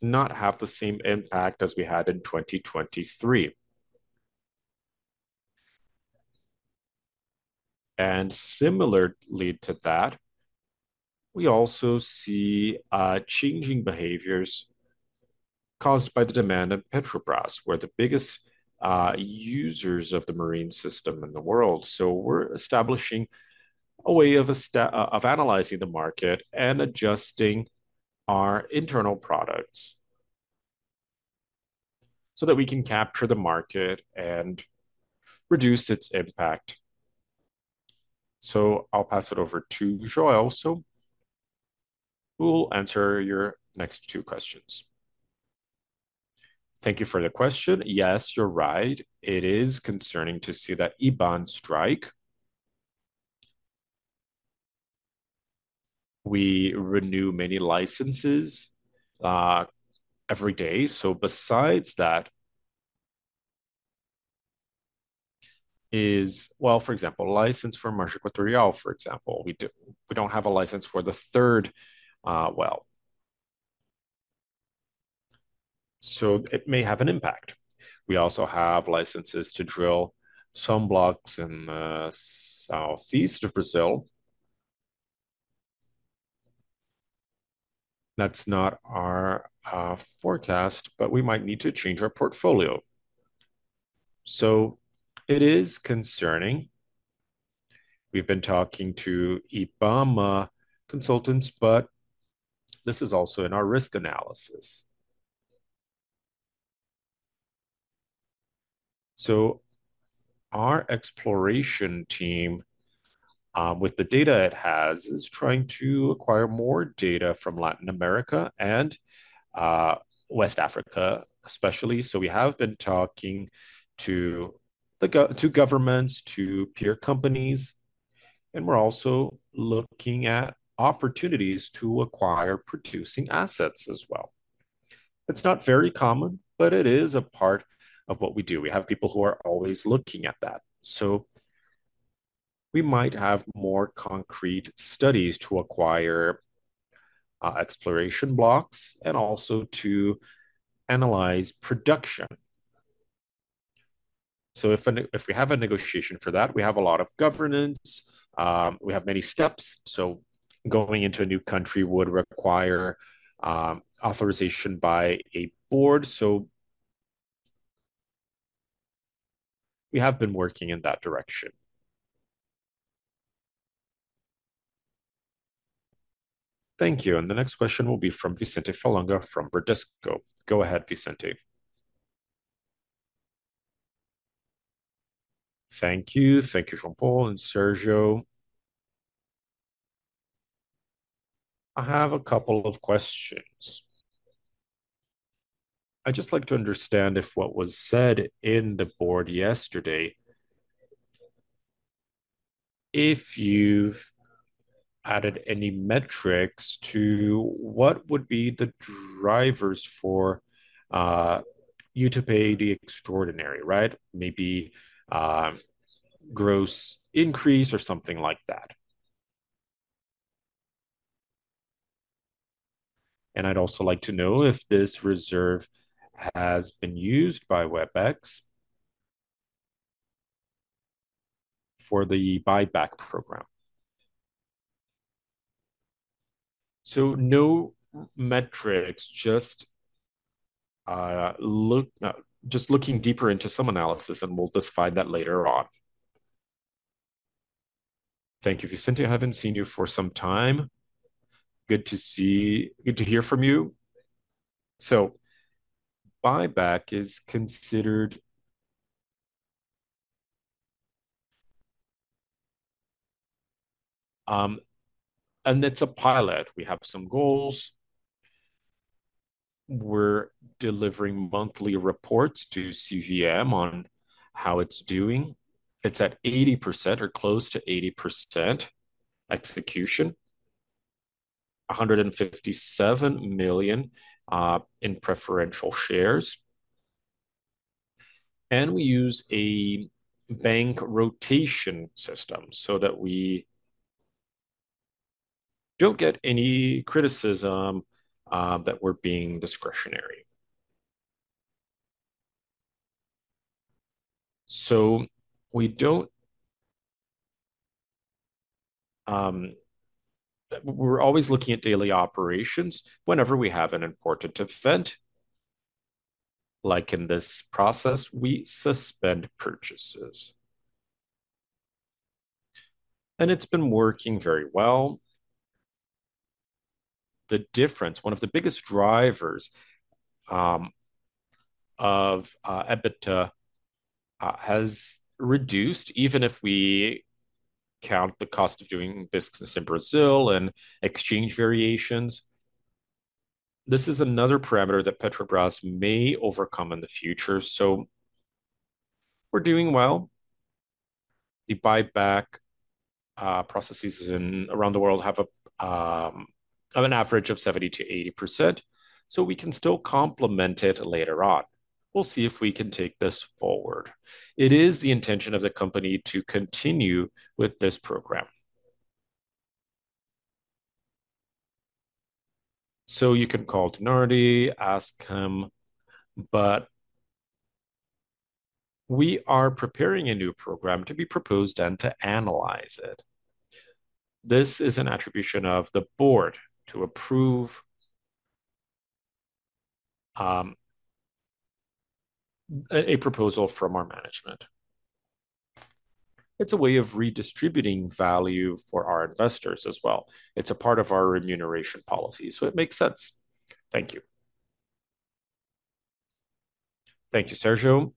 not have the same impact as we had in 2023. And similarly to that, we also see changing behaviors caused by the demand of Petrobras. We're the biggest users of the marine system in the world, so we're establishing a way of analyzing the market and adjusting our internal products, so that we can capture the market and reduce its impact. So I'll pass it over to Joelson, who will answer your next two questions. Thank you for the question. Yes, you're right. It is concerning to see that IBAMA strike. We renew many licenses every day. So besides that, well, for example, license for Maranhão, for example, we don't have a license for the third well. So it may have an impact. We also have licenses to drill some blocks in the southeast of Brazil. That's not our forecast, but we might need to change our portfolio. So it is concerning. We've been talking to IBAMA consultants, but this is also in our risk analysis. So our exploration team, with the data it has, is trying to acquire more data from Latin America and West Africa, especially. So we have been talking to governments, to peer companies, and we're also looking at opportunities to acquire producing assets as well. It's not very common, but it is a part of what we do. We have people who are always looking at that. So we might have more concrete studies to acquire exploration blocks and also to analyze production. So if we have a negotiation for that, we have a lot of governance, we have many steps, so going into a new country would require authorization by a board. So we have been working in that direction. Thank you. The next question will be from Vicente Falanga from Bradesco. Go ahead, Vicente. Thank you. Thank you, Jean Paul and Sergio. I have a couple of questions. I'd just like to understand if what was said in the board yesterday, if you've added any metrics to what would be the drivers for you to pay the extraordinary, right? Maybe gross increase or something like that. And I'd also like to know if this reserve has been used by Petrobras for the buyback program. So no metrics, just look, just looking deeper into some analysis, and we'll just find that later on. Thank you, Vicente. I haven't seen you for some time. Good to see you. Good to hear from you. So buyback is considered, and it's a pilot. We have some goals. We're delivering monthly reports to CVM on how it's doing. It's at 80% or close to 80% execution, $157 million in preferential shares. And we use a bank rotation system so that we don't get any criticism that we're being discretionary. So we don't... We're always looking at daily operations. Whenever we have an important event, like in this process, we suspend purchases, and it's been working very well. The difference, one of the biggest drivers of EBITDA, has reduced, even if we count the cost of doing business in Brazil and exchange variations. This is another parameter that Petrobras may overcome in the future, so we're doing well. The buyback processes around the world have an average of 70%-80%, so we can still complement it later on. We'll see if we can take this forward. It is the intention of the company to continue with this program. So you can call Dinardi, ask him, but we are preparing a new program to be proposed and to analyze it. This is an attribution of the board to approve a proposal from our management. It's a way of redistributing value for our investors as well. It's a part of our remuneration policy, so it makes sense. Thank you. Thank you, Sergio.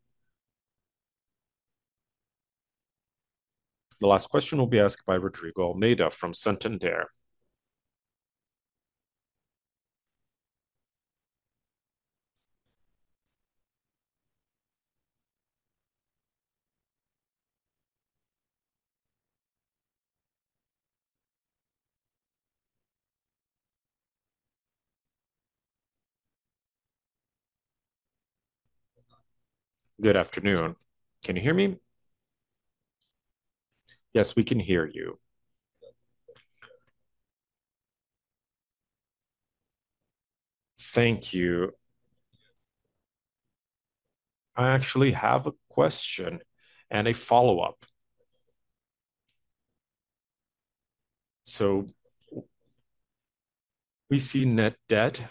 The last question will be asked by Rodrigo Almeida from Santander. Good afternoon. Can you hear me? Yes, we can hear you. Thank you. I actually have a question and a follow-up. So we see net debt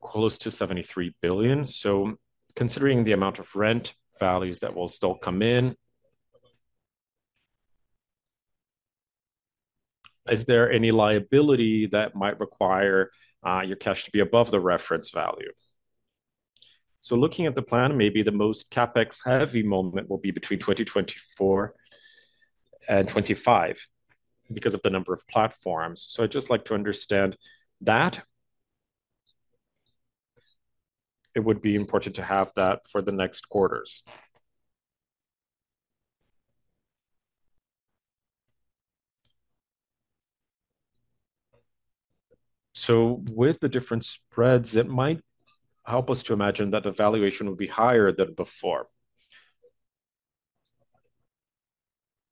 close to 73 billion. So considering the amount of rent values that will still come in, is there any liability that might require your cash to be above the reference value? So looking at the plan, maybe the most CapEx-heavy moment will be between 2024 and 2025 because of the number of platforms. So I'd just like to understand that. It would be important to have that for the next quarters. So with the different spreads, it might help us to imagine that the valuation would be higher than before.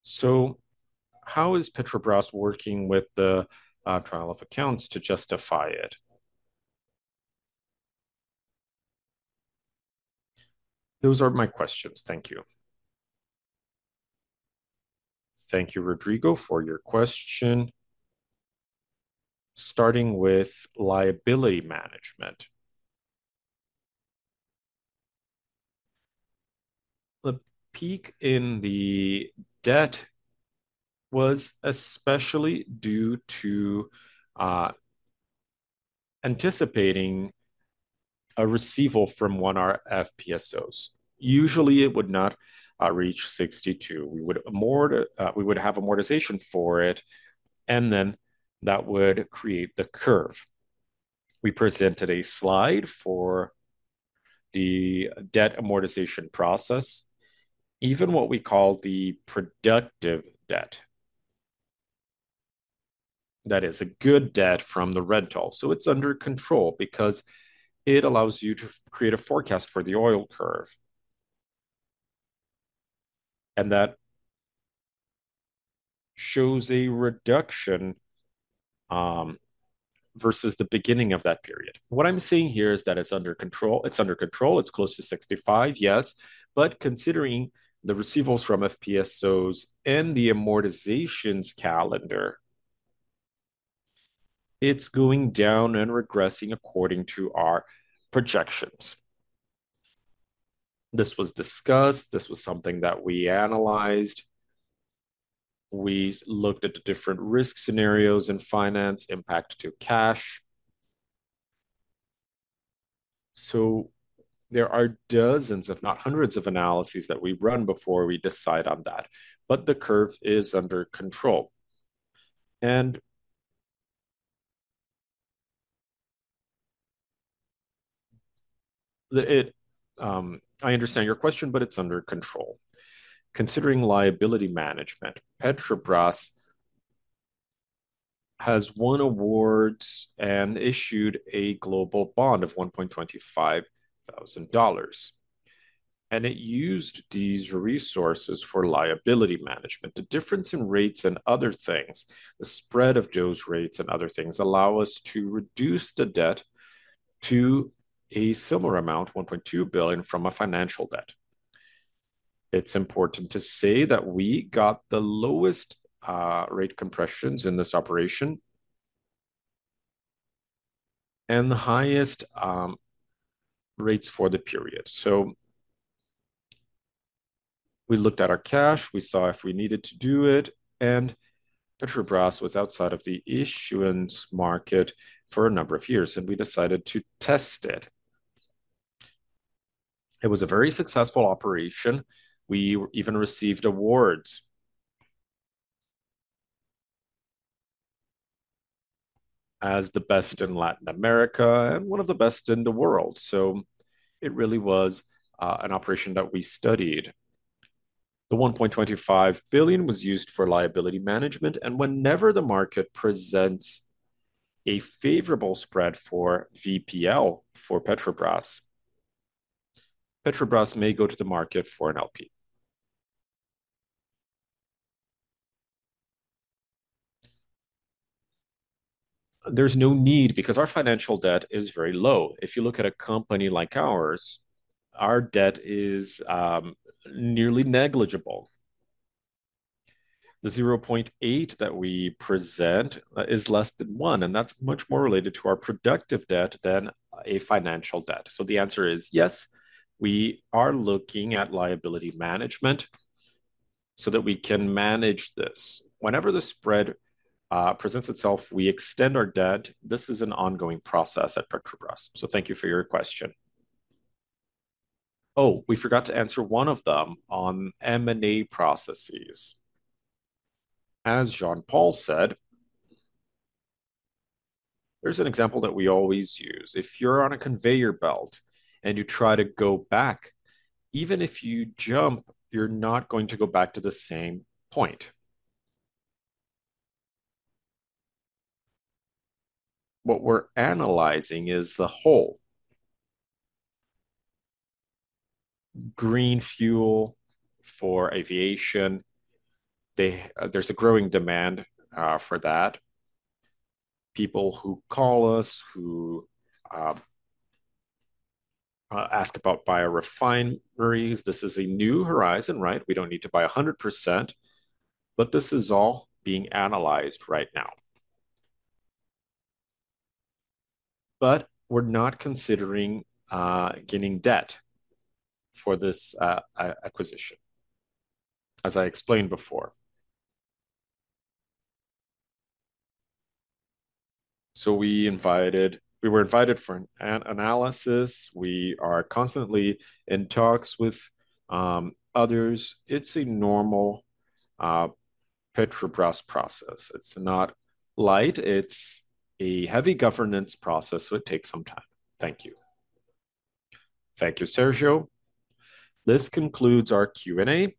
So how is Petrobras working with the Tribunal de Contas to justify it? Those are my questions. Thank you. Thank you, Rodrigo, for your question. Starting with liability management, the peak in the debt was especially due to anticipating a receivable from one FPSOs. Usually, it would not reach 62. We would have amortization for it, and then that would create the curve. We presented a slide for the debt amortization process, even what we call the productive debt. That is a good debt from the rental, so it's under control because it allows you to create a forecast for the oil curve, and that shows a reduction versus the beginning of that period. What I'm saying here is that it's under control. It's under control. It's close to 65, yes, but considering the receivables from FPSOs and the amortizations calendar, it's going down and regressing according to our projections. This was discussed. This was something that we analyzed. We looked at the different risk scenarios and finance impact to cash. So there are dozens, if not hundreds, of analyses that we run before we decide on that, but the curve is under control. And, I understand your question, but it's under control. Considering liability management, Petrobras has won awards and issued a global bond of $1.25 thousand, and it used these resources for liability management. The difference in rates and other things, the spread of those rates and other things, allow us to reduce the debt to a similar amount, $1.2 billion, from a financial debt. It's important to say that we got the lowest rate compressions in this operation and the highest rates for the period. So we looked at our cash, we saw if we needed to do it, and Petrobras was outside of the issuance market for a number of years, and we decided to test it. It was a very successful operation. We even received awards as the best in Latin America and one of the best in the world, so it really was an operation that we studied. The $1.25 billion was used for liability management, and whenever the market presents a favorable spread for VPL for Petrobras, Petrobras may go to the market for an LP. There's no need, because our financial debt is very low. If you look at a company like ours, our debt is nearly negligible. The 0.8 that we present is less than one, and that's much more related to our productive debt than a financial debt. So the answer is yes, we are looking at liability management so that we can manage this. Whenever the spread presents itself, we extend our debt. This is an ongoing process at Petrobras, so thank you for your question. Oh, we forgot to answer one of them on M&A processes. As Jean Paul said. There's an example that we always use. If you're on a conveyor belt and you try to go back, even if you jump, you're not going to go back to the same point. What we're analyzing is the whole. Green fuel for aviation, there's a growing demand for that. People who call us, who ask about biorefineries, this is a new horizon, right? We don't need to buy 100%, but this is all being analyzed right now. But we're not considering getting debt for this acquisition, as I explained before. So we were invited for an analysis. We are constantly in talks with others. It's a normal Petrobras process. It's not light, it's a heavy governance process, so it takes some time. Thank you. Thank you, Sergio. This concludes our Q&A.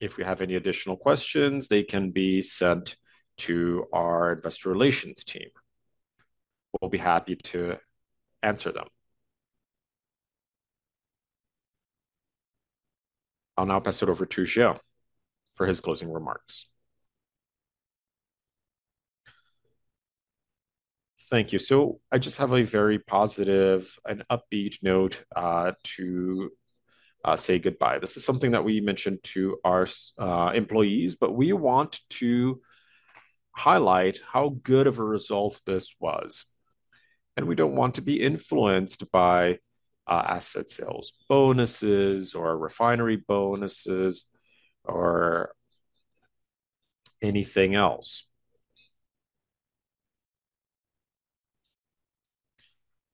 If you have any additional questions, they can be sent to our investor relations team. We'll be happy to answer them. I'll now pass it over to Jean for his closing remarks. Thank you. So I just have a very positive and upbeat note to say goodbye. This is something that we mentioned to our employees, but we want to highlight how good of a result this was, and we don't want to be influenced by asset sales, bonuses or refinery bonuses, or anything else.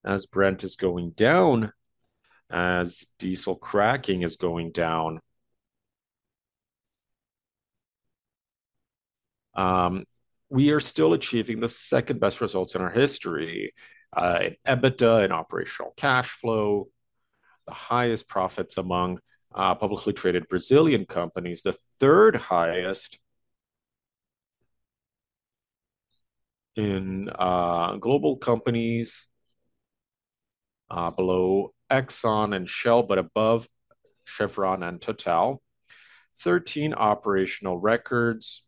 As Brent is going down, as diesel cracking is going down, we are still achieving the second-best results in our history in EBITDA and operational cash flow. The highest profits among publicly traded Brazilian companies. The third highest in global companies, below Exxon and Shell, but above Chevron and Total. 13 operational records,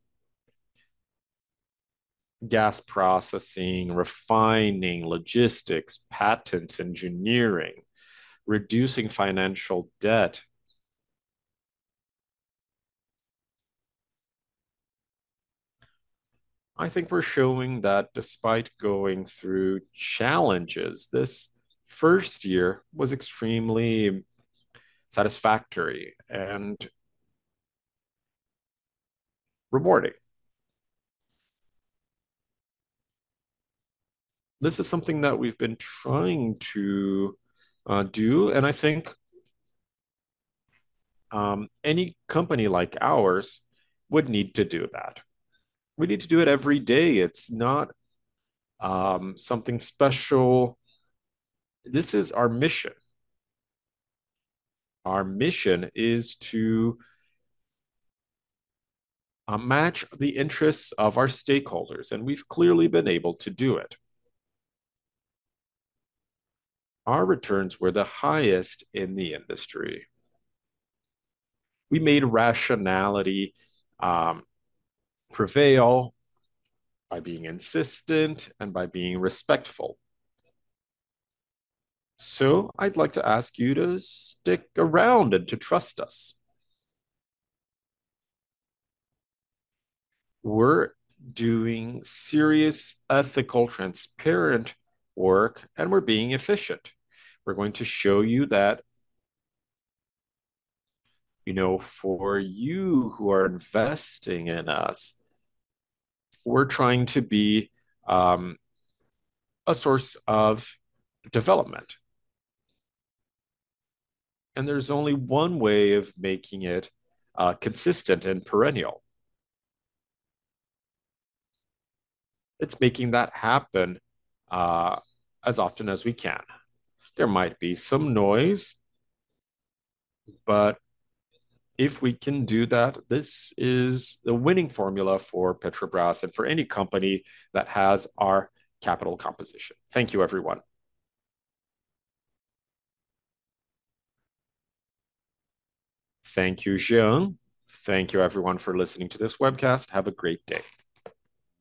gas processing, refining, logistics, patents, engineering, reducing financial debt. I think we're showing that despite going through challenges, this first year was extremely satisfactory and rewarding. This is something that we've been trying to do, and I think any company like ours would need to do that. We need to do it every day. It's not something special. This is our mission. Our mission is to match the interests of our stakeholders, and we've clearly been able to do it. Our returns were the highest in the industry. We made rationality prevail by being insistent and by being respectful. So I'd like to ask you to stick around and to trust us. We're doing serious, ethical, transparent work, and we're being efficient. We're going to show you that. You know, for you who are investing in us, we're trying to be a source of development, and there's only one way of making it consistent and perennial. It's making that happen as often as we can. There might be some noise, but if we can do that, this is the winning formula for Petrobras and for any company that has our capital composition. Thank you, everyone. Thank you, Jean. Thank you, everyone, for listening to this webcast. Have a great day.